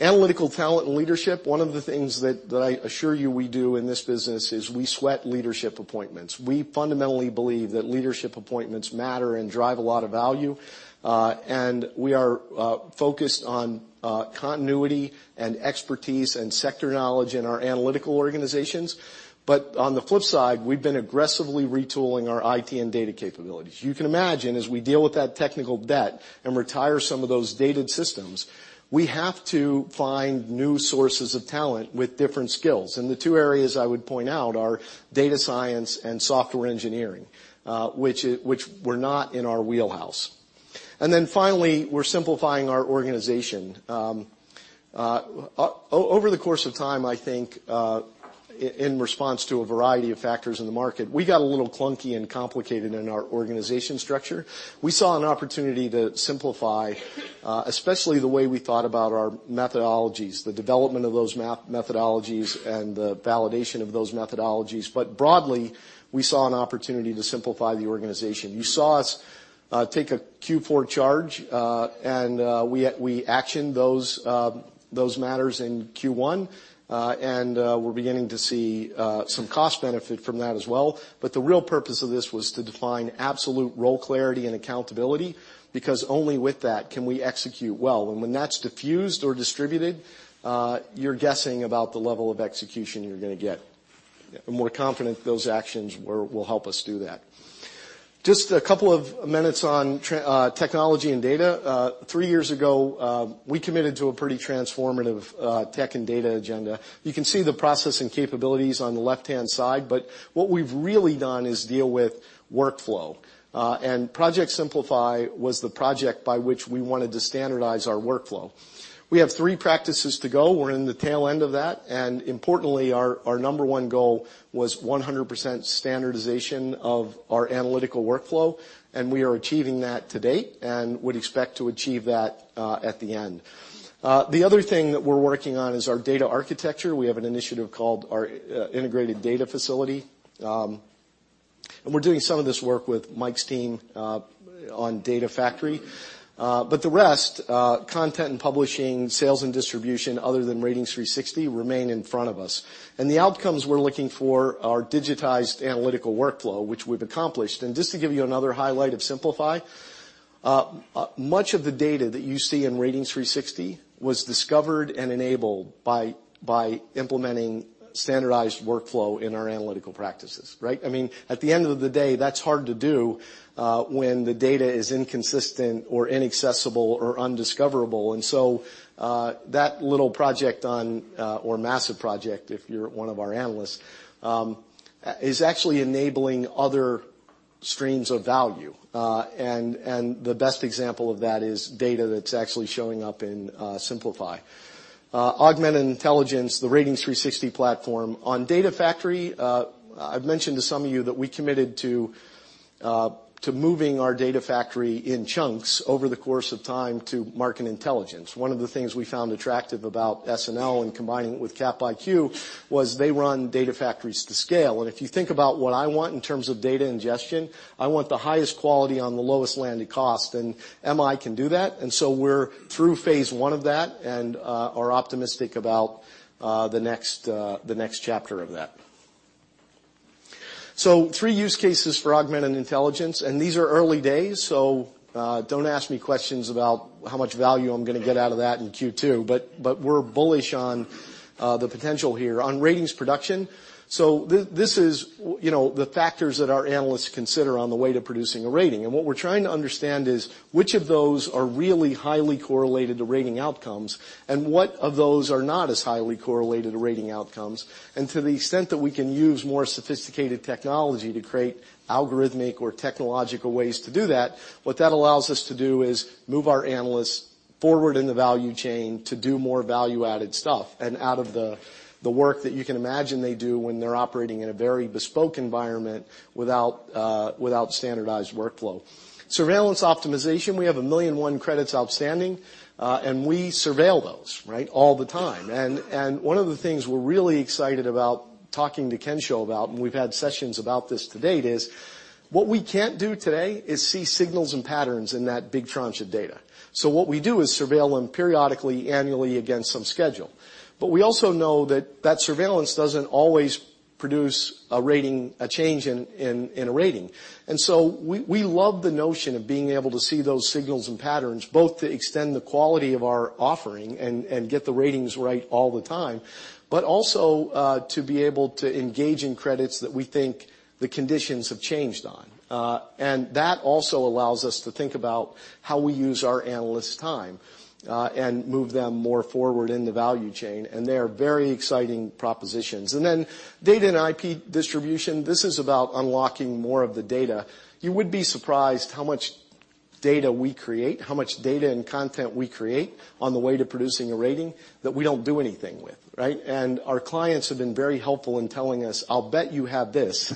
Analytical talent and leadership, one of the things that I assure you we do in this business is we sweat leadership appointments. We fundamentally believe that leadership appointments matter and drive a lot of value. And we are focused on continuity and expertise and sector knowledge in our analytical organizations. On the flip side, we've been aggressively retooling our IT and data capabilities. You can imagine, as we deal with that technical debt and retire some of those dated systems, we have to find new sources of talent with different skills. The two areas I would point out are data science and software engineering, which were not in our wheelhouse. Finally, we're simplifying our organization. Over the course of time, I think, in response to a variety of factors in the market, we got a little clunky and complicated in our organization structure. We saw an opportunity to simplify, especially the way we thought about our methodologies, the development of those methodologies and the validation of those methodologies. Broadly, we saw an opportunity to simplify the organization. You saw us take a Q4 charge, and we actioned those matters in Q1. We're beginning to see some cost benefit from that as well. The real purpose of this was to define absolute role clarity and accountability, because only with that can we execute well. When that's diffused or distributed, you're guessing about the level of execution you're gonna get. We're confident those actions will help us do that. Just a couple of minutes on technology and data. Three years ago, we committed to a pretty transformative tech and data agenda. You can see the process and capabilities on the left-hand side, but what we've really done is deal with workflow. Project Simplify was the project by which we wanted to standardize our workflow. We have three practices to go. We're in the tail end of that. Importantly, our number one goal was 100% standardization of our analytical workflow, and we are achieving that to date and would expect to achieve that at the end. The other thing that we're working on is our data architecture. We have an initiative called our Integrated Data Facility. And we're doing some of this work with Mike's team on data factory. But the rest, content and publishing, sales and distribution, other than Ratings360, remain in front of us. The outcomes we're looking for are digitized analytical workflow, which we've accomplished. Just to give you another highlight of Simplify, much of the data that you see in Ratings360 was discovered and enabled by implementing standardized workflow in our analytical practices, right? I mean, at the end of the day, that's hard to do, when the data is inconsistent or inaccessible or undiscoverable. That little project on, or massive project, if you're one of our analysts, is actually enabling other streams of value. The best example of that is data that's actually showing up in Simplify. Augmented intelligence, the Ratings360 platform. On data factory, I've mentioned to some of you that we committed to moving our data factory in chunks over the course of time to Market Intelligence. One of the things we found attractive about SNL and combining it with Capital IQ was they run data factories to scale. If you think about what I want in terms of data ingestion, I want the highest quality on the lowest landed cost, and MI can do that. We're through phase I of that and are optimistic about the next chapter of that. Three use cases for augmented intelligence, and these are early days, so don't ask me questions about how much value I'm gonna get out of that in Q2, but we're bullish on the potential here. On ratings production, this is, you know, the factors that our analysts consider on the way to producing a rating. What we're trying to understand is which of those are really highly correlated to rating outcomes and what of those are not as highly correlated to rating outcomes. To the extent that we can use more sophisticated technology to create algorithmic or technological ways to do that, what that allows us to do is move our analysts forward in the value chain to do more value-added stuff and out of the work that you can imagine they do when they're operating in a very bespoke environment without standardized workflow. Surveillance optimization, we have a million and one credits outstanding, and we surveil those, right, all the time. One of the things we're really excited about talking to Kensho about, and we've had sessions about this to date, is what we can't do today is see signals and patterns in that big tranche of data. What we do is surveil them periodically, annually against some schedule. We also know that that surveillance doesn't always produce a rating, a change in a rating. We love the notion of being able to see those signals and patterns, both to extend the quality of our offering and get the ratings right all the time, but also to be able to engage in credits that we think the conditions have changed on. That also allows us to think about how we use our analysts' time and move them more forward in the value chain, and they are very exciting propositions. Data and IP distribution, this is about unlocking more of the data. You would be surprised how much data we create, how much data and content we create on the way to producing a rating that we don't do anything with, right? Our clients have been very helpful in telling us, "I'll bet you have this.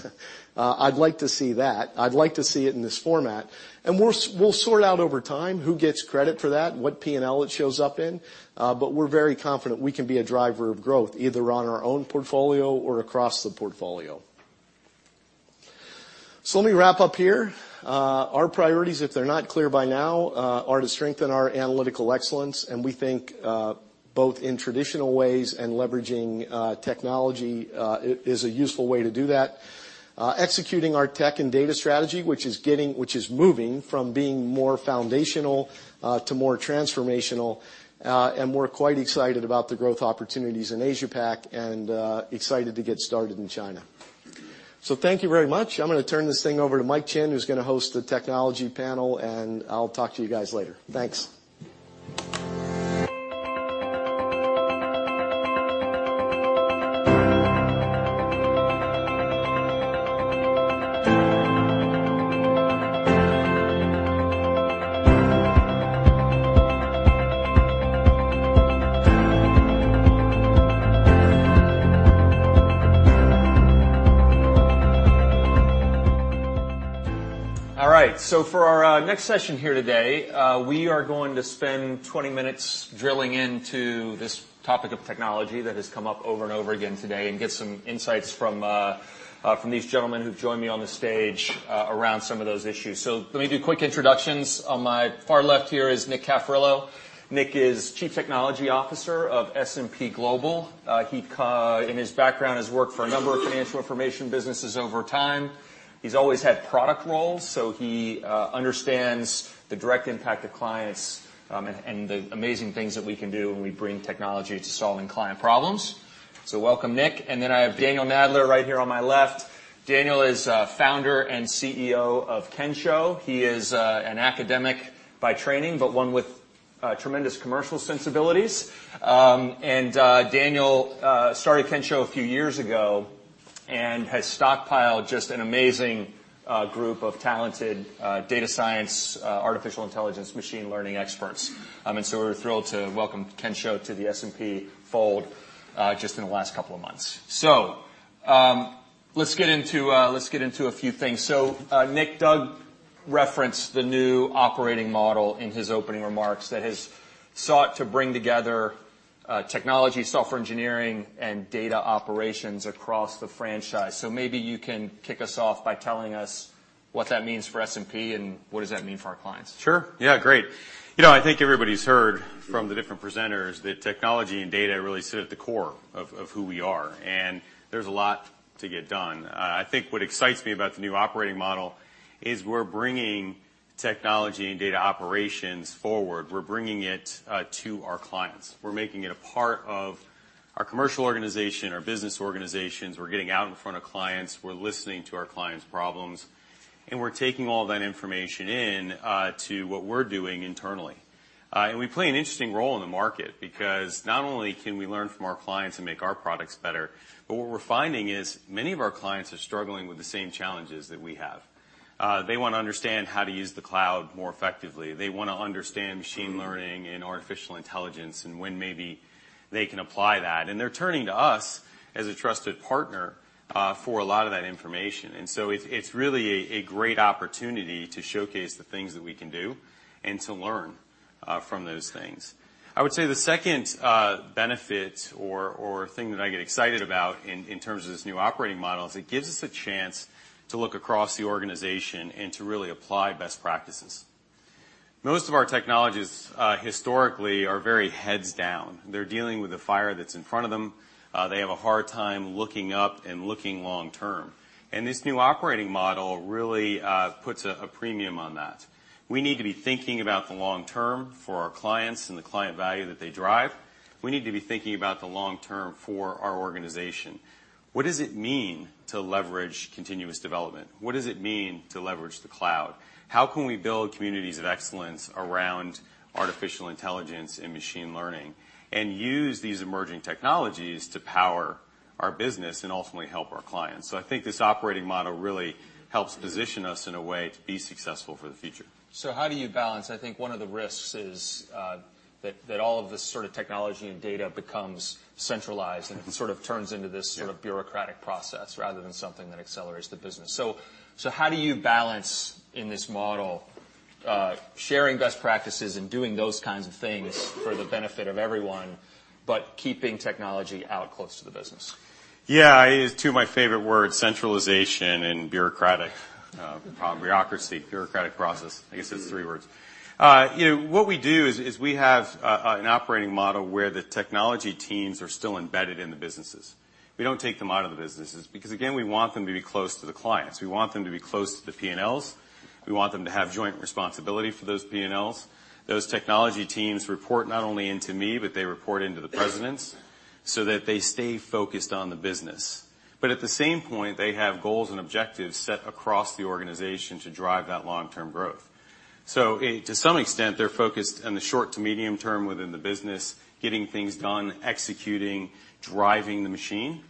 I'd like to see that. I'd like to see it in this format." We'll sort out over time who gets credit for that and what P&L it shows up in, but we're very confident we can be a driver of growth, either on our own portfolio or across the portfolio. Let me wrap up here. Our priorities, if they're not clear by now, are to strengthen our analytical excellence, and we think, both in traditional ways and leveraging technology is a useful way to do that. Executing our tech and data strategy, which is moving from being more foundational to more transformational. We're quite excited about the growth opportunities in Asia Pac and, excited to get started in China. Thank you very much. I'm gonna turn this thing over to Mike Chinn, who's gonna host the technology panel, and I'll talk to you guys later. Thanks. All right. For our next session here today, we are going to spend 20 minutes drilling into this topic of technology that has come up over and over again today and get some insights from these gentlemen who've joined me on the stage around some of those issues. Let me do quick introductions. On my far left here is Nick Cafferillo. Nick is Chief Technology Officer of S&P Global. He in his background has worked for a number of financial information businesses over time. He's always had product roles, so he understands the direct impact of clients, and the amazing things that we can do when we bring technology to solving client problems. Welcome, Nick. Then I have Daniel Nadler right here on my left. Daniel is founder and CEO of Kensho. He is an academic by training, but one with tremendous commercial sensibilities. Daniel started Kensho a few years ago and has stockpiled just an amazing group of talented data science, artificial intelligence, machine learning experts. We're thrilled to welcome Kensho to the S&P fold just in the last couple of months. Let's get into a few things. Nick, Doug referenced the new operating model in his opening remarks that has sought to bring together technology, software engineering, and data operations across the franchise. Maybe you can kick us off by telling us what that means for S&P and what does that mean for our clients. Sure. Yeah, great. You know, I think everybody's heard from the different presenters that technology and data really sit at the core of who we are, and there's a lot to get done. I think what excites me about the new operating model is we're bringing technology and data operations forward. We're bringing it to our clients. We're making it a part of our commercial organization, our business organizations. We're getting out in front of clients. We're listening to our clients' problems, and we're taking all that information in to what we're doing internally. We play an interesting role in the market because not only can we learn from our clients and make our products better, but what we're finding is many of our clients are struggling with the same challenges that we have. They wanna understand how to use the cloud more effectively. They wanna understand machine learning and artificial intelligence and when maybe they can apply that. They're turning to us as a trusted partner for a lot of that information. It's really a great opportunity to showcase the things that we can do and to learn. From those things. I would say the second benefit or thing that I get excited about in terms of this new operating model is it gives us a chance to look across the organization and to really apply best practices. Most of our technologies historically are very heads down. They're dealing with a fire that's in front of them. They have a hard time looking up and looking long-term. This new operating model really puts a premium on that. We need to be thinking about the long-term for our clients and the client value that they drive. We need to be thinking about the long-term for our organization. What does it mean to leverage continuous development? What does it mean to leverage the cloud? How can we build communities of excellence around artificial intelligence and machine learning, and use these emerging technologies to power our business and ultimately help our clients? I think this operating model really helps position us in a way to be successful for the future. How do you balance I think one of the risks is that all of this sort of technology and data becomes centralized. It sort of turns into this. Yeah sort of bureaucratic process rather than something that accelerates the business. How do you balance in this model, sharing best practices and doing those kinds of things for the benefit of everyone, but keeping technology out close to the business? Yeah. Two of my favorite words, centralization and bureaucracy, bureaucratic process. I guess that's three words. you know, what we do is we have an operating model where the technology teams are still embedded in the businesses. We don't take them out of the businesses because, again, we want them to be close to the clients. We want them to be close to the P&Ls. We want them to have joint responsibility for those P&Ls. Those technology teams report not only into me, but they report into the presidents so that they stay focused on the business. At the same point, they have goals and objectives set across the organization to drive that long-term growth. To some extent, they're focused on the short to medium term within the business, getting things done, executing, driving the machine,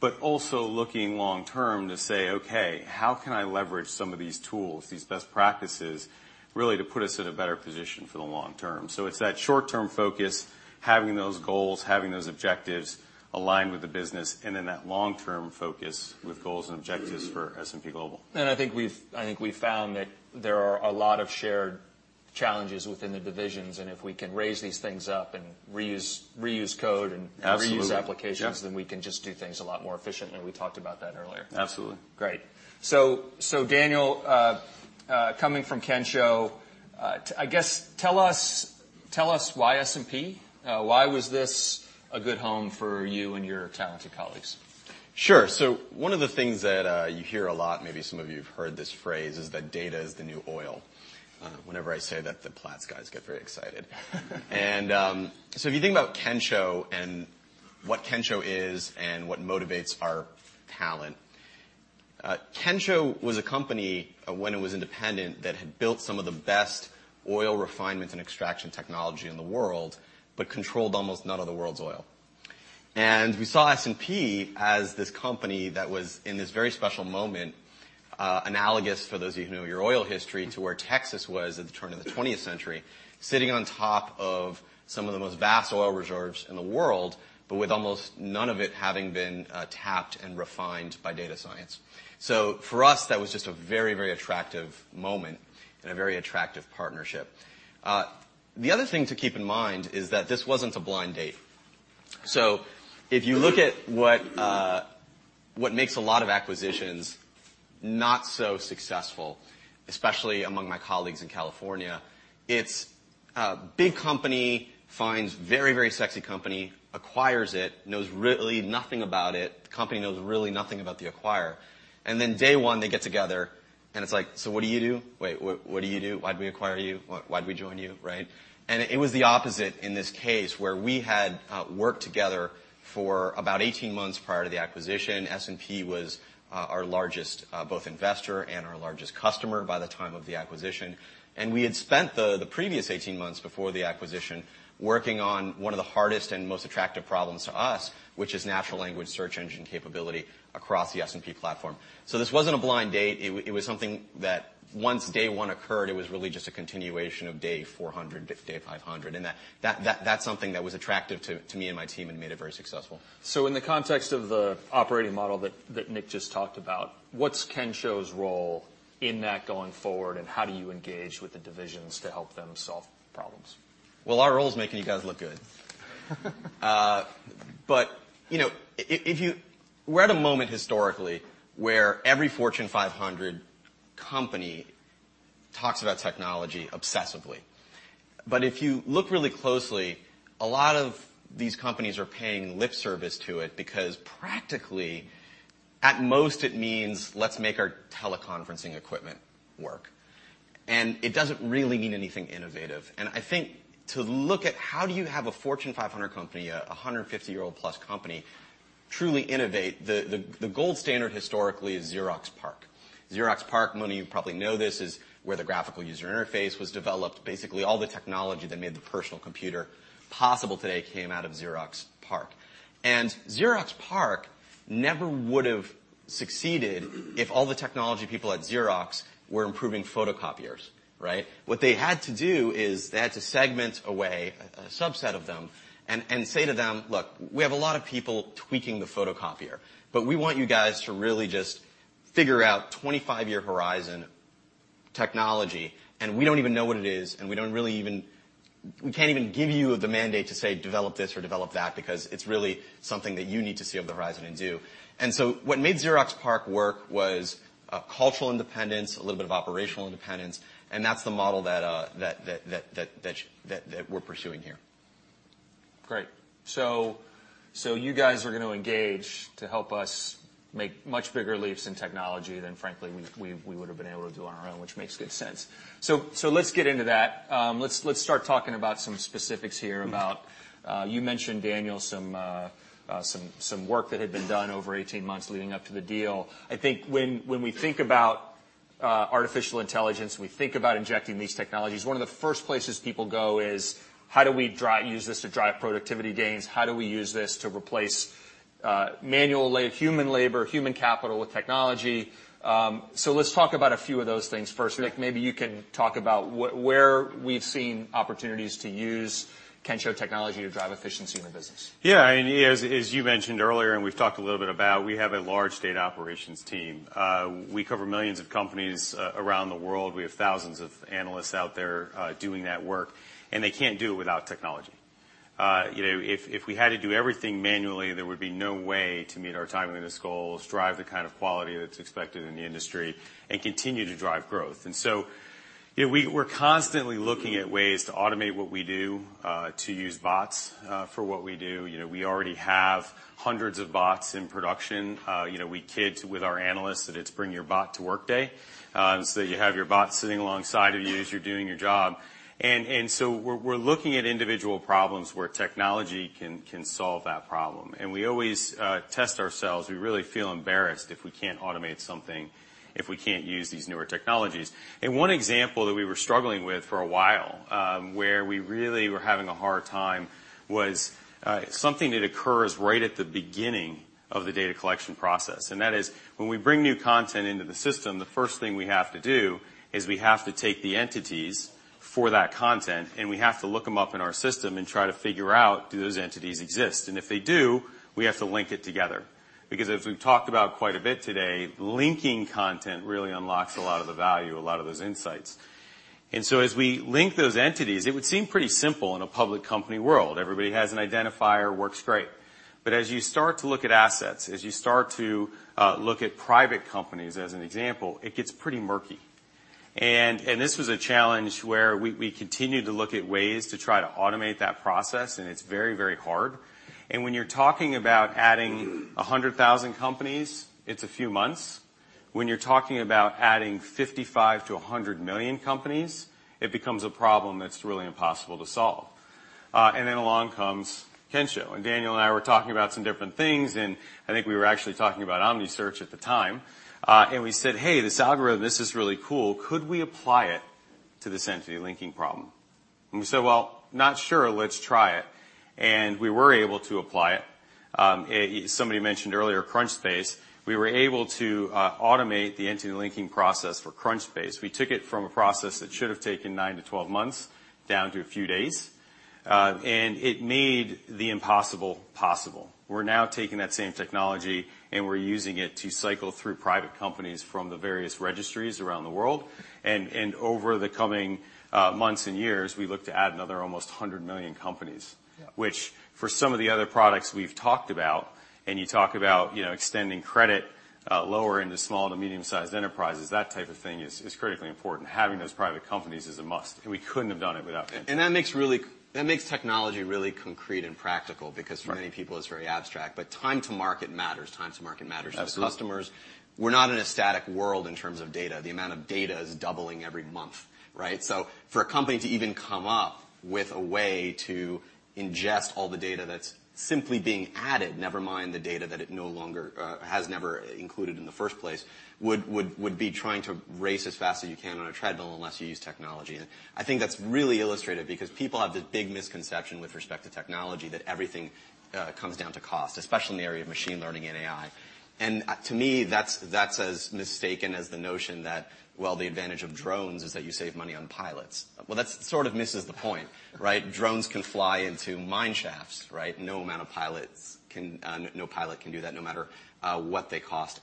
but also looking long-term to say, "Okay, how can I leverage some of these tools, these best practices, really to put us in a better position for the long term?" It's that short-term focus, having those goals, having those objectives align with the business, and then that long-term focus with goals and objectives for S&P Global. I think we've found that there are a lot of shared challenges within the divisions, and if we can raise these things up and reuse code. Absolutely reuse applications. Yeah We can just do things a lot more efficiently. We talked about that earlier. Absolutely. Great. Daniel, coming from Kensho, I guess tell us why S&P? Why was this a good home for you and your talented colleagues? Sure. One of the things that you hear a lot, maybe some of you've heard this phrase, is that data is the new oil. Whenever I say that, the Platts guys get very excited. If you think about Kensho and what Kensho is and what motivates our talent, Kensho was a company, when it was independent, that had built some of the best oil refinement and extraction technology in the world, but controlled almost none of the world's oil. We saw S&P as this company that was in this very special moment, analogous, for those of you who know your oil history, to where Texas was at the turn of the twentieth century, sitting on top of some of the most vast oil reserves in the world, but with almost none of it having been tapped and refined by data science. For us, that was just a very attractive moment and a very attractive partnership. The other thing to keep in mind is that this wasn't a blind date. If you look at what makes a lot of acquisitions not so successful, especially among my colleagues in California, it's a big company finds very sexy company, acquires it, knows really nothing about it, the company knows really nothing about the acquirer. Day one they get together and it's like, "So what do you do? Wait, what do you do? Why'd we acquire you? Why'd we join you?" Right. It was the opposite in this case where we had worked together for about 18 months prior to the acquisition. S&P was our largest both investor and our largest customer by the time of the acquisition. We had spent the previous 18 months before the acquisition working on one of the hardest and most attractive problems to us, which is natural language search engine capability across the S&P Global Platform. This wasn't a blind date. It was something that once day one occurred, it was really just a continuation of day 400 to day 500. That's something that was attractive to me and my team and made it very successful. In the context of the operating model that Nick just talked about, what's Kensho's role in that going forward, and how do you engage with the divisions to help them solve problems? Well, our role is making you guys look good. You know, we're at a moment historically where every Fortune 500 company talks about technology obsessively. If you look really closely, a lot of these companies are paying lip service to it because practically, at most it means let's make our teleconferencing equipment work. It doesn't really mean anything innovative. I think to look at how do you have a Fortune 500 company, a 150-year-old plus company, truly innovate? The gold standard historically is Xerox PARC. Xerox PARC, many of you probably know this, is where the graphical user interface was developed. Basically, all the technology that made the personal computer possible today came out of Xerox PARC. Xerox PARC never would've succeeded if all the technology people at Xerox were improving photocopiers, right? What they had to do is they had to segment away a subset of them and say to them, "Look, we have a lot of people tweaking the photocopier, but we want you guys to really just figure out 25-year horizon technology, and we don't even know what it is, and we don't really even we can't even give you the mandate to say, "Develop this or develop that," because it's really something that you need to see over the horizon and do. What made Xerox PARC work was cultural independence, a little bit of operational independence, and that's the model that we're pursuing here. Great. You guys are gonna engage to help us make much bigger leaps in technology than, frankly, we would have been able to do on our own, which makes good sense. Let's get into that. Let's start talking about some specifics here about, you mentioned, Daniel, some work that had been done over 18 months leading up to the deal. I think when we think about artificial intelligence, we think about injecting these technologies, one of the first places people go is, how do we use this to drive productivity gains? How do we use this to replace manual human labor, human capital with technology? Let's talk about a few of those things first. Sure. Nick, maybe you can talk about where we've seen opportunities to use Kensho technology to drive efficiency in the business. Yeah. As you mentioned earlier, and we've talked a little bit about, we have a large data operations team. We cover millions of companies around the world. We have thousands of analysts out there doing that work. They can't do it without technology. You know, if we had to do everything manually, there would be no way to meet our timeliness goals, drive the kind of quality that's expected in the industry, and continue to drive growth. You know, we're constantly looking at ways to automate what we do, to use bots for what we do. You know, we already have hundreds of bots in production. You know, we kid with our analysts that it's bring your bot to work day, so that you have your bot sitting alongside of you as you're doing your job. We're looking at individual problems where technology can solve that problem. We always test ourselves. We really feel embarrassed if we can't automate something, if we can't use these newer technologies. One example that we were struggling with for a while, where we really were having a hard time was something that occurs right at the beginning of the data collection process. That is, when we bring new content into the system, the first thing we have to do is we have to take the entities for that content, and we have to look them up in our system and try to figure out, do those entities exist? If they do, we have to link it together. As we've talked about quite a bit today, linking content really unlocks a lot of the value, a lot of those insights. As we link those entities, it would seem pretty simple in a public company world. Everybody has an identifier, works great. As you start to look at assets, as you start to look at private companies, as an example, it gets pretty murky. This was a challenge where we continued to look at ways to try to automate that process, and it's very, very hard. When you're talking about adding 100,000 companies, it's a few months. When you're talking about adding 55 to 100 million companies, it becomes a problem that's really impossible to solve. Along comes Kensho. Daniel and I were talking about some different things, and I think we were actually talking about OmniSearch at the time. We said, "Hey, this algorithm, this is really cool. Could we apply it to this entity linking problem?" We said, "Well, not sure. Let's try it." We were able to apply it. Somebody mentioned earlier Crunchbase. We were able to automate the entity linking process for Crunchbase. We took it from a process that should have taken 9-12 months down to a few days, and it made the impossible possible. We're now taking that same technology, and we're using it to cycle through private companies from the various registries around the world. Over the coming months and years, we look to add another almost 100 million companies. Yeah. Which for some of the other products we've talked about, and you talk about, you know, extending credit, lower into small to medium-sized enterprises, that type of thing is critically important. Having those private companies is a must, and we couldn't have done it without Kensho. That makes technology really concrete and practical because. Right for many people it's very abstract. Time to market matters. Absolutely for customers. We're not in a static world in terms of data. The amount of data is doubling every month, right? For a company to even come up with a way to ingest all the data that's simply being added, never mind the data that it no longer has never included in the first place, would be trying to race as fast as you can on a treadmill unless you use technology. I think that's really illustrative because people have the big misconception with respect to technology that everything comes down to cost, especially in the area of machine learning and AI. To me, that's as mistaken as the notion that, well, the advantage of drones is that you save money on pilots. Well, that sort of misses the point, right? Drones can fly into mine shafts, right? No amount of pilots can, no pilot can do that, no matter what they cost.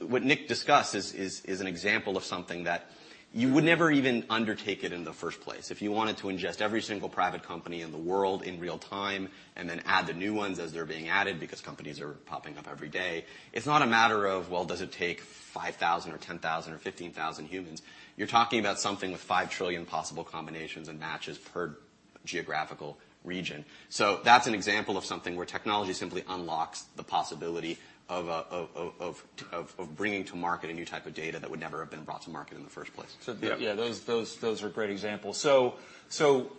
What Nick discussed is an example of something that you would never even undertake it in the first place. If you wanted to ingest every single private company in the world in real-time, and then add the new ones as they're being added because companies are popping up every day, it's not a matter of, well, does it take 5,000 or 10,000 or 15,000 humans? You're talking about something with five trillion possible combinations and matches per geographical region. That's an example of something where technology simply unlocks the possibility of bringing to market a new type of data that would never have been brought to market in the first place. So- Yeah Yeah, those are great examples.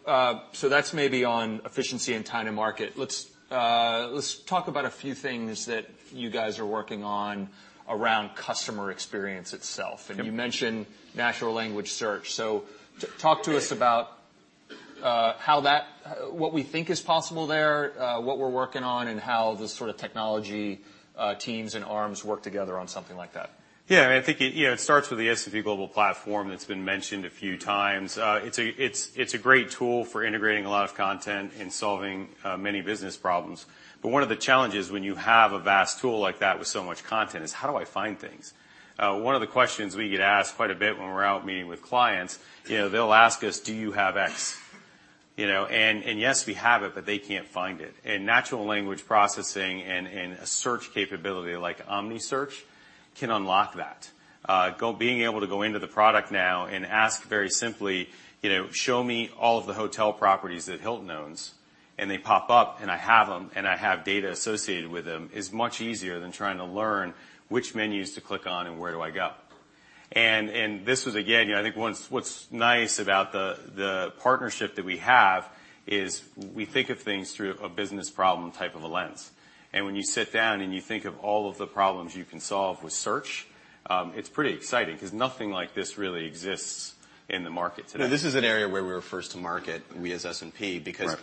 That's maybe on efficiency and time to market. Let's talk about a few things that you guys are working on around customer experience itself. Yep. You mentioned natural language search. Talk to us about how that, what we think is possible there, what we're working on, and how the sort of technology, teams and arms work together on something like that. I think it, you know, it starts with the S&P Global Platform that's been mentioned a few times. It's a great tool for integrating a lot of content and solving many business problems. One of the challenges when you have a vast tool like that with so much content is, how do I find things? One of the questions we get asked quite a bit when we're out meeting with clients, you know, they'll ask us, "Do you have X?" You know, and yes, we have it, but they can't find it. Natural language processing and a search capability like OmniSearch can unlock that. Being able to go into the product now and ask very simply, you know, "Show me all of the hotel properties that Hilton owns," they pop up, and I have them, and I have data associated with them, is much easier than trying to learn which menus to click on and where do I go. This was again, you know, I think what's nice about the partnership that we have is we think of things through a business problem type of a lens. When you sit down and you think of all of the problems you can solve with search, it's pretty exciting, 'cause nothing like this really exists in the market today. No, this is an area where we were first to market, we as S&P. Right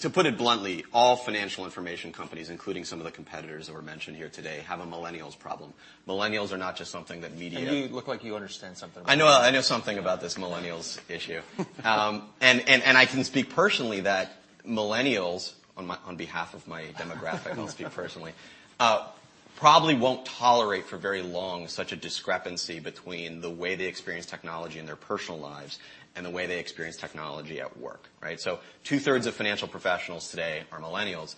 To put it bluntly, all financial information companies, including some of the competitors that were mentioned here today, have a millennials problem. Millennials are not just something that media- You look like you understand something about that. I know something about this millennials issue. I can speak personally that millennials, on behalf of my demographic, I'll speak personally, probably won't tolerate for very long such a discrepancy between the way they experience technology in their personal lives and the way they experience technology at work, right? Two-thirds of financial professionals today are millennials.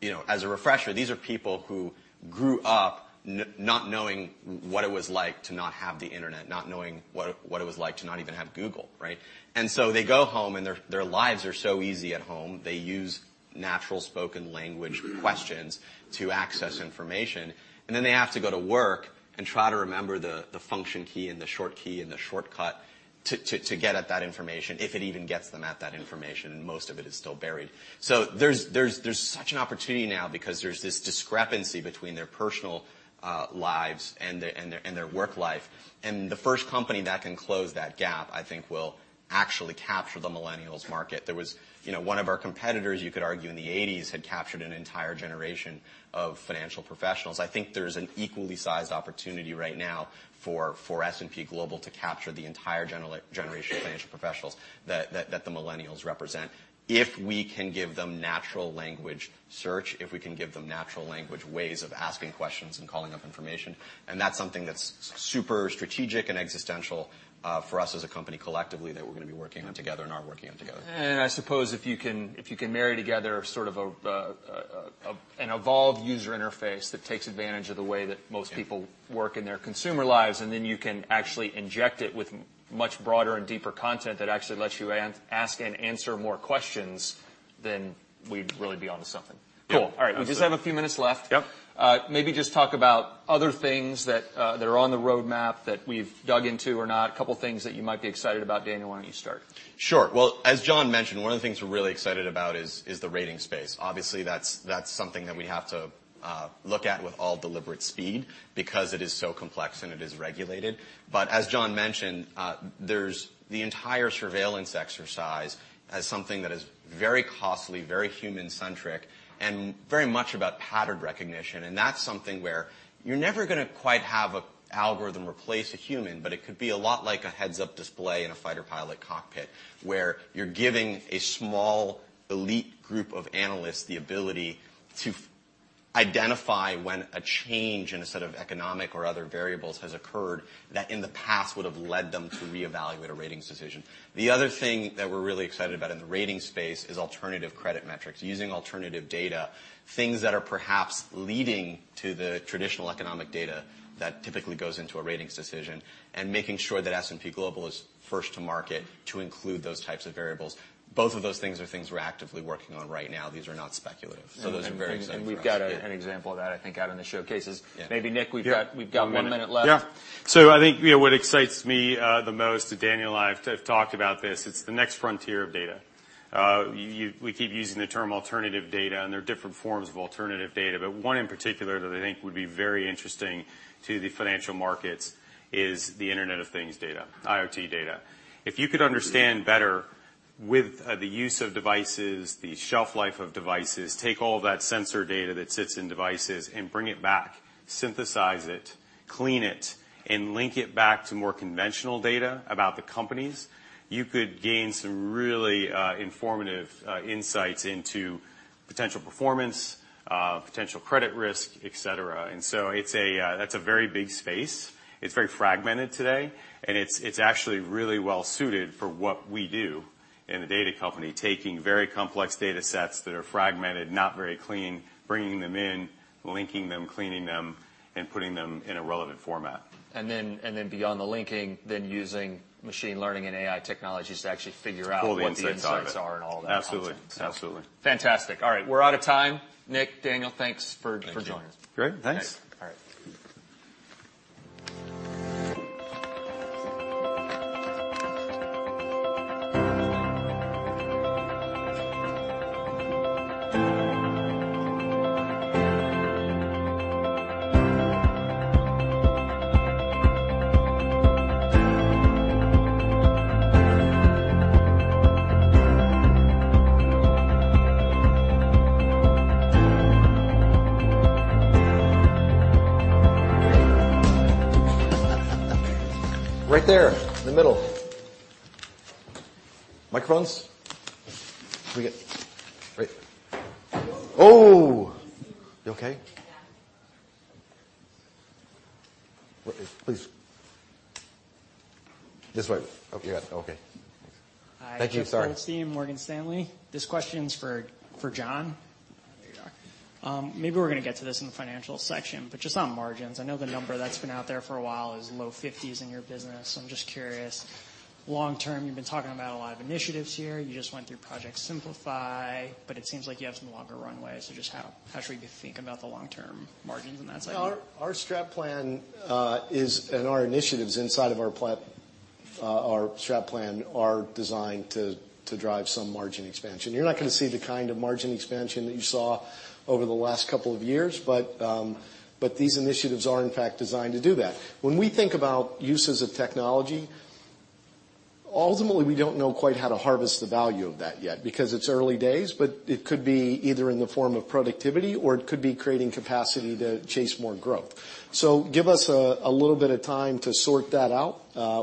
You know, as a refresher, these are people who grew up not knowing what it was like to not have the internet, not knowing what it was like to not even have Google, right? They go home and their lives are so easy at home. They use natural spoken language questions to access information, and then they have to go to work and try to remember the function key and the short key and the shortcut to, to get at that information, if it even gets them at that information. Most of it is still buried. There's such an opportunity now because there's this discrepancy between their personal lives and their and their and their work life. The first company that can close that gap, I think, will actually capture the millennials market. There was, you know, one of our competitors, you could argue in the '80s, had captured an entire generation of financial professionals. I think there's an equally sized opportunity right now for S&P Global to capture the entire generation of financial professionals that the millennials represent if we can give them natural language search, if we can give them natural language ways of asking questions and calling up information. That's something that's super strategic and existential for us as a company collectively that we're gonna be working on together and are working on together. I suppose if you can marry together sort of an evolved user interface that takes advantage of the way that most people. Yeah work in their consumer lives, and then you can actually inject it with much broader and deeper content that actually lets you ask and answer more questions, then we'd really be onto something. Yeah. Cool. All right. That's it. We just have a few minutes left. Yep. Maybe just talk about other things that are on the roadmap that we've dug into or not, a couple things that you might be excited about. Daniel, why don't you start? Sure. As John mentioned, one of the things we're really excited about is the ratings space. Obviously, that's something that we have to look at with all deliberate speed because it is so complex, and it is regulated. As John mentioned, there's the entire surveillance exercise as something that is very costly, very human-centric, and very much about pattern recognition, and that's something where you're never gonna quite have a algorithm replace a human, but it could be a lot like a heads-up display in a fighter pilot cockpit, where you're giving a small elite group of analysts the ability to identify when a change in a set of economic or other variables has occurred that in the past would've led them to reevaluate a ratings decision. The other thing that we're really excited about in the ratings space is alternative credit metrics, using alternative data, things that are perhaps leading to the traditional economic data that typically goes into a ratings decision, and making sure that S&P Global is first to market to include those types of variables. Both of those things are things we're actively working on right now. These are not speculative. Those are very exciting for us. We've got an example of that I think out in the showcases. Yeah. Maybe Nick. Yeah we've got one minute left. One minute. Yeah. I think, you know, what excites me the most, and Daniel and I have talked about this, it's the next frontier of data. We keep using the term alternative data, and there are different forms of alternative data, but one in particular that I think would be very interesting to the financial markets is the Internet of Things data, IoT data. If you could understand better with the use of devices, the shelf life of devices, take all that sensor data that sits in devices and bring it back, synthesize it, clean it, and link it back to more conventional data about the companies, you could gain some really informative insights into potential performance, potential credit risk, et cetera. It's a, that's a very big space. It's very fragmented today, and it's actually really well suited for what we do in a data company, taking very complex data sets that are fragmented, not very clean, bringing them in, linking them, cleaning them, and putting them in a relevant format. Beyond the linking, then using machine learning and AI technologies to actually figure out. Pull the insights out of it. what the insights are and all that content. Absolutely. Absolutely. Fantastic. All right. We're out of time. Nick, Daniel, thanks for joining us. Thank you. Great. Thanks. All right. Right there in the middle. Microphones? Can we get. Wait. Oh. You okay? Yeah. Well, please. This way. Oh, yeah. Okay. Thanks. Hi. Thank you. Sorry. Jeffrey Goldstein, Morgan Stanley. This question's for John. There you are. Maybe we're gonna get to this in the financial section, just on margins, I know the number that's been out there for a while is low fifties in your business. I'm just curious, long term, you've been talking about a lot of initiatives here. You just went through Project Simplify, it seems like you have some longer runways. Just how should we think about the long-term margins on that side? Our strat plan, our initiatives inside of our strat plan are designed to drive some margin expansion. You're not going to see the kind of margin expansion that you saw over the last couple of years, but these initiatives are in fact designed to do that. When we think about uses of technology, ultimately, we don't know quite how to harvest the value of that yet because it's early days, but it could be either in the form of productivity or it could be creating capacity to chase more growth. Give us a little bit of time to sort that out,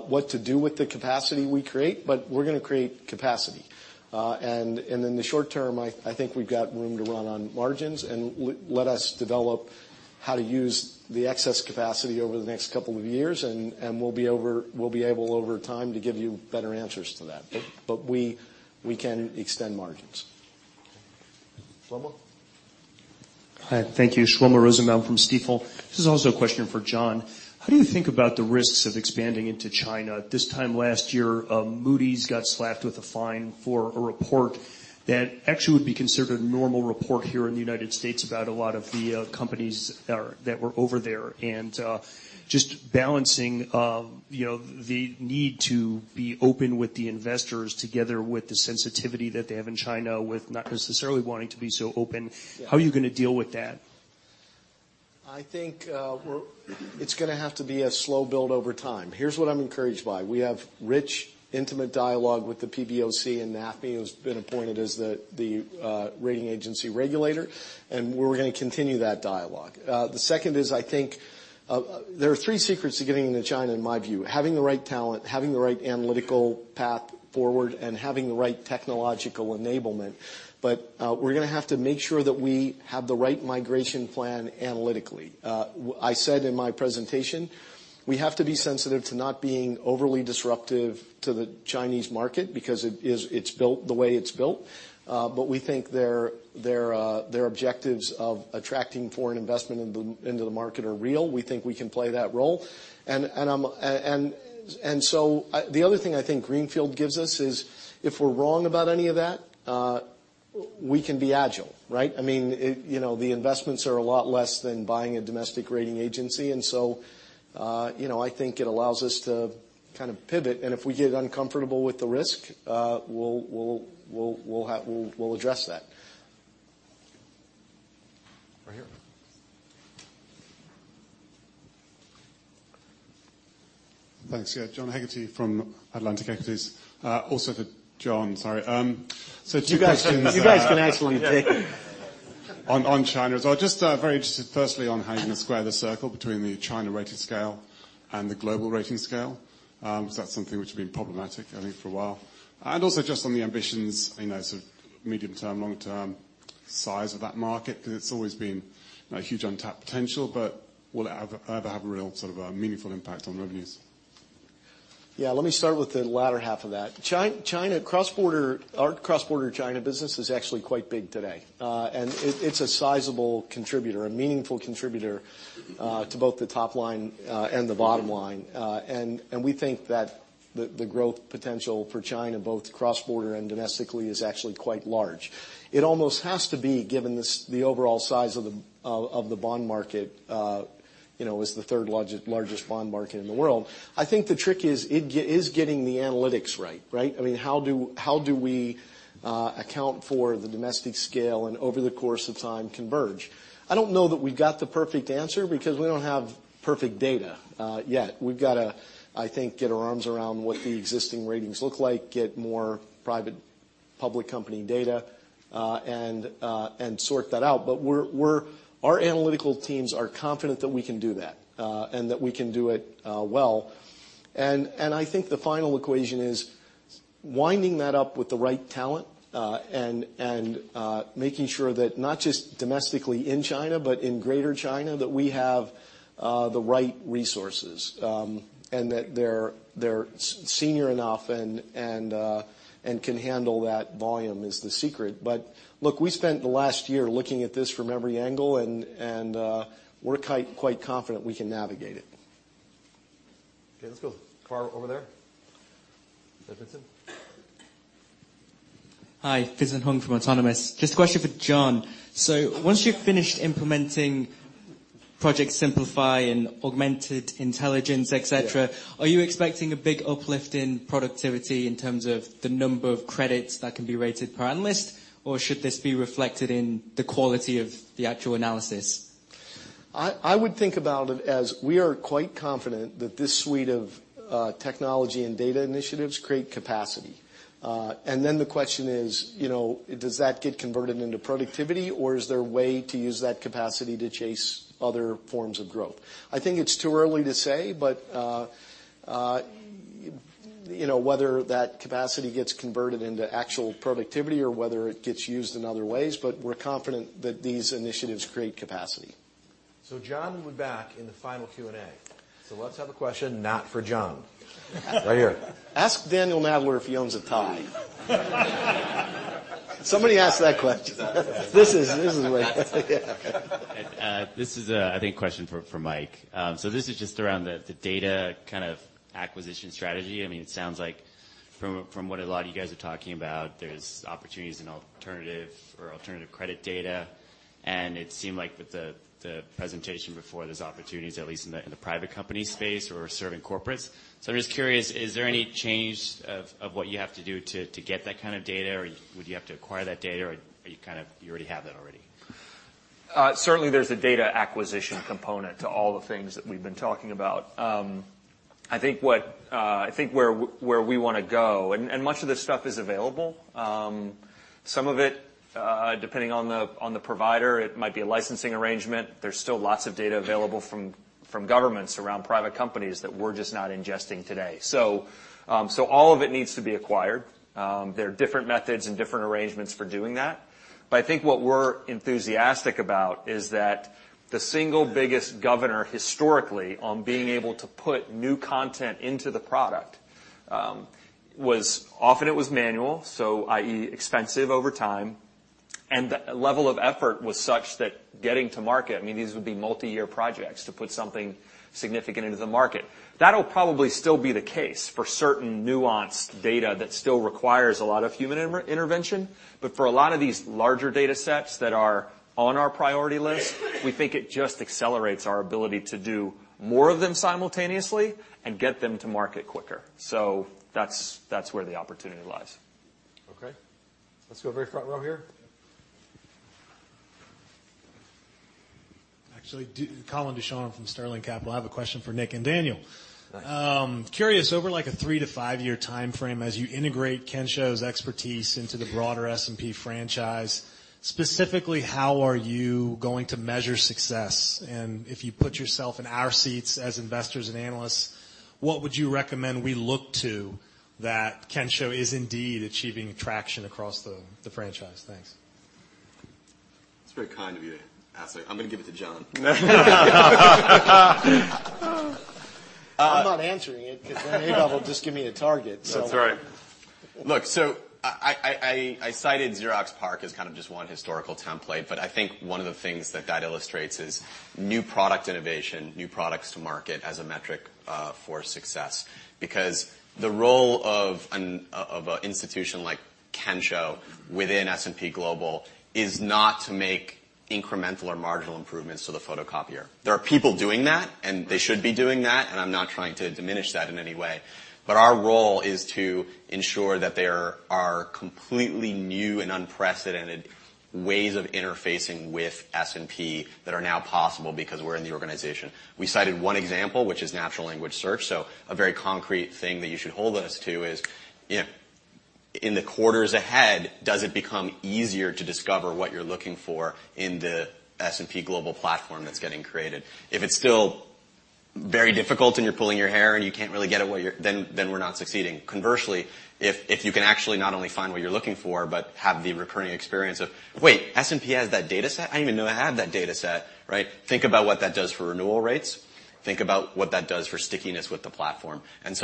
what to do with the capacity we create, but we're going to create capacity. And in the short term, I think we've got room to run on margins. Let us develop how to use the excess capacity over the next couple of years and we'll be able, over time, to give you better answers to that. But we can extend margins. Shlomo. Hi. Thank you. Shlomo Rosenbaum from Stifel. This is also a question for John. How do you think about the risks of expanding into China? This time last year, Moody's got slapped with a fine for a report that actually would be considered a normal report here in the U.S. about a lot of the companies that were over there. Just balancing, you know, the need to be open with the investors together with the sensitivity that they have in China with not necessarily wanting to be so open. Yeah. How are you gonna deal with that? I think, it's gonna have to be a slow build over time. Here's what I'm encouraged by. We have rich, intimate dialogue with the PBOC and NAFMII, who's been appointed as the, rating agency regulator, and we're gonna continue that dialogue. The second is, I think, there are three secrets to getting into China in my view, having the right talent, having the right analytical path forward, and having the right technological enablement. We're gonna have to make sure that we have the right migration plan analytically. I said in my presentation, we have to be sensitive to not being overly disruptive to the Chinese market because it is, it's built the way it's built. We think their, their objectives of attracting foreign investment into the, into the market are real. We think we can play that role. The other thing I think Greenfield gives us is if we're wrong about any of that, we can be agile, right? I mean, you know, the investments are a lot less than buying a domestic rating agency. You know, I think it allows us to kind of pivot. If we get uncomfortable with the risk, we'll address that. Right here. Thanks. Yeah, John Heagerty from Atlantic Equities. Also for John. Sorry. Two questions. You guys, you guys can ask one each. On China as well. Just very interested firstly on how you're gonna square the circle between the China rating scale and the global rating scale. That's something which has been problematic, I think, for a while. Also just on the ambitions, you know, sort of medium term, long term size of that market, 'cause it's always been a huge untapped potential, but will it ever have a real sort of meaningful impact on revenues? Yeah. Let me start with the latter half of that. China, our cross-border China business is actually quite big today. It's a sizable contributor, a meaningful contributor, to both the top line and the bottom line. We think that the growth potential for China, both cross-border and domestically, is actually quite large. It almost has to be, given the overall size of the bond market, you know, as the third largest bond market in the world. I think the trick is getting the analytics right. Right? I mean, how do we account for the domestic scale and over the course of time converge? I don't know that we got the perfect answer because we don't have perfect data yet. We've got to, I think, get our arms around what the existing ratings look like, get more private public company data, and sort that out. We're our analytical teams are confident that we can do that, and that we can do it, well. I think the final equation is winding that up with the right talent, and making sure that not just domestically in China, but in Greater China, that we have the right resources, and that they're senior enough and can handle that volume is the secret. Look, we spent the last year looking at this from every angle and we're quite confident we can navigate it. Okay, let's go far over there. Vincent. Hi. Vincent Hung from Autonomous. Just a question for John. Once you've finished implementing Project Simplify and Augmented Intelligence, et cetera- Yeah Are you expecting a big uplift in productivity in terms of the number of credits that can be rated per analyst, or should this be reflected in the quality of the actual analysis? I would think about it as we are quite confident that this suite of technology and data initiatives create capacity. The question is, you know, does that get converted into productivity, or is there a way to use that capacity to chase other forms of growth? I think it's too early to say, you know, whether that capacity gets converted into actual productivity or whether it gets used in other ways. We're confident that these initiatives create capacity. John will be back in the final Q&A. Let's have a question not for John. Right here. Ask Daniel Nadler if he owns a tie. Somebody ask that question. This is like This is, I think a question for Mike. This is just around the data kind of acquisition strategy. I mean, it sounds like from what a lot of you guys are talking about, there's opportunities in alternative or alternative credit data, and it seemed like with the presentation before, there's opportunities at least in the private company space or serving corporates. I'm just curious, is there any change of what you have to do to get that kind of data, or would you have to acquire that data, or are you kind of you already have that already? Certainly there's a data acquisition component to all the things that we've been talking about. I think where we wanna go and much of this stuff is available. Some of it, depending on the provider, it might be a licensing arrangement. There's still lots of data available from governments around private companies that we're just not ingesting today. All of it needs to be acquired. There are different methods and different arrangements for doing that. I think what we're enthusiastic about is that the single biggest governor historically on being able to put new content into the product was often it was manual, so i.e., expensive over time. The level of effort was such that getting to market, I mean, these would be multi-year projects to put something significant into the market. That'll probably still be the case for certain nuanced data that still requires a lot of human inter-intervention, but for a lot of these larger datasets that are on our priority list, we think it just accelerates our ability to do more of them simultaneously and get them to market quicker. That's where the opportunity lies. Okay. Let's go very front row here. Actually, Colin Ducharme from Sterling Capital. I have a question for Nick and Daniel. Nice. Curious, over like a three to five-year timeframe, as you integrate Kensho's expertise into the broader S&P franchise, specifically, how are you going to measure success? If you put yourself in our seats as investors and analysts, what would you recommend we look to that Kensho is indeed achieving traction across the franchise? Thanks. That's very kind of you, actually. I'm gonna give it to John. I'm not answering it because then Ewout will just give me a target. That's right. Look, I cited Xerox PARC as kind of just one historical template, but I think one of the things that illustrates is new product innovation, new products to market as a metric for success. Because the role of an institution like Kensho within S&P Global is not to make incremental or marginal improvements to the photocopier. There are people doing that, and they should be doing that, and I'm not trying to diminish that in any way, but our role is to ensure that there are completely new and unprecedented ways of interfacing with S&P Global that are now possible because we're in the organization. We cited one example, which is natural language search. A very concrete thing that you should hold us to is, you know, in the quarters ahead, does it become easier to discover what you're looking for in the S&P Global Platform that's getting created? If it's still very difficult and you're pulling your hair and you can't really get at, then we're not succeeding. Conversely, if you can actually not only find what you're looking for but have the recurring experience of, "Wait, S&P has that dataset? I didn't even know I had that dataset." Right? Think about what that does for renewal rates. Think about what that does for stickiness with the Platform. That's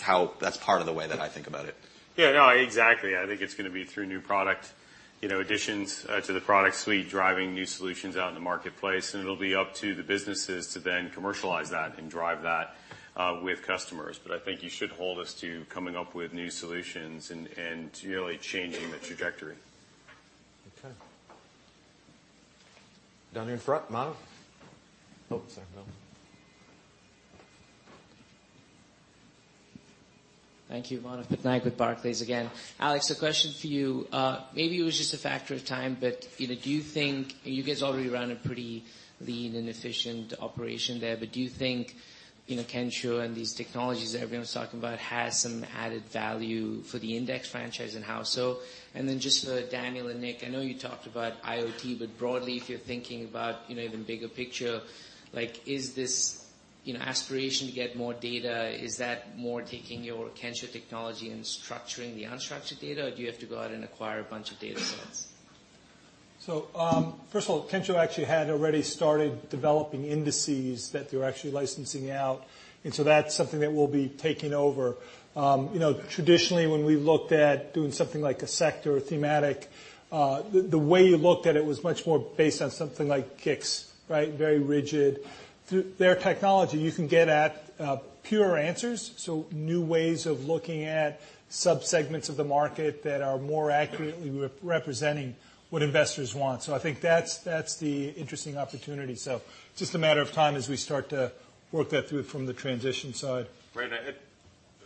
how that's part of the way that I think about it. Yeah, no, exactly. I think it's going to be through new product, you know, additions, to the product suite, driving new solutions out in the marketplace, It'll be up to the businesses to then commercialize that and drive that with customers. I think you should hold us to coming up with new solutions and really changing the trajectory. Okay. Down here in front. Manav. Oh, sorry, Bill. Thank you. Manav Patnaik with Barclays again. Alex, a question for you. maybe it was just a factor of time, but, you know, do you think You guys already run a pretty lean and efficient operation there, but do you think, you know, Kensho and these technologies that everyone's talking about has some added value for the Indices franchise and how so? Then just for Daniel and Nick, I know you talked about IoT, but broadly, if you're thinking about, you know, the bigger picture, like, is this, you know, aspiration to get more data, is that more taking your Kensho technology and structuring the unstructured data, or do you have to go out and acquire a bunch of datasets? First of all, Kensho actually had already started developing indices that they were actually licensing out, that's something that we'll be taking over. You know, traditionally, when we looked at doing something like a sector or thematic, the way you looked at it was much more based on something like GICS, right? Very rigid. Their technology, you can get at pure answers, so new ways of looking at sub-segments of the market that are more accurately representing what investors want. I think that's the interesting opportunity. Just a matter of time as we start to work that through from the transition side. Right.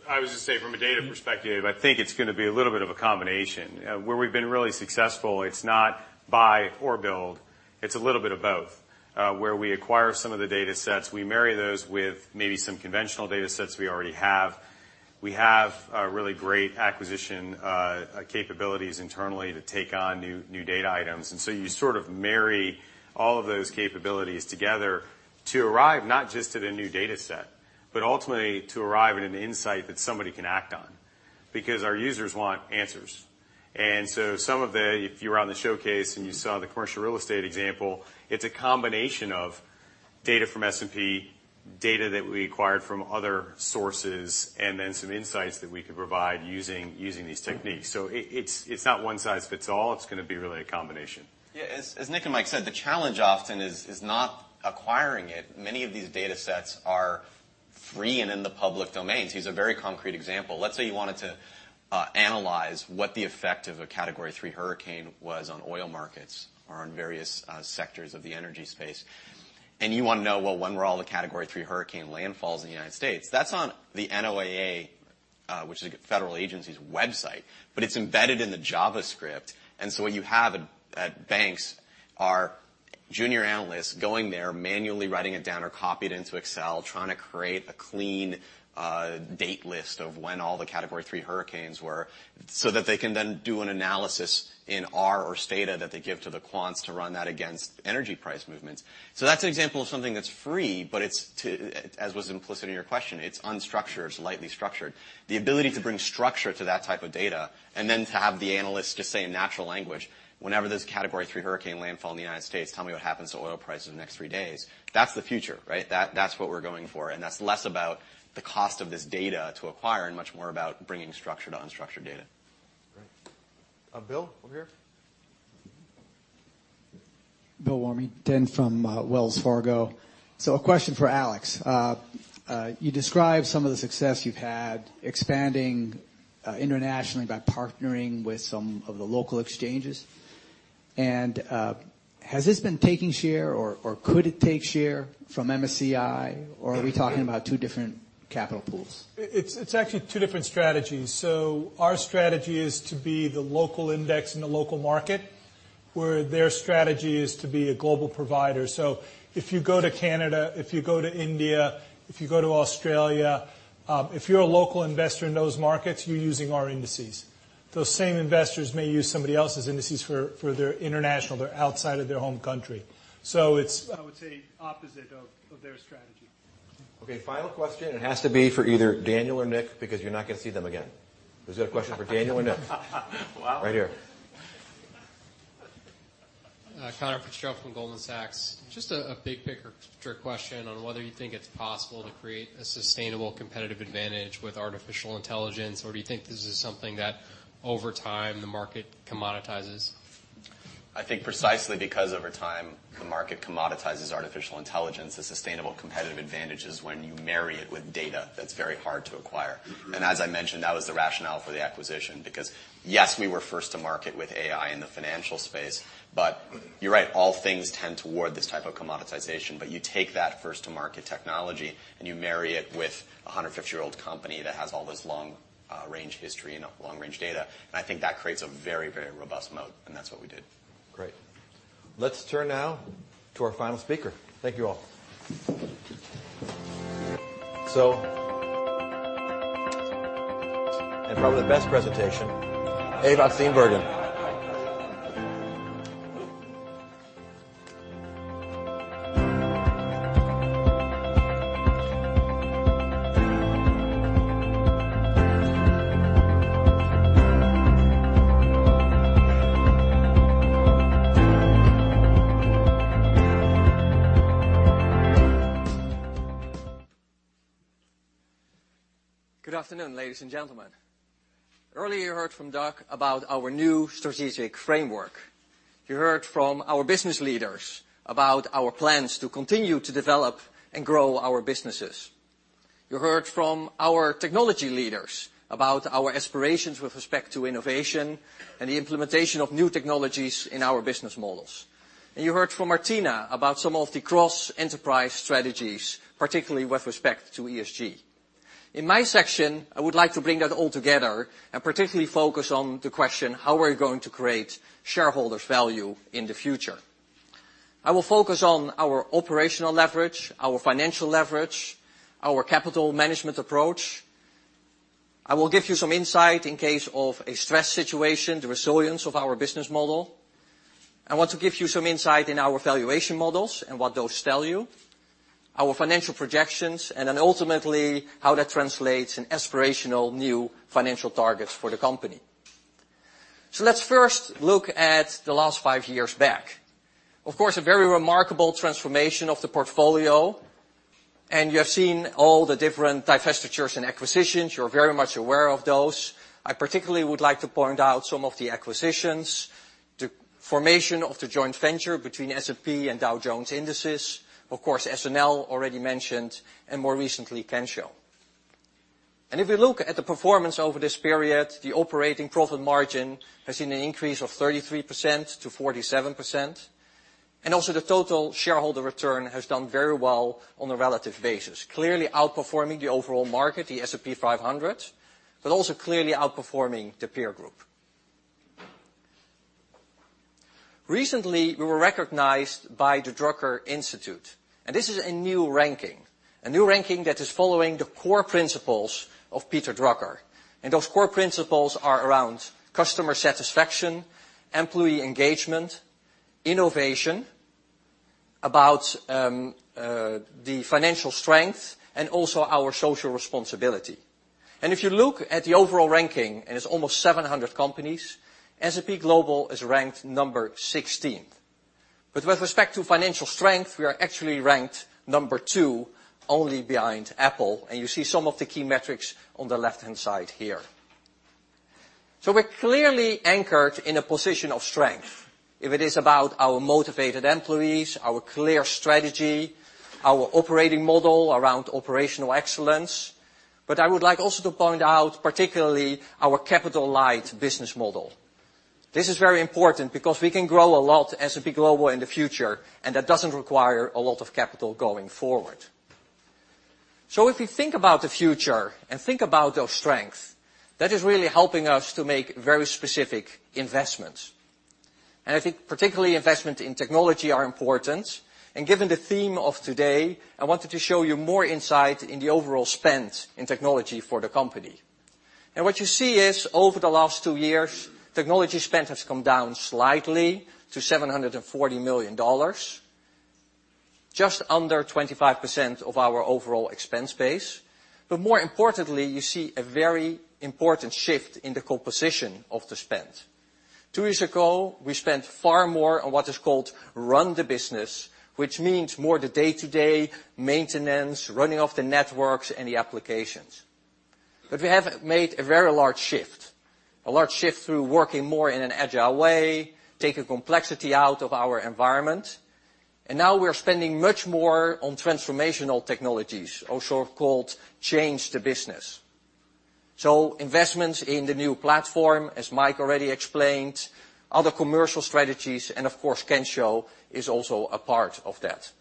I was gonna say from a data perspective, I think it's gonna be a little bit of a combination. Where we've been really successful, it's not buy or build, it's a little bit of both. Where we acquire some of the datasets, we marry those with maybe some conventional datasets we already have. We have really great acquisition capabilities internally to take on new data items. You sort of marry all of those capabilities together to arrive not just at a new dataset, but ultimately to arrive at an insight that somebody can act on. Because our users want answers. Some of the if you were on the showcase and you saw the commercial real estate example, it's a combination of data from S&P, data that we acquired from other sources, and then some insights that we could provide using these techniques. It's not one size fits all, it's gonna be really a combination. Yeah, as Nick and Mike said, the challenge often is not acquiring it. Many of these datasets are free and in the public domain. Here's a very concrete example. Let's say you wanted to analyze what the effect of a Category three hurricane was on oil markets or on various sectors of the energy space, and you wanna know, well, when were all the Category three hurricane landfalls in the U.S.? That's on the NOAA, which is a federal agency's website, but it's embedded in the JavaScript. What you have at banks are junior analysts going there, manually writing it down or copied into Excel, trying to create a clean date list of when all the Category three hurricanes were, so that they can then do an analysis in R or Stata that they give to the quants to run that against energy price movements. That's an example of something that's free, but it's to, as was implicit in your question, it's unstructured, it's lightly structured. The ability to bring structure to that type of data and then to have the analyst just say in natural language, "Whenever there's a Category three hurricane landfall in the United States, tell me what happens to oil prices in the next three days," that's the future, right? That's what we're going for, and that's less about the cost of this data to acquire and much more about bringing structure to unstructured data. Great. Bill, over here. Bill Warmington, then from Wells Fargo. A question for Alex. You described some of the success you've had expanding internationally by partnering with some of the local exchanges. Has this been taking share or could it take share from MSCI, or are we talking about two different capital pools? It's actually two different strategies. Our strategy is to be the local index in the local market, where their strategy is to be a global provider. If you go to Canada, if you go to India, if you go to Australia, if you're a local investor in those markets, you're using our indices. Those same investors may use somebody else's indices for their international or outside of their home country. It's, I would say, opposite of their strategy. Okay, final question, it has to be for either Daniel or Nick, because you're not gonna see them again. Who's got a question for Daniel or Nick? Wow. Right here. Conor Fitzgerald from Goldman Sachs. Just a big picture question on whether you think it's possible to create a sustainable competitive advantage with artificial intelligence, or do you think this is something that over time the market commoditizes? I think precisely because over time the market commoditizes artificial intelligence, the sustainable competitive advantage is when you marry it with data that's very hard to acquire. As I mentioned, that was the rationale for the acquisition because, yes, we were first to market with AI in the financial space, but you're right, all things tend toward this type of commoditization. You take that first-to-market technology, and you marry it with a 150-year-old company that has all this long range history and long range data, and I think that creates a very, very robust moat, and that's what we did. Great. Let's turn now to our final speaker. Thank you all. Probably the best presentation, Ewout Steenbergen. Good afternoon, ladies and gentlemen. Earlier, you heard from Doug about our new strategic framework. You heard from our business leaders about our plans to continue to develop and grow our businesses. You heard from our technology leaders about our aspirations with respect to innovation and the implementation of new technologies in our business models. You heard from Martina about some of the cross-enterprise strategies, particularly with respect to ESG. In my section, I would like to bring that all together and particularly focus on the question: how are we going to create shareholders value in the future? I will focus on our operational leverage, our financial leverage, our capital management approach. I will give you some insight in case of a stress situation, the resilience of our business model. I want to give you some insight in our valuation models and what those tell you, our financial projections, and then ultimately, how that translates in aspirational new financial targets for the company. Let's first look at the last five years back. Of course, a very remarkable transformation of the portfolio, and you have seen all the different divestitures and acquisitions. You're very much aware of those. I particularly would like to point out some of the acquisitions, the formation of the joint venture between S&P and Dow Jones Indices. Of course, SNL already mentioned, and more recently, Kensho. If we look at the performance over this period, the operating profit margin has seen an increase of 33% to 47%. The total shareholder return has done very well on a relative basis, clearly outperforming the overall market, the S&P 500, but also clearly outperforming the peer group. Recently, we were recognized by the Drucker Institute, and this is a new ranking. A new ranking that is following the core principles of Peter Drucker. Those core principles are around customer satisfaction, employee engagement, innovation, about the financial strength, and also our social responsibility. If you look at the overall ranking, and it's almost 700 companies, S&P Global is ranked number 16. With respect to financial strength, we are actually ranked number 2, only behind Apple, and you see some of the key metrics on the left-hand side here. We're clearly anchored in a position of strength, if it is about our motivated employees, our clear strategy, our operating model around operational excellence. I would like also to point out particularly our capital light business model. This is very important because we can grow a lot S&P Global in the future, and that doesn't require a lot of capital going forward. If you think about the future and think about those strengths, that is really helping us to make very specific investments, and I think particularly investment in technology are important. Given the theme of today, I wanted to show you more insight in the overall spend in technology for the company. What you see is, over the last two years, technology spend has come down slightly to $740 million, just under 25% of our overall expense base. More importantly, you see a very important shift in the composition of the spend. Two years ago, we spent far more on what is called run the business, which means more the day-to-day maintenance, running of the networks and the applications. We have made a very large shift through working more in an agile way, taking complexity out of our environment, and now we're spending much more on transformational technologies, also called change the business. Investments in the new platform, as Mike already explained, other commercial strategies, and of course Kensho is also a part of that.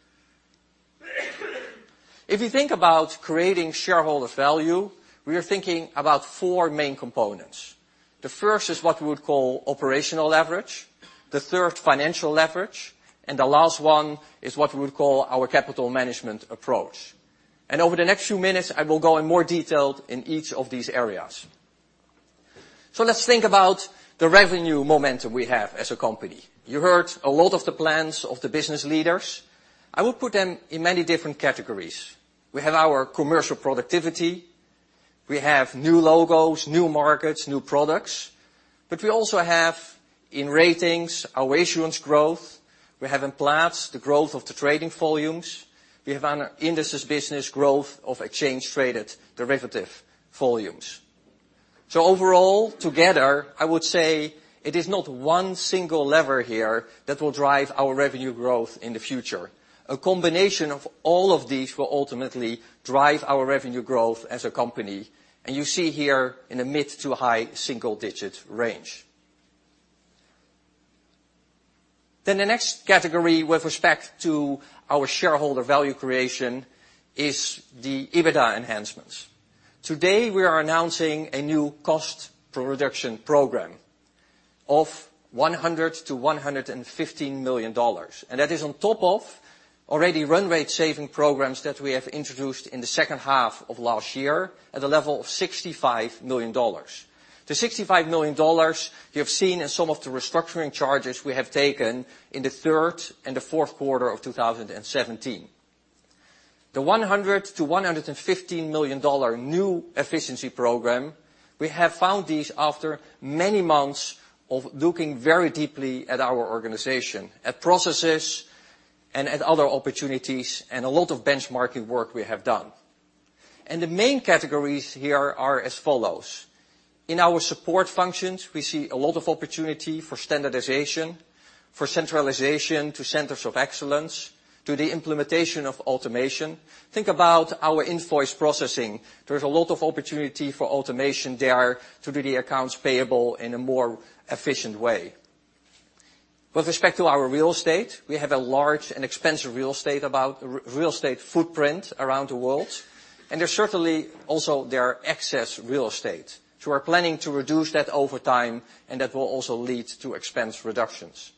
If you think about creating shareholder value, we are thinking about four main components. The first is what we would call operational leverage, the third financial leverage, and the last one is what we would call our capital management approach. Over the next few minutes, I will go in more detail in each of these areas. Let's think about the revenue momentum we have as a company. You heard a lot of the plans of the business leaders. I would put them in many different categories. We have our commercial productivity, we have new logos, new markets, new products, but we also have in Ratings our issuance growth. We have in Platts the growth of the trading volumes. We have in our indices business growth of exchange traded derivative volumes. Overall, together, I would say it is not one single lever here that will drive our revenue growth in the future. A combination of all of these will ultimately drive our revenue growth as a company, and you see here in the mid-to-high single digit range. The next category with respect to our shareholder value creation is the EBITDA enhancements. Today, we are announcing a new cost reduction program of $100 million to $115 million, that is on top of already run rate saving programs that we have introduced in the second half of last year at a level of $65 million. The $65 million you have seen in some of the restructuring charges we have taken in the 3rd and the 4th quarter of 2017. The $100 million to $115 million new efficiency program, we have found these after many months of looking very deeply at our organization, at processes and at other opportunities and a lot of benchmarking work we have done. The main categories here are as follows. In our support functions, we see a lot of opportunity for standardization, for centralization to centers of excellence, to the implementation of automation. Think about our invoice processing. There's a lot of opportunity for automation there to do the accounts payable in a more efficient way. With respect to our real estate, we have a large and expensive real estate footprint around the world, and there's certainly also there are excess real estate. We're planning to reduce that over time and that will also lead to expense reductions.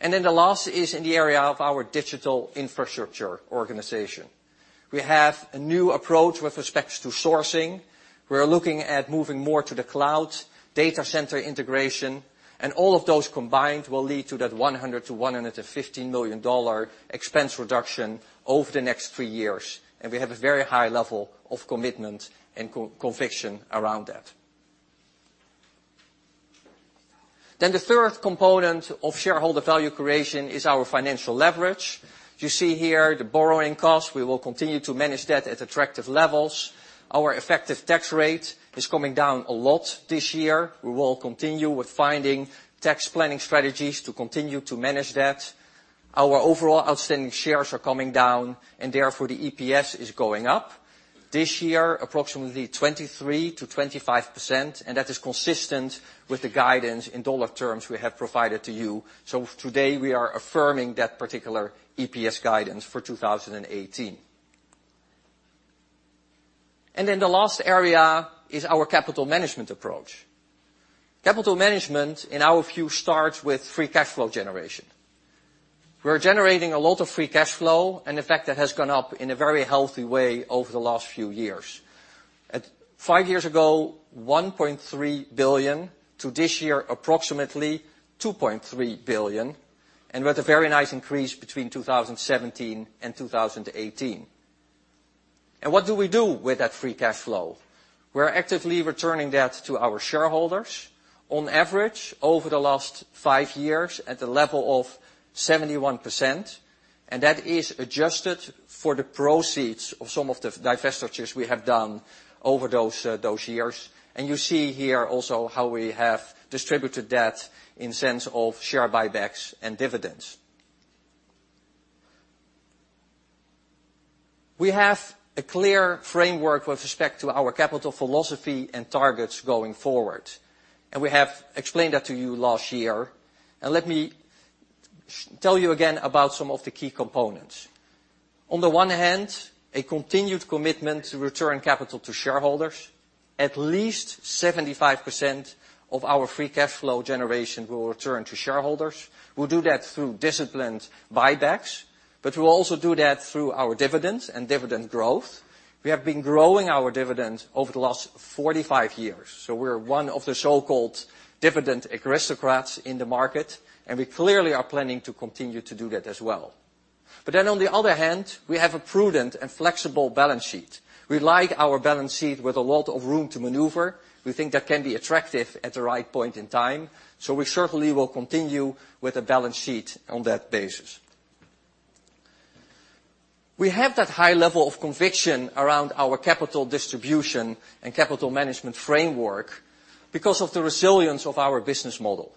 The last is in the area of our digital infrastructure organization. We have a new approach with respect to sourcing. We are looking at moving more to the cloud, data center integration, all of those combined will lead to that $100 million-$115 million expense reduction over the next three years. We have a very high level of commitment and conviction around that. The third component of shareholder value creation is our financial leverage. You see here the borrowing costs. We will continue to manage that at attractive levels. Our effective tax rate is coming down a lot this year. We will continue with finding tax planning strategies to continue to manage that. Our overall outstanding shares are coming down and therefore the EPS is going up. This year, approximately 23%-25%, that is consistent with the guidance in dollar terms we have provided to you. Today, we are affirming that particular EPS guidance for 2018. The last area is our capital management approach. Capital management, in our view, starts with free cash flow generation. We're generating a lot of free cash flow, and in fact, that has gone up in a very healthy way over the last few years. At years ago, $1.3 billion, to this year approximately $2.3 billion, with a very nice increase between 2017 and 2018. What do we do with that free cash flow? We're actively returning that to our shareholders. On average, over the last five years at the level of 71%, and that is adjusted for the proceeds of some of the divestitures we have done over those years. You see here also how we have distributed that in sense of share buybacks and dividends. We have a clear framework with respect to our capital philosophy and targets going forward, and we have explained that to you last year. Let me tell you again about some of the key components. On the one hand, a continued commitment to return capital to shareholders. At least 75% of our free cash flow generation will return to shareholders. We'll do that through disciplined buybacks, but we'll also do that through our dividends and dividend growth. We have been growing our dividends over the last 45 years, so we're one of the so-called Dividend Aristocrats in the market, and we clearly are planning to continue to do that as well. On the other hand, we have a prudent and flexible balance sheet. We like our balance sheet with a lot of room to maneuver. We think that can be attractive at the right point in time. We certainly will continue with a balance sheet on that basis. We have that high level of conviction around our capital distribution and capital management framework because of the resilience of our business model.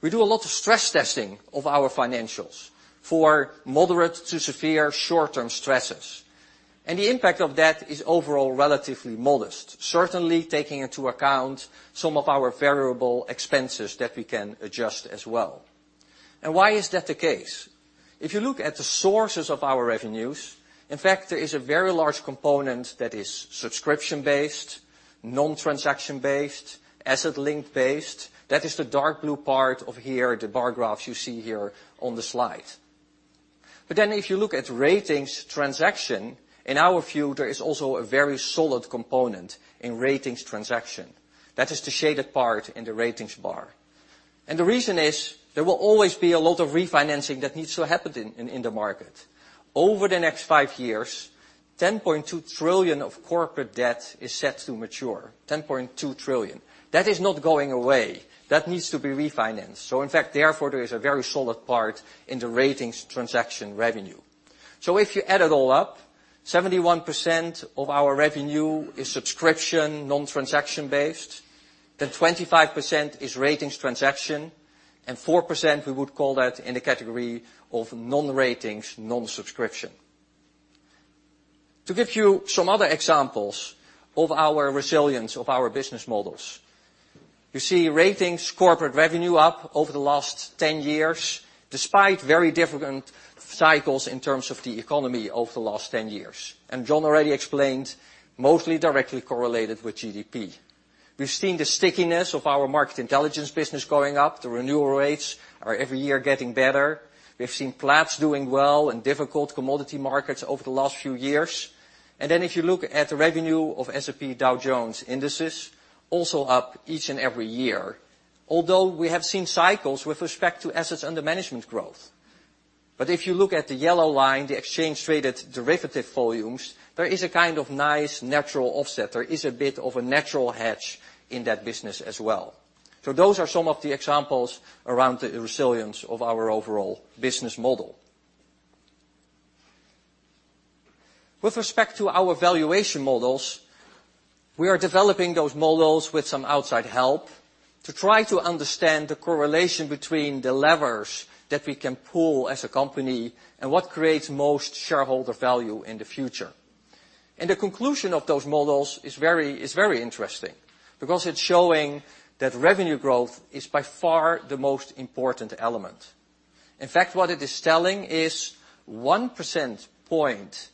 We do a lot of stress testing of our financials for moderate to severe short-term stresses, the impact of that is overall relatively modest, certainly taking into account some of our variable expenses that we can adjust as well. Why is that the case? If you look at the sources of our revenues, in fact, there is a very large component that is subscription-based, non-transaction based, asset link based. That is the dark blue part of here, the bar graphs you see here on the slide. If you look at ratings transaction, in our view, there is also a very solid component in ratings transaction. That is the shaded part in the ratings bar. The reason is, there will always be a lot of refinancing that needs to happen in the market. Over the next five years, $10.2 trillion of corporate debt is set to mature. $10.2 trillion. That is not going away. That needs to be refinanced. In fact, therefore, there is a very solid part in the ratings transaction revenue. If you add it all up, 71% of our revenue is subscription, non-transaction based, 25% is ratings transaction, and 4% we would call that in a category of non-ratings, non-subscription. To give you some other examples of our resilience of our business models, you see Ratings corporate revenue up over the last 10 years, despite very different cycles in terms of the economy over the last 10 years, and John already explained mostly directly correlated with GDP. We've seen the stickiness of our Market Intelligence business going up. The renewal rates are every year getting better. We've seen Platts doing well in difficult commodity markets over the last few years. If you look at the revenue of S&P Dow Jones Indices, also up each and every year. Although we have seen cycles with respect to assets under management growth. If you look at the yellow line, the exchange-traded derivative volumes, there is a kind of nice natural offset. There is a bit of a natural hedge in that business as well. Those are some of the examples around the resilience of our overall business model. With respect to our valuation models, we are developing those models with some outside help to try to understand the correlation between the levers that we can pull as a company and what creates most shareholder value in the future. The conclusion of those models is very interesting because it's showing that revenue growth is by far the most important element. In fact, what it is telling is 1% point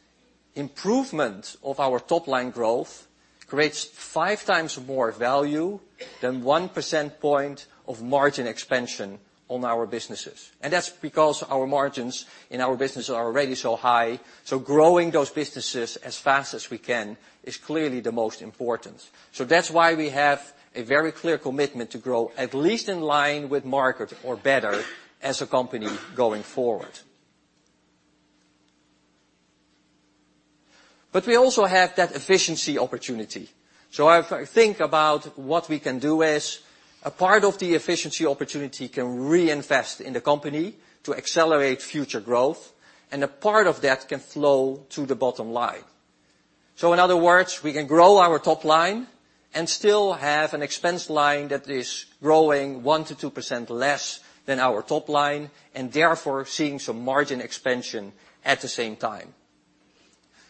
improvement of our top line growth creates five times more value than 1% point of margin expansion on our businesses. That's because our margins in our business are already so high. Growing those businesses as fast as we can is clearly the most important. That's why we have a very clear commitment to grow at least in line with market or better as a company going forward. We also have that efficiency opportunity. I think about what we can do as a part of the efficiency opportunity can reinvest in the company to accelerate future growth, and a part of that can flow to the bottom line. In other words, we can grow our top line and still have an expense line that is growing 1%-2% less than our top line, and therefore seeing some margin expansion at the same time.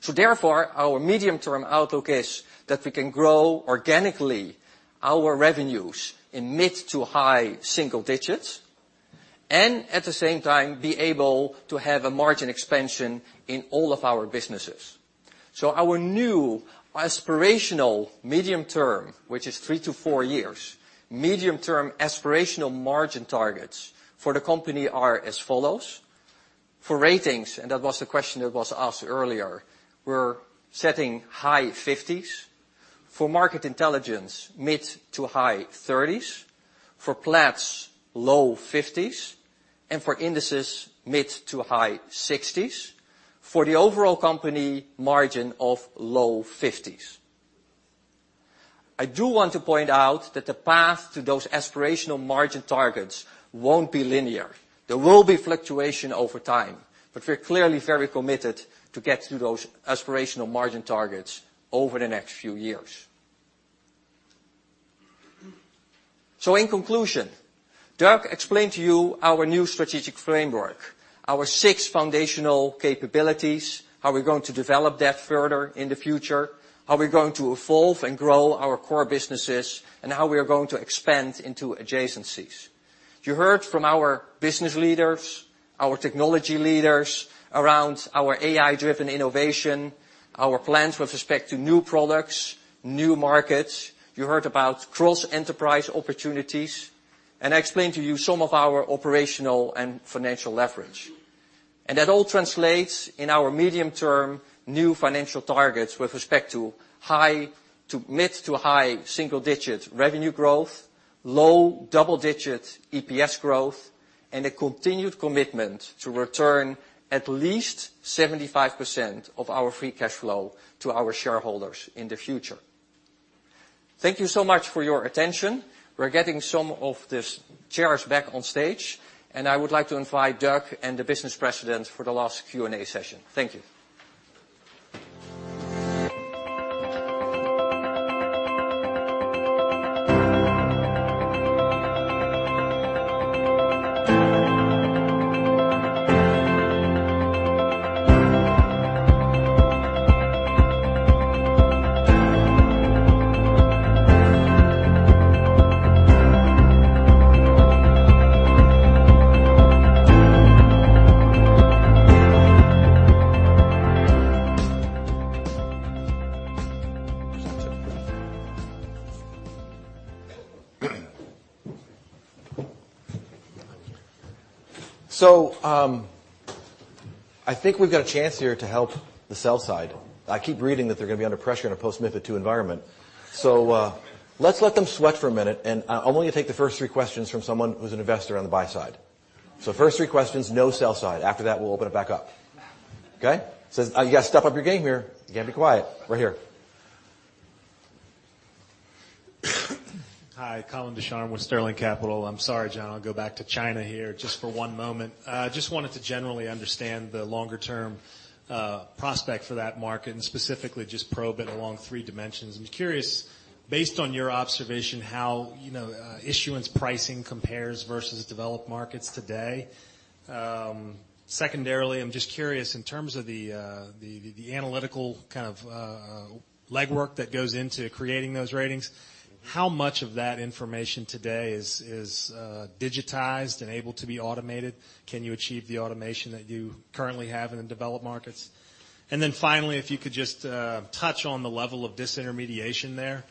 Therefore, our medium-term outlook is that we can grow organically our revenues in mid- to high-single digits, and at the same time, be able to have a margin expansion in all of our businesses. Our new aspirational medium term, which is three-four years, medium-term aspirational margin targets for the company are as follows: for Ratings, and that was the question that was asked earlier, we're setting high 50s. For Market Intelligence, mid-to-high 30s. For Platts, low 50s. For Indices, mid-to-high 60s. For the overall company margin of low 50s. I do want to point out that the path to those aspirational margin targets won't be linear. There will be fluctuation over time, but we're clearly very committed to get to those aspirational margin targets over the next few years. In conclusion, Doug explained to you our new strategic framework, our six foundational capabilities, how we're going to develop that further in the future, how we're going to evolve and grow our core businesses, and how we are going to expand into adjacencies. You heard from our business leaders, our technology leaders around our AI-driven innovation, our plans with respect to new products, new markets. You heard about cross-enterprise opportunities. I explained to you some of our operational and financial leverage. That all translates in our medium term new financial targets with respect to mid to high single-digit revenue growth, low double-digit EPS growth, a continued commitment to return at least 75% of our free cash flow to our shareholders in the future. Thank you so much for your attention. We're getting some of these chairs back on stage. I would like to invite Doug and the business presidents for the last Q&A session. Thank you. I think we've got a chance here to help the sell side. I keep reading that they're going to be under pressure in a post-MiFID II environment. Let's let them sweat for a minute, and I'm only going to take the first three questions from someone who's an investor on the buy side. First three questions, no sell side. After that, we'll open it back up. Okay? You got to step up your game here. You can't be quiet. Right here. Hi, Colin Ducharme with Sterling Capital. I'm sorry, John, I'll go back to China here just for one moment. Just wanted to generally understand the longer term prospect for that market, and specifically just probe it along three dimensions. I'm curious, based on your observation, how, you know, issuance pricing compares versus developed markets today. Secondarily, I'm just curious in terms of the analytical kind of legwork that goes into creating those ratings, how much of that information today is digitized and able to be automated? Can you achieve the automation that you currently have in the developed markets? Then finally, if you could just touch on the level of disintermediation there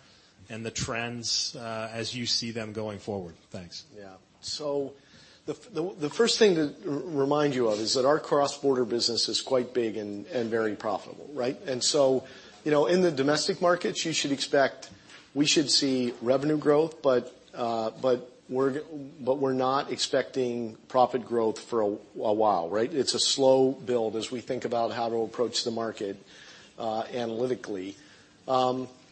and the trends as you see them going forward. Thanks. Yeah. The first thing to remind you of is that our cross-border business is quite big and very profitable, right? You know, in the domestic markets, you should expect we should see revenue growth, but we're not expecting profit growth for a while, right? It's a slow build as we think about how to approach the market analytically.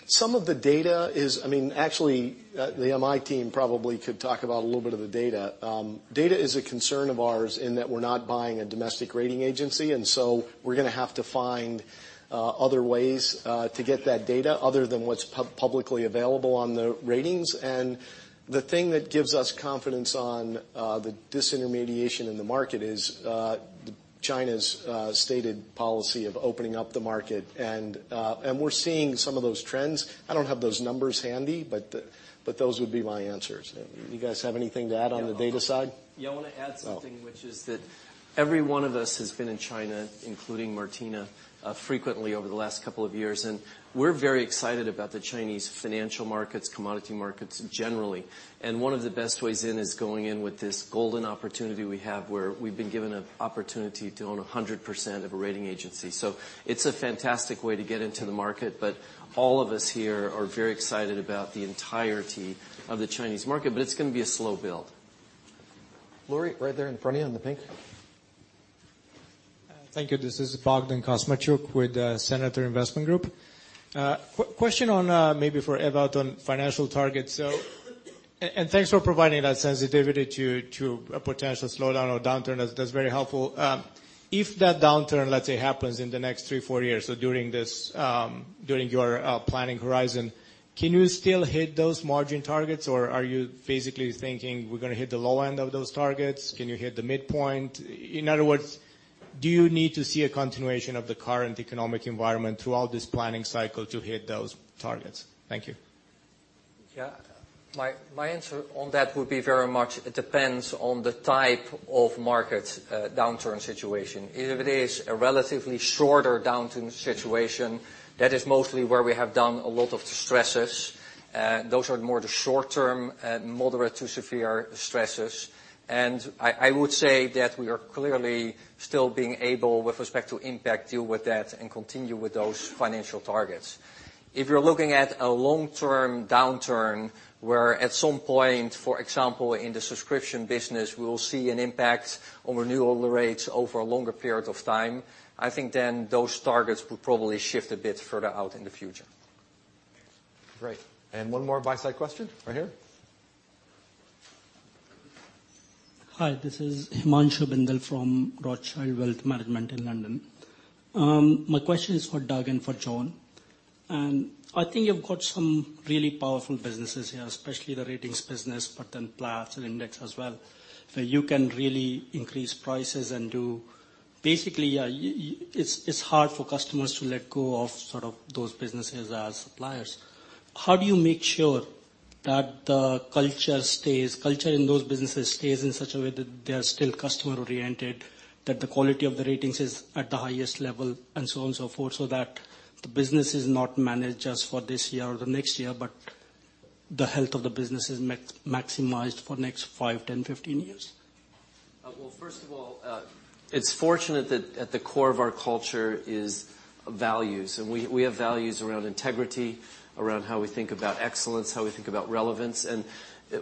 Some of the data is I mean, actually, the MI team probably could talk about a little bit of the data. Data is a concern of ours in that we're not buying a domestic rating agency, and so we're going to have to find other ways to get that data other than what's publicly available on the ratings. The thing that gives us confidence on the disintermediation in the market is China's stated policy of opening up the market. We're seeing some of those trends. I don't have those numbers handy, but those would be my answers. You guys have anything to add on the data side? Yeah, I want to add something. Oh which is that every one of us has been in China, including Martina, frequently over the last couple of years, and we're very excited about the Chinese financial markets, commodity markets generally. One of the best ways in is going in with this golden opportunity we have where we've been given a opportunity to own 100% of a rating agency. It's a fantastic way to get into the market, but all of us here are very excited about the entirety of the Chinese market, but it's going to be a slow build. Laurie, right there in front of you in the pink. Thank you. This is Bogdan Cosmaciuc with Senator Investment Group. Question on, maybe for Ewout on financial targets. Thanks for providing that sensitivity to a potential slowdown or downturn. That's very helpful. If that downturn, let's say, happens in the next three, four years, so during this, during your planning horizon, can you still hit those margin targets, or are you basically thinking we're going to hit the low end of those targets? Can you hit the midpoint? In other words, do you need to see a continuation of the current economic environment throughout this planning cycle to hit those targets? Thank you. Yeah. My answer on that would be very much it depends on the type of market, downturn situation. If it is a relatively shorter downturn situation, that is mostly where we have done a lot of the stresses. Those are more the short-term, moderate to severe stresses. I would say that we are clearly still being able, with respect to impact, deal with that and continue with those financial targets. If you're looking at a long-term downturn, where at some point, for example, in the subscription business, we will see an impact on renewal rates over a longer period of time, I think then those targets would probably shift a bit further out in the future. Great. One more buy-side question right here. Hi, this is Himanshu Bindal from Rothschild Wealth Management in London. My question is for Doug and for John. I think you've got some really powerful businesses here, especially the Ratings business, but then Platts and Index as well, where you can really increase prices and it's hard for customers to let go of sort of those businesses as suppliers. How do you make sure that the culture in those businesses stays in such a way that they are still customer-oriented, that the quality of the Ratings is at the highest level, and so on and so forth, so that the business is not managed just for this year or the next year, but the health of the business is maximized for next 5, 10, 15 years? Well, first of all, it's fortunate that at the core of our culture is values. We have values around integrity, around how we think about excellence, how we think about relevance.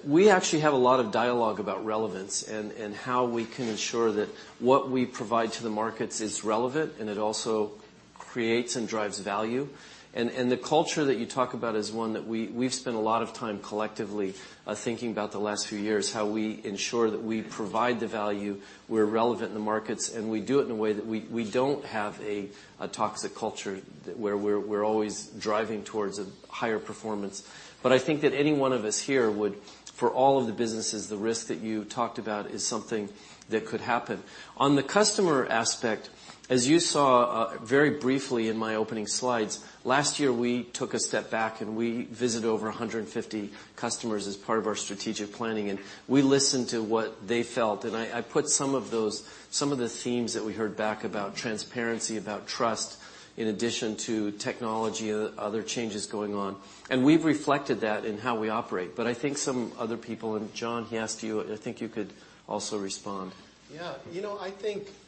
We actually have a lot of dialogue about relevance and how we can ensure that what we provide to the markets is relevant, and it also creates and drives value. The culture that you talk about is one that we've spent a lot of time collectively, thinking about the last few years, how we ensure that we provide the value, we're relevant in the markets, and we do it in a way that we don't have a toxic culture that where we're always driving towards a higher performance. I think that any one of us here would, for all of the businesses, the risk that you talked about is something that could happen. On the customer aspect, as you saw, very briefly in my opening slides, last year, we took a step back, and we visited over 150 customers as part of our strategic planning, and we listened to what they felt. I put some of those, some of the themes that we heard back about transparency, about trust, in addition to technology, other changes going on. We've reflected that in how we operate. I think some other people, and John, he asked you, I think you could also respond. Yeah. You know, I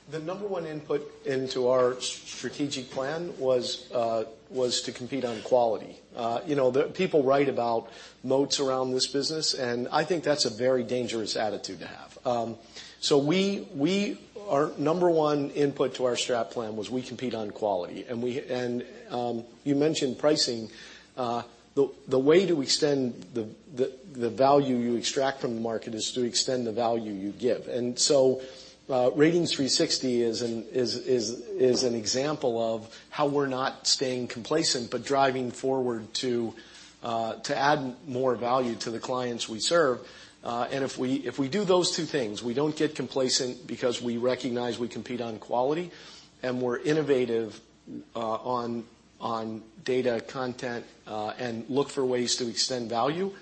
think the number one input into our strategic plan was to compete on quality. You know, the people write about moats around this business, and I think that's a very dangerous attitude to have. So our number one input to our strat plan was we compete on quality. You mentioned pricing. The way to extend the value you extract from the market is to extend the value you give. Ratings360 is an example of how we're not staying complacent, but driving forward to add more value to the clients we serve. If we do those two things, we don't get complacent because we recognize we compete on quality, and we're innovative on data content, and look for ways to extend value.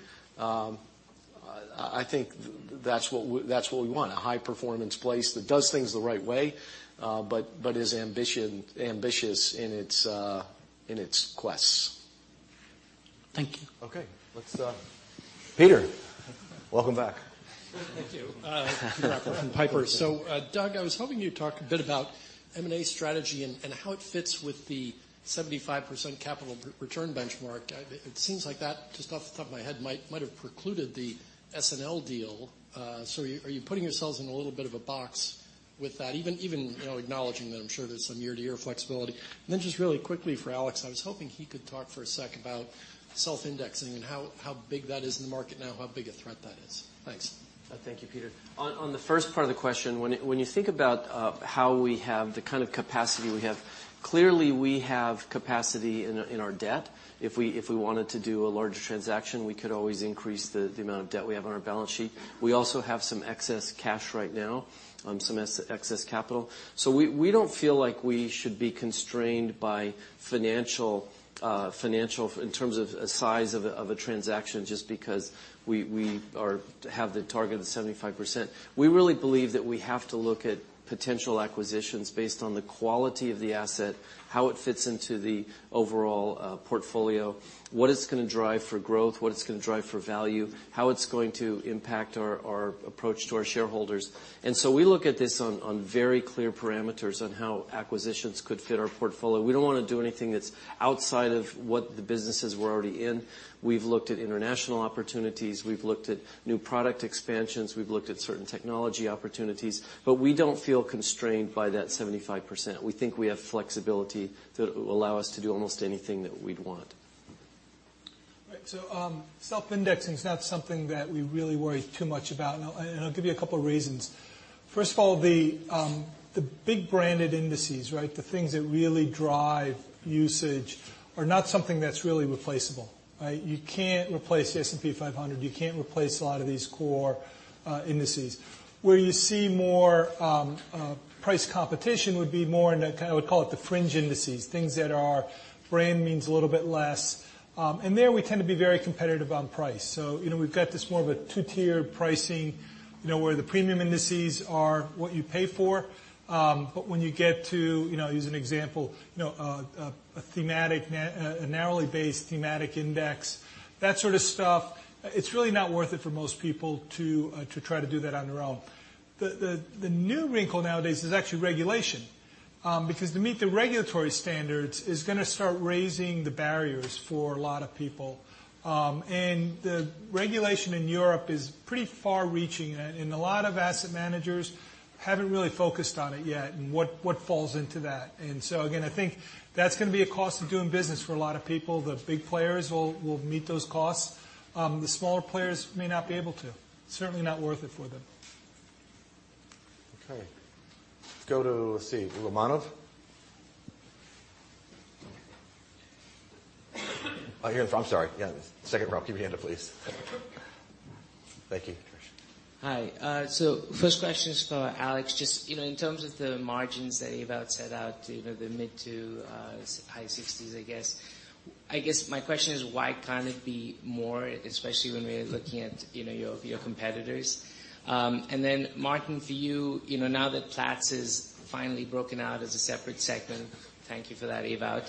I think that's what we want, a high-performance place that does things the right way, but is ambitious in its quests. Thank you. Okay. Let's, Peter, welcome back. Thank you. Peter Appert from Piper Jaffray. Doug Peterson, I was hoping you'd talk a bit about M&A strategy and how it fits with the 75% capital return benchmark. It seems like that, just off the top of my head, might have precluded the SNL deal. Are you putting yourselves in a little bit of a box with that? Even acknowledging that I'm sure there's some year-to-year flexibility. Then just really quickly for Alex Matturri, I was hoping he could talk for a sec about self-indexing and how big that is in the market now, how big a threat that is. Thanks. Thank you, Peter. On the first part of the question, when you think about how we have the kind of capacity we have, clearly we have capacity in our debt. If we wanted to do a larger transaction, we could always increase the amount of debt we have on our balance sheet. We also have some excess cash right now, some excess capital. We don't feel like we should be constrained by financial, in terms of size of a transaction just because we have the target of 75%. We really believe that we have to look at potential acquisitions based on the quality of the asset, how it fits into the overall portfolio, what it's gonna drive for growth, what it's gonna drive for value, how it's going to impact our approach to our shareholders. We look at this on very clear parameters on how acquisitions could fit our portfolio. We don't want to do anything that's outside of what the businesses we're already in. We've looked at international opportunities. We've looked at new product expansions. We've looked at certain technology opportunities. We don't feel constrained by that 75%. We think we have flexibility that will allow us to do almost anything that we'd want. Right. Self-indexing is not something that we really worry too much about, and I'll give you a couple of reasons. First of all, the big branded indices, right? The things that really drive usage are not something that's really replaceable, right? You can't replace the S&P 500, you can't replace a lot of these core indices. Where you see more price competition would be more in the kind of I would call it the fringe indices, things that are brand means a little bit less. There we tend to be very competitive on price. You know, we've got this more of a 2-tier pricing, you know, where the premium indices are what you pay for. When you get to, use an example, a narrowly-based thematic index, that sort of stuff, it's really not worth it for most people to try to do that on their own. The new wrinkle nowadays is actually regulation, because to meet the regulatory standards is gonna start raising the barriers for a lot of people. The regulation in Europe is pretty far-reaching, and a lot of asset managers haven't really focused on it yet and what falls into that. Again, I think that's gonna be a cost of doing business for a lot of people. The big players will meet those costs. The smaller players may not be able to. Certainly not worth it for them. Okay. Let's go to, let's see, Manav. Oh, here. I'm sorry. Yeah, second row. Keep your hand up, please. Thank you, Trish. Hi. First question is for Alex. Just, you know, in terms of the margins that Ewout set out, you know, the mid to high 60s, I guess. I guess my question is why can't it be more, especially when we're looking at, you know, your competitors? Martin, for you know, now that Platts is finally broken out as a separate segment, thank you for that, Ewout.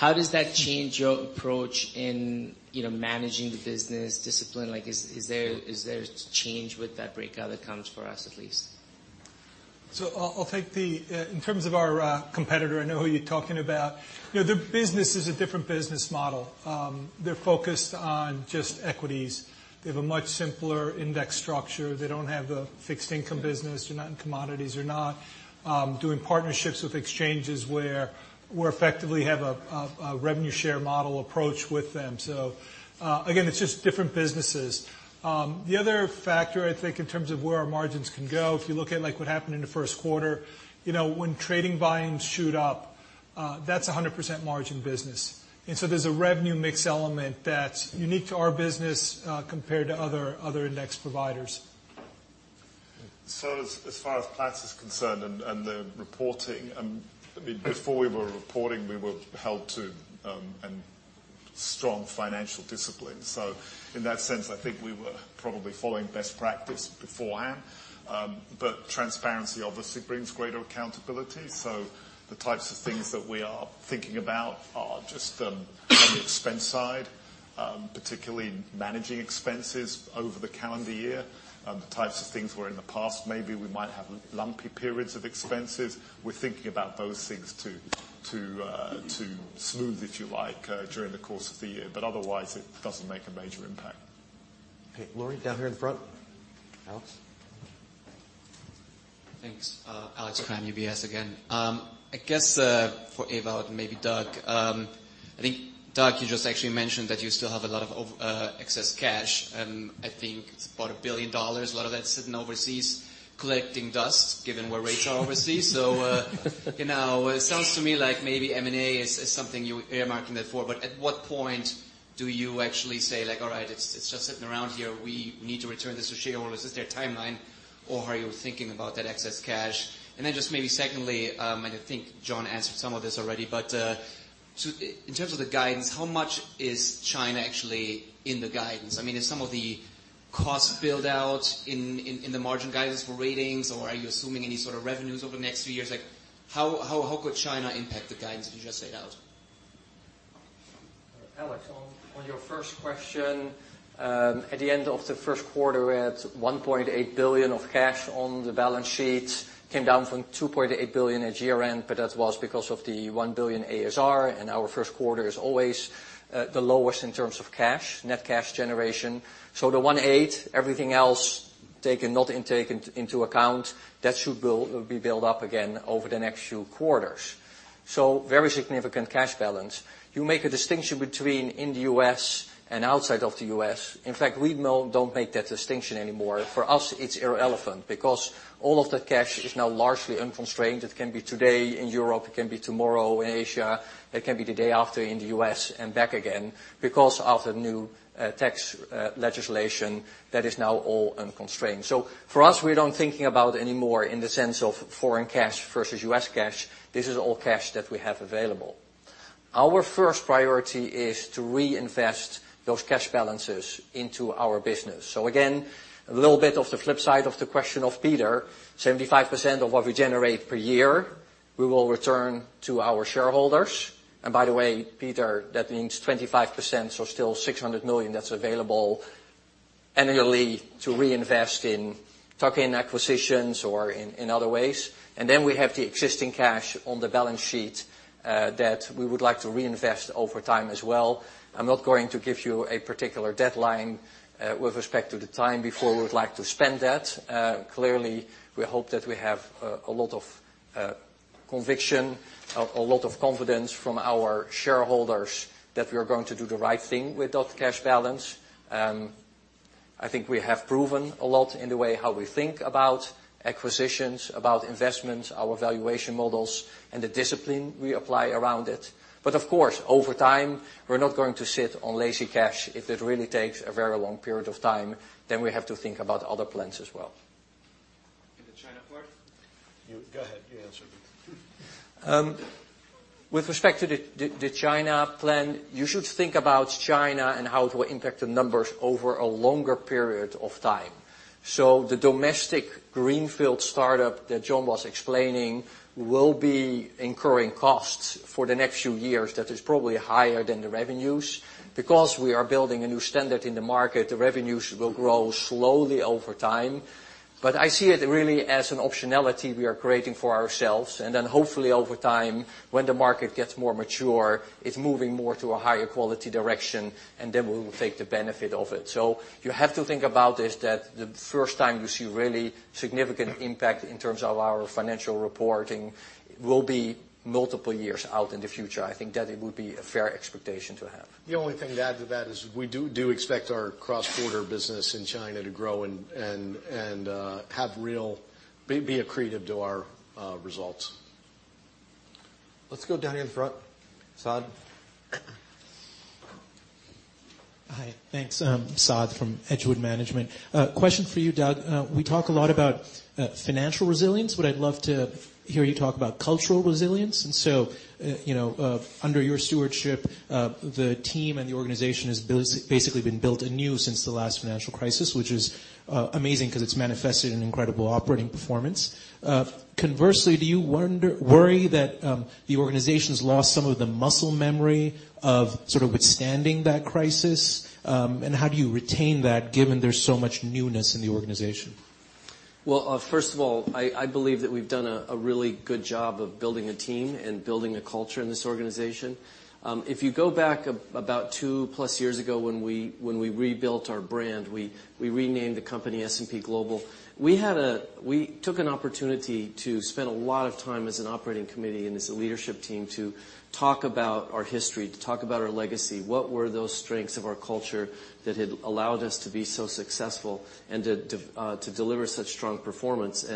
How does that change your approach in, you know, managing the business discipline? Like, is there change with that breakout that comes for us at least? I'll take the in terms of our competitor, I know who you're talking about. You know, their business is a different business model. They're focused on just equities. They have a much simpler index structure. They don't have a fixed income business. They're not in commodities. They're not doing partnerships with exchanges where we effectively have a revenue share model approach with them. Again, it's just different businesses. The other factor I think in terms of where our margins can go, if you look at like what happened in the first quarter, you know, when trading volumes shoot up, that's a 100% margin business. There's a revenue mix element that's unique to our business compared to other index providers. As far as Platts is concerned and the reporting, I mean, before we were reporting, we were held to strong financial discipline. In that sense, I think we were probably following best practice beforehand. Transparency obviously brings greater accountability. The types of things that we are thinking about are just on the expense side, particularly managing expenses over the calendar year. The types of things where in the past maybe we might have lumpy periods of expenses, we're thinking about those things to smooth, if you like, during the course of the year. Otherwise, it doesn't make a major impact. Okay. Laurie, down here in the front. Alex? Thanks. Alex Kramm, UBS again. I guess for Ewout and maybe Doug, I think, Doug, you just actually mentioned that you still have a lot of excess cash, and I think it's about $1 billion. A lot of that's sitting overseas collecting dust, given where rates are overseas. You know, it sounds to me like maybe M&A is something you're earmarking that for. At what point do you actually say, like, "All right, it's just sitting around here. We need to return this to shareholders"? Is there a timeline or how are you thinking about that excess cash? Just maybe secondly, I think John answered some of this already. In terms of the guidance, how much is China actually in the guidance? I mean, is some of the costs build out in the margin guidance for ratings, or are you assuming any sort of revenues over the next few years? How could China impact the guidance that you just laid out? Alex Kramm, on your first question, at the end of the first quarter, we had $1.8 billion of cash on the balance sheet. Came down from $2.8 billion at year-end, that was because of the $1 billion ASR, our first quarter is always the lowest in terms of cash, net cash generation. The 1.8, everything else taken, not taken into account, that should be built up again over the next few quarters. Very significant cash balance. You make a distinction between in the U.S. and outside of the U.S. In fact, we don't make that distinction anymore. For us, it's irrelevant because all of the cash is now largely unconstrained. It can be today in Europe, it can be tomorrow in Asia, it can be the day after in the U.S. and back again. Because of the new tax legislation, that is now all unconstrained. For us, we're not thinking about it anymore in the sense of foreign cash versus U.S. cash. This is all cash that we have available. Our first priority is to reinvest those cash balances into our business. Again, a little bit of the flip side of the question of Peter. 75% of what we generate per year, we will return to our shareholders. By the way, Peter, that means 25%, still $600 million that's available annually to reinvest in tuck-in acquisitions or in other ways. Then we have the existing cash on the balance sheet that we would like to reinvest over time as well. I'm not going to give you a particular deadline with respect to the time before we would like to spend that. Clearly, we hope that we have a lot of conviction, a lot of confidence from our shareholders that we are going to do the right thing with that cash balance. I think we have proven a lot in the way how we think about acquisitions, about investments, our valuation models, and the discipline we apply around it. Of course, over time, we're not going to sit on lazy cash. If it really takes a very long period of time, we have to think about other plans as well. The China part? You go ahead. You answer it. With respect to the China plan, you should think about China and how it will impact the numbers over a longer period of time. The domestic greenfield startup that John was explaining will be incurring costs for the next few years that is probably higher than the revenues. Because we are building a new standard in the market, the revenues will grow slowly over time. I see it really as an optionality we are creating for ourselves, and then hopefully, over time, when the market gets more mature, it's moving more to a higher quality direction, and then we will take the benefit of it. You have to think about this that the first time you see really significant impact in terms of our financial reporting will be multiple years out in the future. I think that it would be a fair expectation to have. The only thing to add to that is we do expect our cross-border business in China to grow and have real be accretive to our results. Let's go down here in front. Saad? Hi. Thanks. I'm Saad from Edgewood Management. Question for you, Doug. We talk a lot about financial resilience, but I'd love to hear you talk about cultural resilience. Under your stewardship, the team and the organization has basically been built anew since the last financial crisis, which is amazing 'cause it's manifested in incredible operating performance. Conversely, do you worry that the organization's lost some of the muscle memory of sort of withstanding that crisis? How do you retain that given there's so much newness in the organization? Well, first of all, I believe that we've done a really good job of building a team and building a culture in this organization. If you go back about 2-plus years ago when we rebuilt our brand, we renamed the company S&P Global, we took an opportunity to spend a lot of time as an operating committee and as a leadership team to talk about our history, to talk about our legacy. What were those strengths of our culture that had allowed us to be so successful and to deliver such strong performance?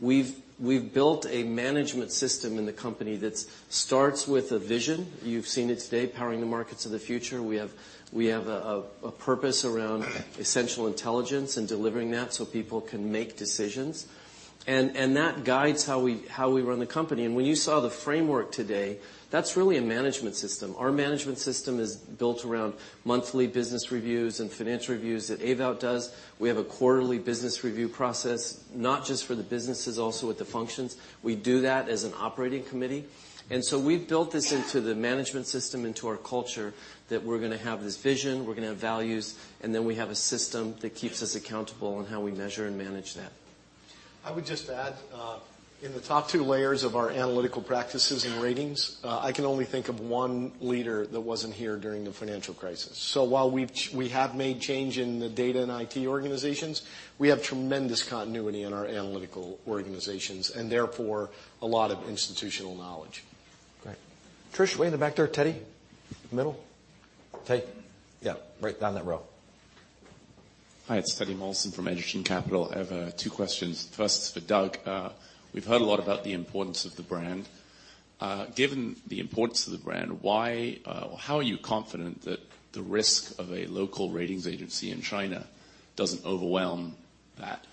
We've built a management system in the company that starts with a vision. You've seen it today, Powering the Markets of the Future. We have a purpose around essential intelligence and delivering that so people can make decisions. That guides how we run the company. When you saw the framework today, that's really a management system. Our management system is built around monthly business reviews and financial reviews that Ewout does. We have a quarterly business review process, not just for the businesses, also with the functions. We do that as an operating committee. We've built this into the management system, into our culture that we're gonna have this vision, we're gonna have values, and then we have a system that keeps us accountable on how we measure and manage that. I would just add, in the top two layers of our analytical practices and ratings, I can only think of one leader that wasn't here during the financial crisis. While we have made change in the data and IT organizations, we have tremendous continuity in our analytical organizations, and therefore, a lot of institutional knowledge. Great. Trish, way in the back there. Teddy? Middle. Teddy. Yeah, right down that row. Hi, it's Teddy Molson from Egerton Capital. I have two questions. First is for Doug. We've heard a lot about the importance of the brand. Given the importance of the brand, why, how are you confident that the risk of a local ratings agency in China doesn't overwhelm that?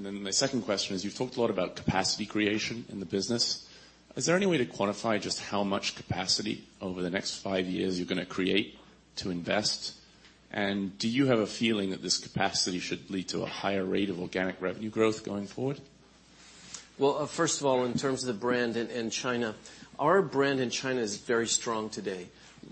My second question is, you've talked a lot about capacity creation in the business. Is there any way to quantify just how much capacity over the next five years you're gonna create to invest? Do you have a feeling that this capacity should lead to a higher rate of organic revenue growth going forward? First of all, in terms of the brand in China, our brand in China is very strong today.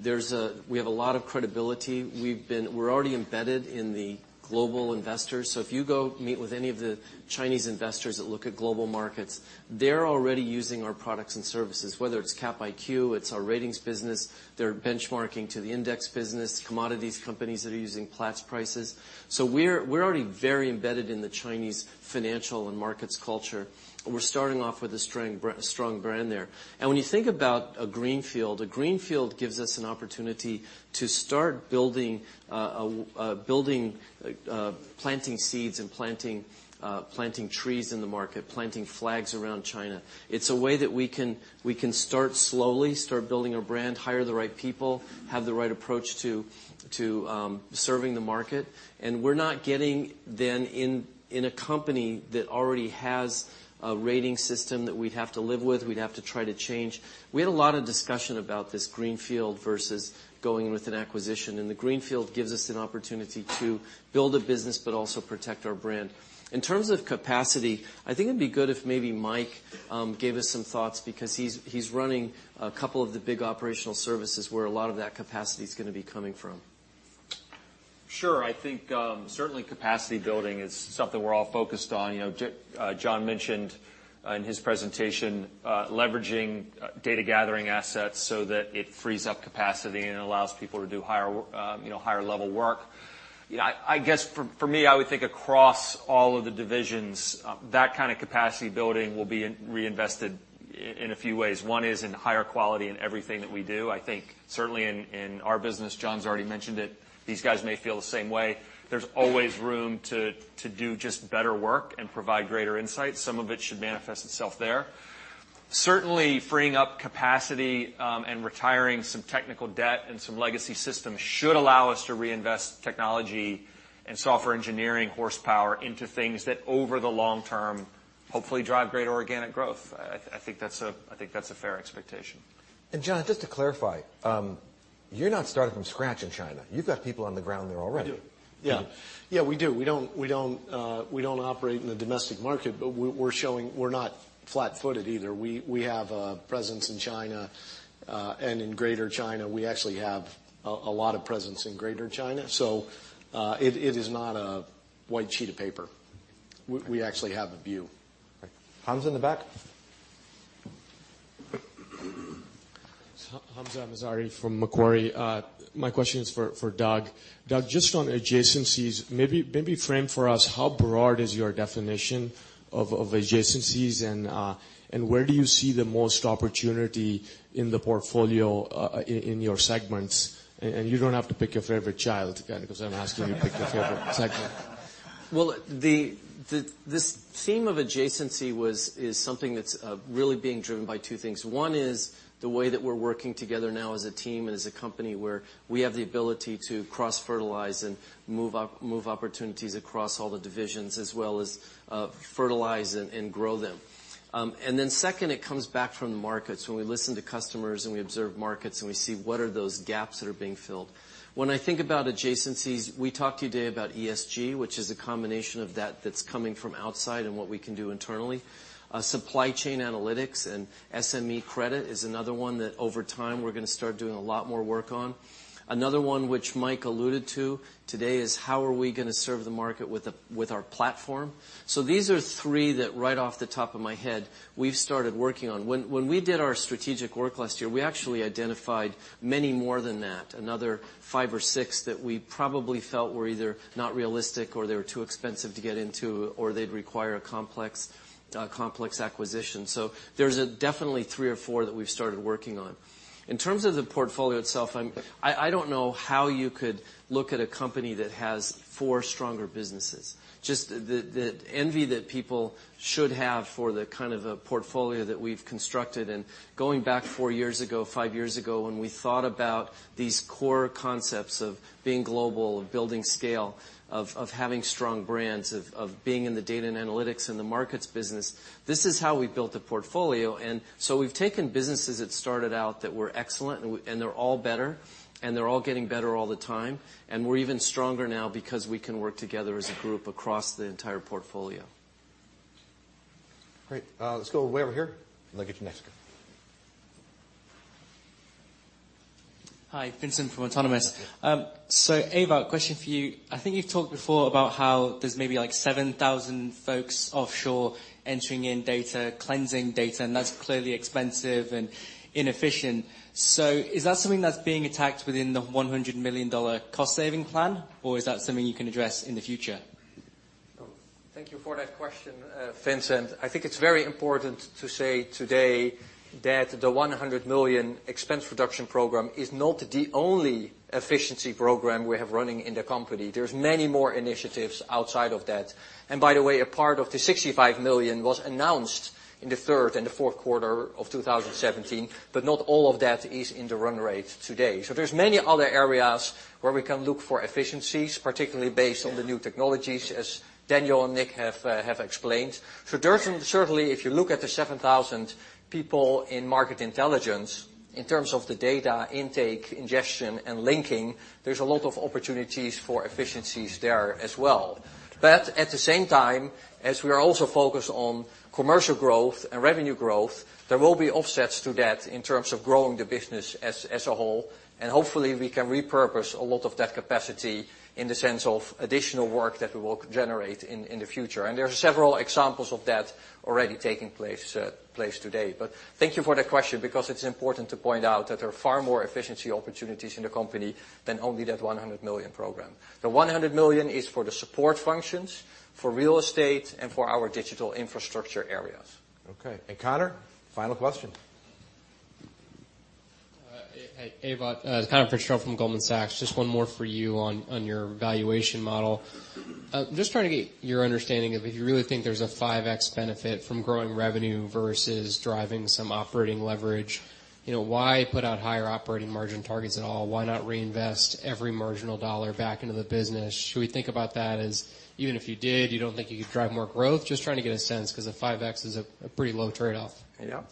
We have a lot of credibility. We're already embedded in the global investors. If you go meet with any of the Chinese investors that look at global markets, they're already using our products and services, whether it's CapIQ, it's our ratings business. They're benchmarking to the index business, commodities companies that are using Platts prices. We're already very embedded in the Chinese financial and markets culture. We're starting off with a strong brand there. When you think about a greenfield, a greenfield gives us an opportunity to start building, a building, planting seeds and planting trees in the market, planting flags around China. It's a way that we can start slowly, start building our brand, hire the right people, have the right approach to serving the market. We're not getting then in a company that already has a rating system that we'd have to live with, we'd have to try to change. We had a lot of discussion about this greenfield versus going with an acquisition, the greenfield gives us an opportunity to build a business but also protect our brand. In terms of capacity, I think it'd be good if maybe Mike Chinn gave us some thoughts because he's running a couple of the big operational services where a lot of that capacity is gonna be coming from. Sure. I think certainly capacity building is something we're all focused on. You know, John mentioned in his presentation leveraging data gathering assets so that it frees up capacity and allows people to do higher level work. You know, I guess for me, I would think across all of the divisions that kind of capacity building will be reinvested in a few ways. One is in higher quality in everything that we do. I think certainly in our business, John's already mentioned it, these guys may feel the same way. There's always room to do just better work and provide greater insight. Some of it should manifest itself there. Certainly, freeing up capacity, and retiring some technical debt and some legacy systems should allow us to reinvest technology and software engineering horsepower into things that over the long term hopefully drive greater organic growth. I think that's a fair expectation. John, just to clarify, you're not starting from scratch in China. You've got people on the ground there already. We do. Yeah. You do. Yeah, we do. We don't operate in the domestic market, but we're showing we're not flat-footed either. We have a presence in China and in Greater China. We actually have a lot of presence in Greater China. It is not a white sheet of paper. We actually have a view. Right. Hamzah in the back. Hamzah Mazari from Macquarie. My question is for Doug. Doug, just on adjacencies, maybe frame for us how broad is your definition of adjacencies and where do you see the most opportunity in the portfolio in your segments? You don't have to pick your favorite child, 'cause I'm asking you to pick your favorite segment. Well, this theme of adjacency is something that's really being driven by two things. One is the way that we're working together now as a team and as a company, where we have the ability to cross-fertilize and move opportunities across all the divisions as well as fertilize and grow them. Second, it comes back from the markets. When we listen to customers and we observe markets, we see what are those gaps that are being filled. When I think about adjacencies, we talked today about ESG, which is a combination of that that's coming from outside and what we can do internally. Supply chain analytics and SME credit is another one that over time we're gonna start doing a lot more work on. Another one which Mike alluded to today is how are we gonna serve the market with our platform. These are three that right off the top of my head we've started working on. When we did our strategic work last year, we actually identified many more than that, another five or six that we probably felt were either not realistic, or they were too expensive to get into, or they'd require a complex acquisition. There's definitely three or four that we've started working on. In terms of the portfolio itself, I don't know how you could look at a company that has four stronger businesses. Just the envy that people should have for the kind of a portfolio that we've constructed. Going back four years ago, five years ago, when we thought about these core concepts of being global, of building scale, of having strong brands, of being in the data and analytics and the markets business, this is how we built the portfolio. We've taken businesses that started out that were excellent, and they're all better, and they're all getting better all the time. We're even stronger now because we can work together as a group across the entire portfolio. Great. Let's go way over here, and then I'll get you next. Hi. Vincent from Autonomous. Ewout, question for you. I think you've talked before about how there's maybe, like, 7,000 folks offshore entering in data, cleansing data, and that's clearly expensive and inefficient. Is that something that's being attacked within the $100 million cost saving plan? Is that something you can address in the future? Thank you for that question, Vincent. I think it's very important to say today that the $100 million expense reduction program is not the only efficiency program we have running in the company. There's many more initiatives outside of that. By the way, a part of the $65 million was announced in the third and the fourth quarter of 2017, but not all of that is in the run rate today. There's many other areas where we can look for efficiencies, particularly based on the new technologies, as Daniel and Nick have explained. Certainly, if you look at the 7,000 people in Market Intelligence, in terms of the data intake, ingestion, and linking, there's a lot of opportunities for efficiencies there as well. At the same time, as we are also focused on commercial growth and revenue growth, there will be offsets to that in terms of growing the business as a whole, and hopefully we can repurpose a lot of that capacity in the sense of additional work that we will generate in the future. There are several examples of that already taking place today. Thank you for that question because it's important to point out that there are far more efficiency opportunities in the company than only that $100 million program. The $100 million is for the support functions, for real estate, and for our digital infrastructure areas. Okay. Conor, final question. Hey, Ewout, Conor Fitzgerald from Goldman Sachs. Just one more for you on your valuation model. Just trying to get your understanding of if you really think there's a 5x benefit from growing revenue versus driving some operating leverage. You know, why put out higher operating margin targets at all? Why not reinvest every marginal dollar back into the business? Should we think about that as even if you did, you don't think you could drive more growth? Just trying to get a sense, 'cause a 5x is a pretty low trade-off. Yeah. Well,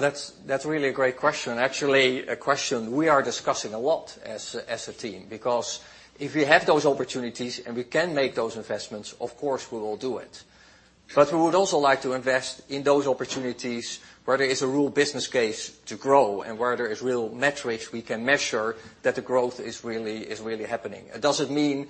that's really a great question, actually a question we are discussing a lot as a team. If we have those opportunities, and we can make those investments, of course, we will do it. We would also like to invest in those opportunities where there is a real business case to grow, and where there is real metrics we can measure that the growth is really happening. It doesn't mean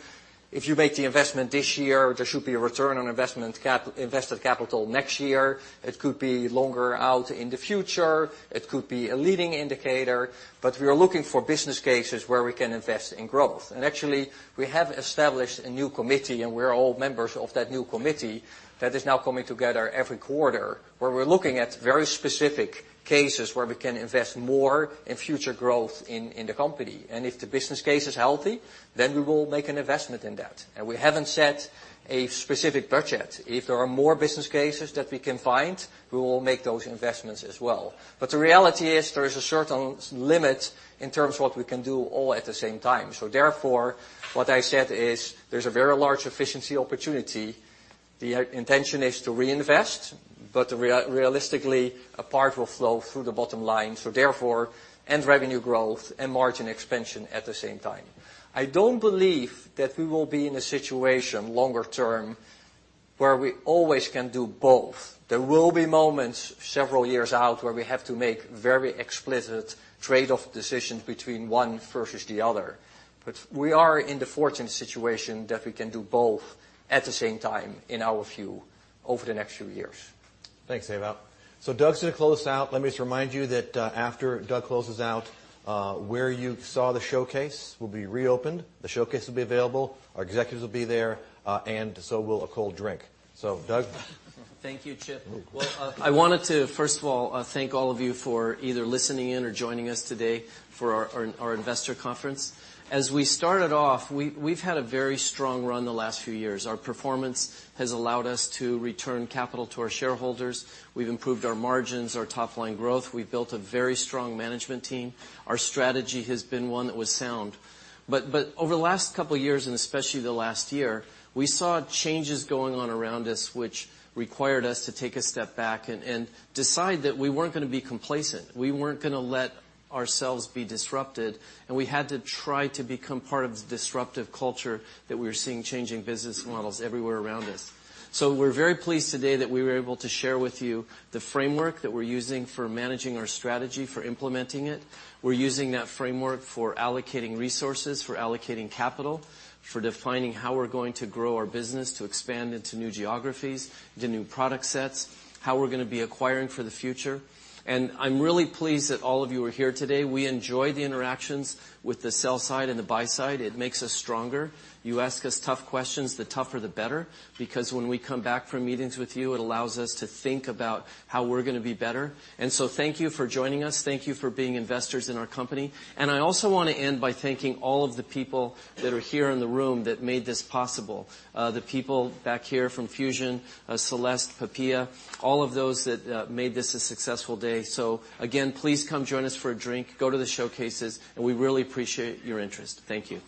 if you make the investment this year, there should be a return on investment invested capital next year. It could be longer out in the future. It could be a leading indicator. We are looking for business cases where we can invest in growth. Actually, we have established a new committee, and we're all members of that new committee that is now coming together every quarter, where we're looking at very specific cases where we can invest more in future growth in the company. If the business case is healthy, then we will make an investment in that. We haven't set a specific budget. If there are more business cases that we can find, we will make those investments as well. The reality is there is a certain limit in terms of what we can do all at the same time. Therefore, what I said is there's a very large efficiency opportunity. The intention is to reinvest, but realistically, a part will flow through the bottom line, so therefore, end revenue growth and margin expansion at the same time. I don't believe that we will be in a situation longer term where we always can do both. There will be moments several years out where we have to make very explicit trade-off decisions between one versus the other. We are in the fortunate situation that we can do both at the same time, in our view, over the next few years. Thanks, Ewout Steenbergen. Doug's gonna close out. Let me just remind you that after Doug closes out, where you saw the showcase will be reopened. The showcase will be available. Our executives will be there, and so will a cold drink. Doug? Thank you, Chip. I wanted to, first of all, thank all of you for either listening in or joining us today for our investor conference. As we started off, we've had a very strong run the last few years. Our performance has allowed us to return capital to our shareholders. We've improved our margins, our top-line growth. We've built a very strong management team. Our strategy has been one that was sound. Over the last couple years, and especially the last year, we saw changes going on around us which required us to take a step back and decide that we weren't gonna be complacent. We weren't gonna let ourselves be disrupted, and we had to try to become part of the disruptive culture that we were seeing changing business models everywhere around us. We're very pleased today that we were able to share with you the framework that we're using for managing our strategy for implementing it. We're using that framework for allocating resources, for allocating capital, for defining how we're going to grow our business to expand into new geographies, into new product sets, how we're gonna be acquiring for the future. I'm really pleased that all of you are here today. We enjoy the interactions with the sell side and the buy side. It makes us stronger. You ask us tough questions, the tougher the better, because when we come back from meetings with you, it allows us to think about how we're gonna be better. Thank you for joining us. Thank you for being investors in our company. I also want to end by thanking all of the people that are here in the room that made this possible. The people back here from Fusion, Celeste, [Papiya], all of those that made this a successful day. Again, please come join us for a drink. Go to the showcases, we really appreciate your interest. Thank you.